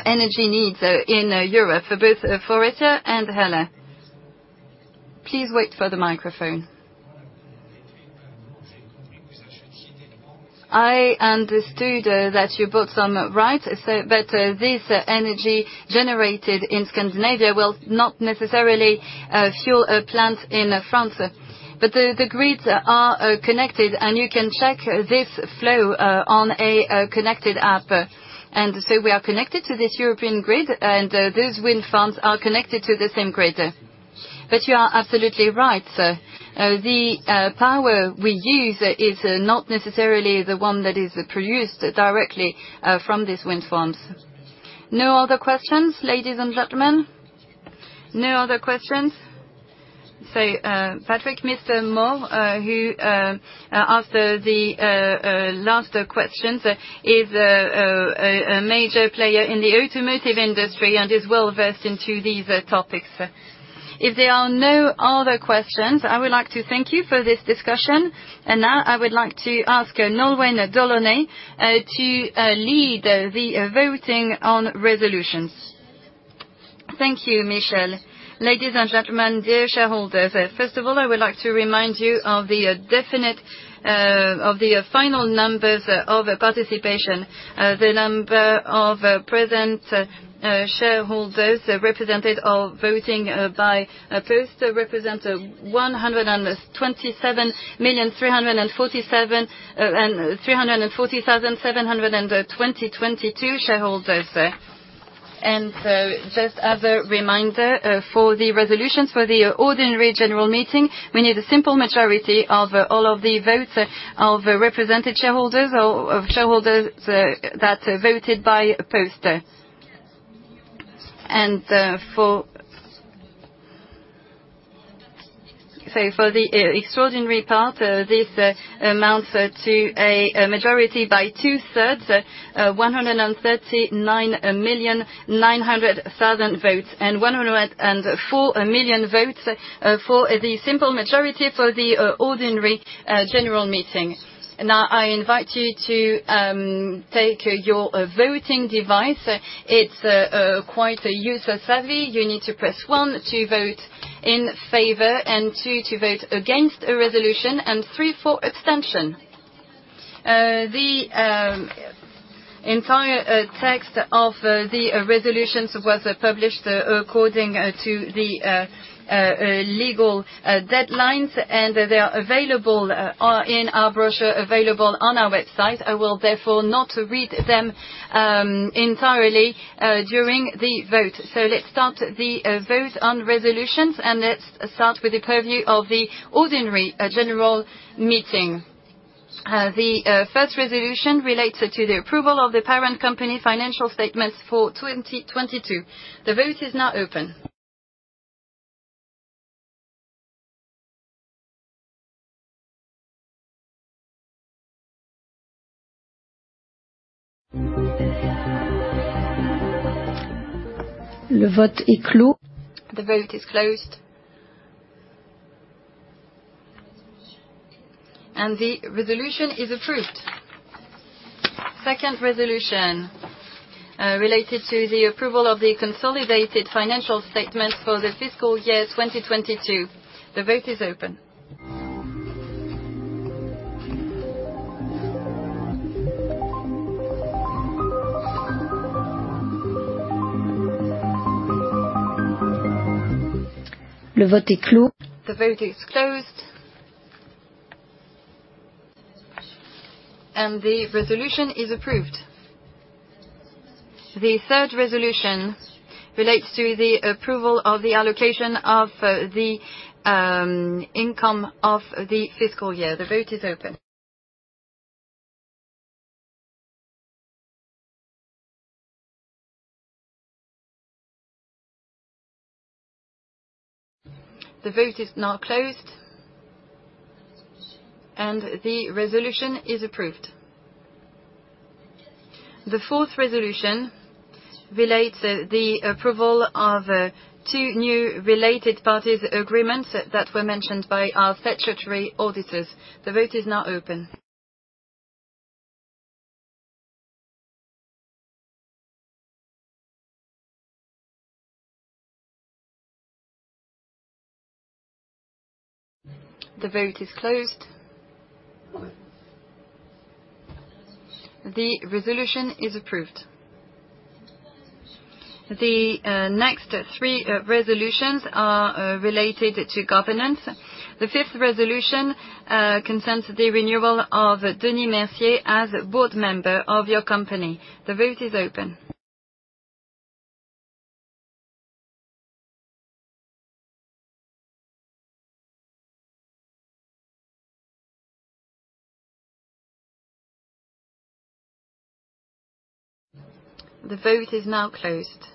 energy needs in Europe for both Faurecia and HELLA. Please wait for the microphone. I understood that you bought some, right? This energy generated in Scandinavia will not necessarily fuel a plant in France, but the grids are connected, and you can check this flow on a connected app. We are connected to this European grid, and those wind farms are connected to the same grid. You are absolutely right, sir. The power we use is not necessarily the one that is produced directly from these wind farms. No other questions, ladies and gentlemen? No other questions. Patrick, Mr. Moore, who asked the last question, is a major player in the automotive industry and is well-versed into these topics. If there are no other questions, I would like to thank you for this discussion. Now I would like to ask Nolwenn Delaunay to lead the voting on resolutions. Thank you, Michel. Ladies and gentlemen, dear shareholders, first of all, I would like to remind you of the final numbers of participation. The number of present shareholders represented or voting by post represent 127,347,340,722 shareholders. Just as a reminder, for the resolutions for the ordinary general meeting, we need a simple majority of all of the votes of represented shareholders or of shareholders that voted by post. For the extraordinary part, this amounts to a majority by two-thirds, 139 million, 900,000 votes, and 104 million votes for the simple majority for the ordinary general meeting. Now, I invite you to take your voting device. It's quite user-savvy. You need to press one to vote in favor, and two to vote against a resolution, and three for abstention. The entire text of the resolutions was published according to the legal deadlines, and they are available in our brochure, available on our website. I will therefore not read them entirely during the vote. Let's start the vote on resolutions, and let's start with the purview of the ordinary general meeting. The first resolution relates to the approval of the parent company financial statements for 2022. The vote is now open. The vote is closed. And the resolution is approved. Second resolution, related to the approval of the consolidated financial statements for the fiscal year 2022. The vote is open. The vote is closed. And the resolution is approved. The third resolution relates to the approval of the allocation of the income of the fiscal year. The vote is open. The vote is now closed. The resolution is approved. The fourth resolution relates to the approval of two new related parties agreements that were mentioned by our Statutory Auditors. The vote is now open. The vote is closed. The resolution is approved. The next three resolutions are related to governance. The fifth resolution concerns the renewal of Denis Mercier as board member of your company. The vote is open. The vote is now closed.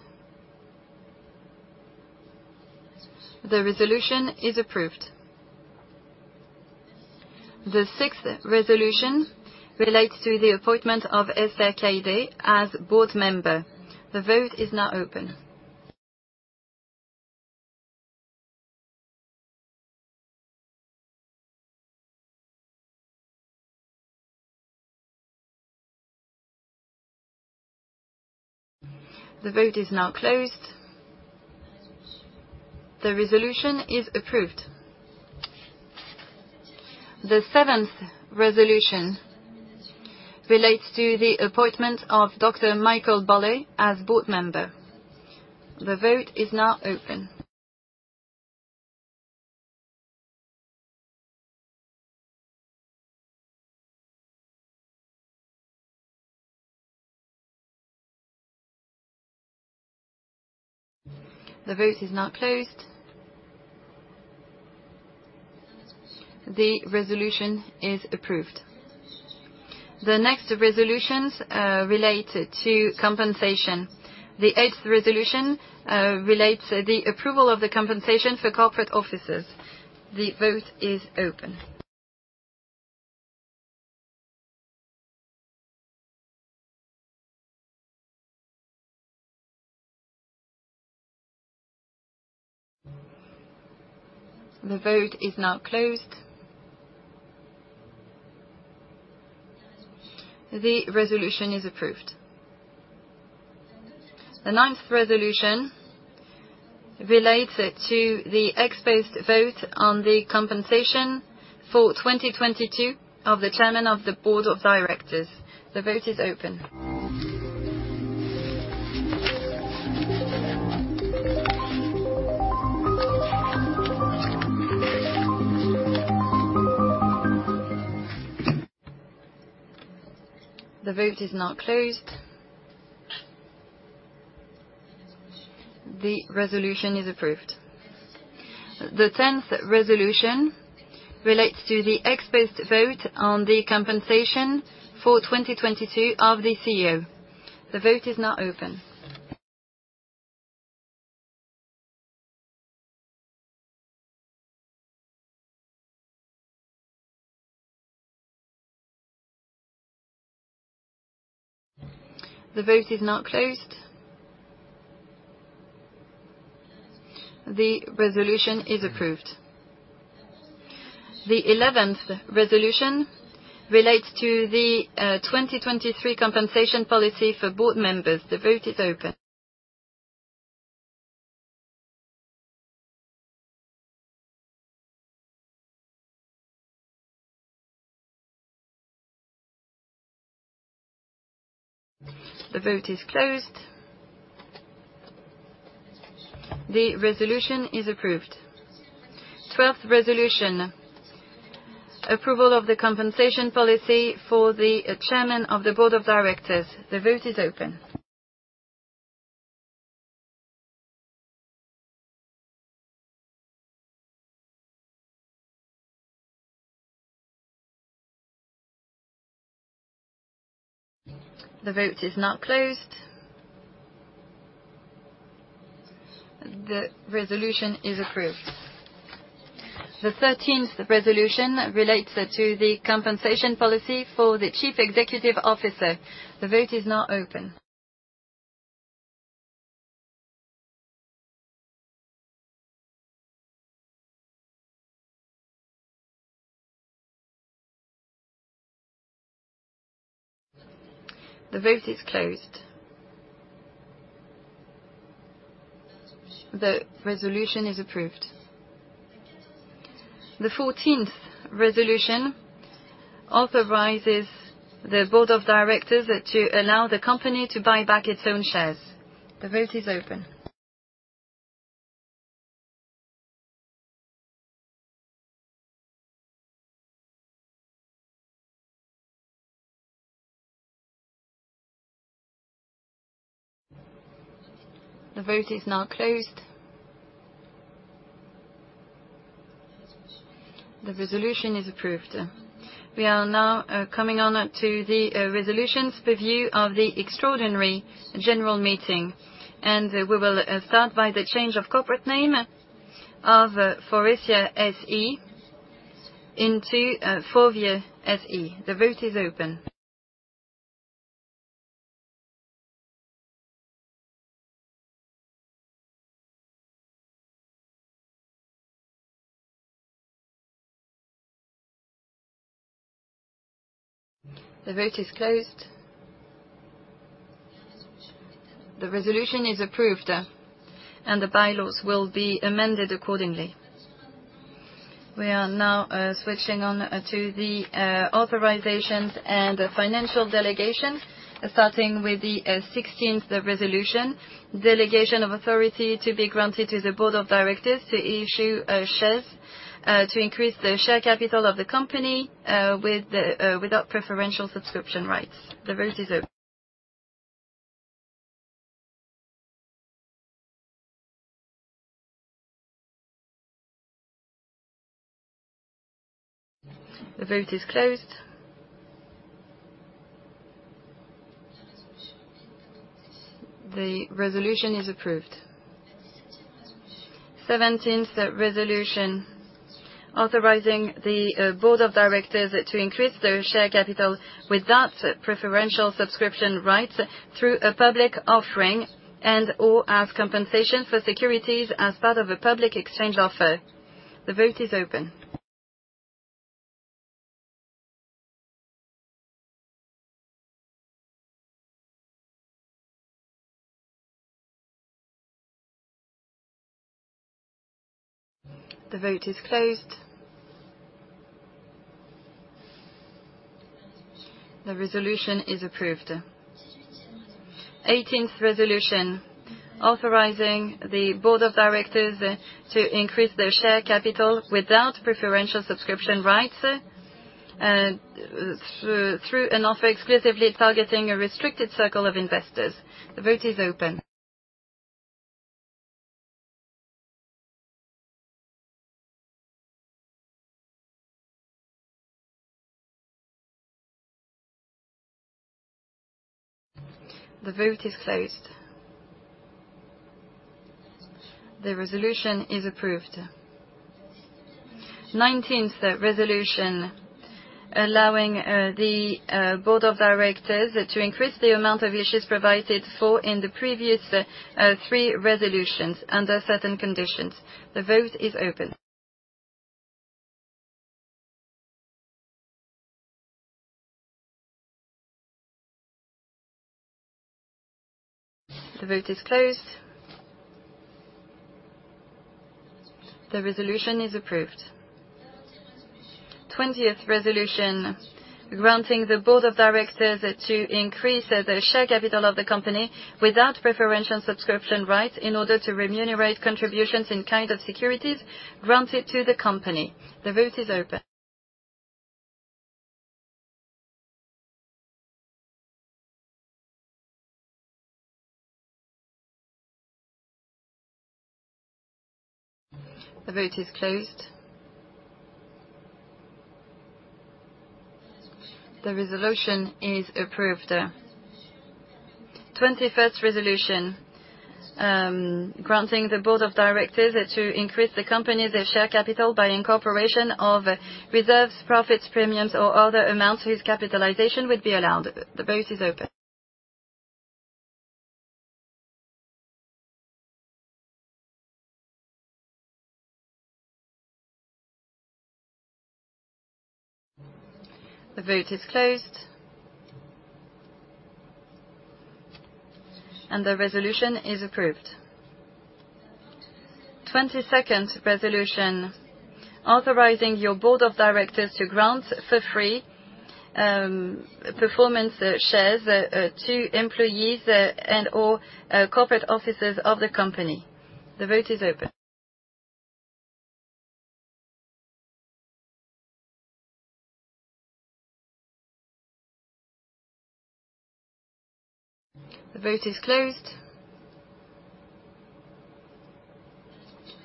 The resolution is approved. The sixth resolution relates to the appointment of Esther Gaide as board member. The vote is now open. The vote is now closed. The resolution is approved. The seventh resolution relates to the appointment of Dr. Michael Bolle as board member. The vote is now open. The vote is now closed. The resolution is approved. The next resolutions relate to compensation. The eighth resolution relates the approval of the compensation for corporate officers. The vote is open. The vote is now closed. The resolution is approved. The ninth resolution relates to the exposed vote on the compensation for 2022 of the Chairman of the Board of Directors. The vote is open. The vote is now closed. The resolution is approved. The tenth resolution relates to the exposed vote on the compensation for 2022 of the CEO. The vote is now open. The vote is now closed. The resolution is approved. The eleventh resolution relates to the 2023 compensation policy for board members. The vote is open. The vote is closed. The resolution is approved. 12th resolution, approval of the compensation policy for the Chairman of the Board of Directors. The vote is open. The vote is now closed. The resolution is approved. The 13th resolution relates to the compensation policy for the Chief Executive Officer. The vote is now open. The vote is closed. The resolution is approved. The 14th resolution authorizes the Board of Directors to allow the company to buy back its own shares. The vote is open. The vote is now closed. The resolution is approved. We are now coming on to the resolutions review of the Extraordinary General Meeting, and we will start by the change of corporate name of Faurecia SE into FORVIA SE. The vote is open. The vote is closed. The resolution is approved, and the bylaws will be amended accordingly. We are now switching on to the authorizations and the financial delegation, starting with the 16th resolution, delegation of authority to be granted to the board of directors to issue shares to increase the share capital of the company without preferential subscription rights. The vote is open. The vote is closed. The resolution is approved. 17th resolution: authorizing the board of directors to increase their share capital without preferential subscription rights through a public offering and or as compensation for securities as part of a public exchange offer. The vote is open. The vote is closed. The resolution is approved. 18th resolution: authorizing the board of directors to increase their share capital without preferential subscription rights through an offer exclusively targeting a restricted circle of investors. The vote is open. The vote is closed. The resolution is approved. 19th resolution: allowing the board of directors to increase the amount of issues provided for in the previous three resolutions under certain conditions. The vote is open. The vote is closed. The resolution is approved. 20th resolution: granting the board of directors to increase the share capital of the company without preferential subscription rights in order to remunerate contributions in kind of securities granted to the company. The vote is open. The vote is closed. The resolution is approved. 21st resolution: granting the board of directors to increase the company's share capital by incorporation of reserves, profits, premiums, or other amounts whose capitalization would be allowed. The vote is open. The vote is closed, and the resolution is approved. 22nd resolution: authorizing your board of directors to grant, for free, performance shares to employees and or corporate officers of the company. The vote is open. The vote is closed.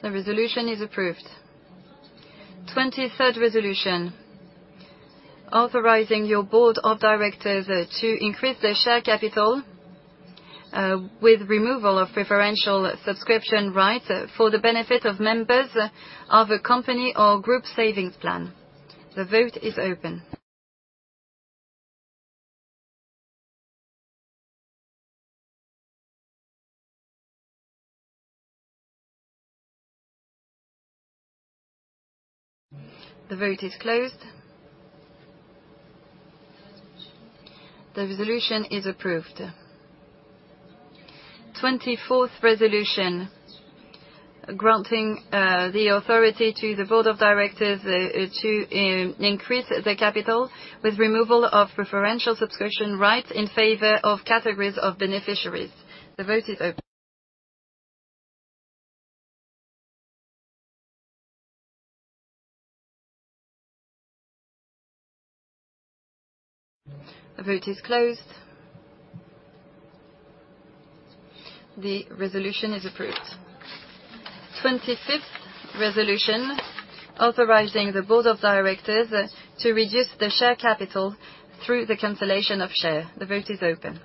The resolution is approved. 23rd resolution: authorizing your board of directors to increase the share capital with removal of preferential subscription rights for the benefit of members of a company or group savings plan. The vote is open. The vote is closed. The resolution is approved. 24th resolution: granting the authority to the board of directors to increase the capital with removal of preferential subscription rights in favor of categories of beneficiaries. The vote is open. The vote is closed. The resolution is approved. 25th resolution: authorizing the board of directors to reduce the share capital through the cancellation of share. The vote is open.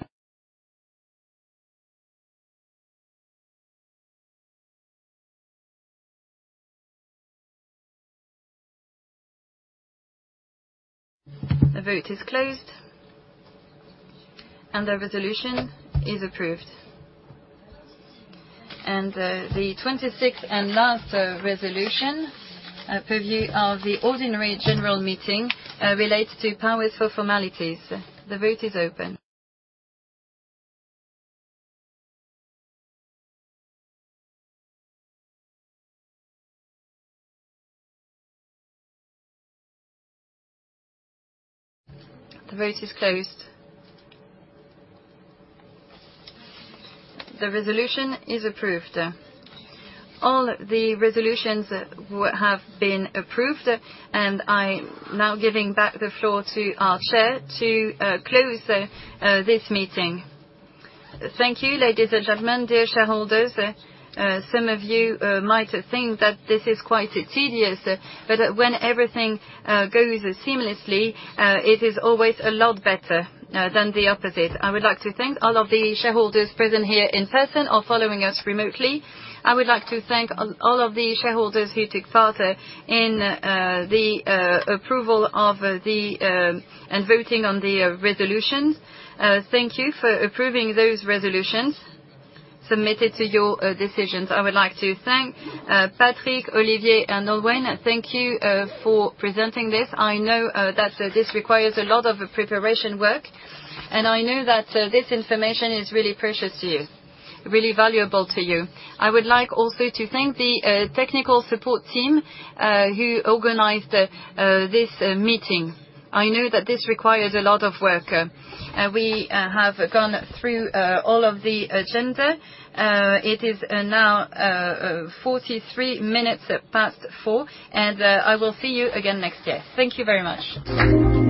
The vote is closed, the resolution is approved. The 26th and last resolution, purview of the ordinary general meeting, relates to powers for formalities. The vote is open. The vote is closed. The resolution is approved. All the resolutions have been approved. I'm now giving back the floor to our chair to close this meeting. Thank you, ladies and gentlemen, dear shareholders. Some of you might think that this is quite tedious. When everything goes seamlessly, it is always a lot better than the opposite. I would like to thank all of the shareholders present here in person or following us remotely. I would like to thank all of the shareholders who took part in the approval of the and voting on the resolutions. Thank you for approving those resolutions submitted to your decisions. I would like to thank Patrick, Olivier, and Nolwenn. Thank you for presenting this. I know that this requires a lot of preparation work, and I know that this information is really precious to you, really valuable to you. I would like also to thank the technical support team who organized this meeting. I know that this requires a lot of work. We have gone through all of the agenda. It is now 4:43 P.M. I will see you again next year. Thank you very much.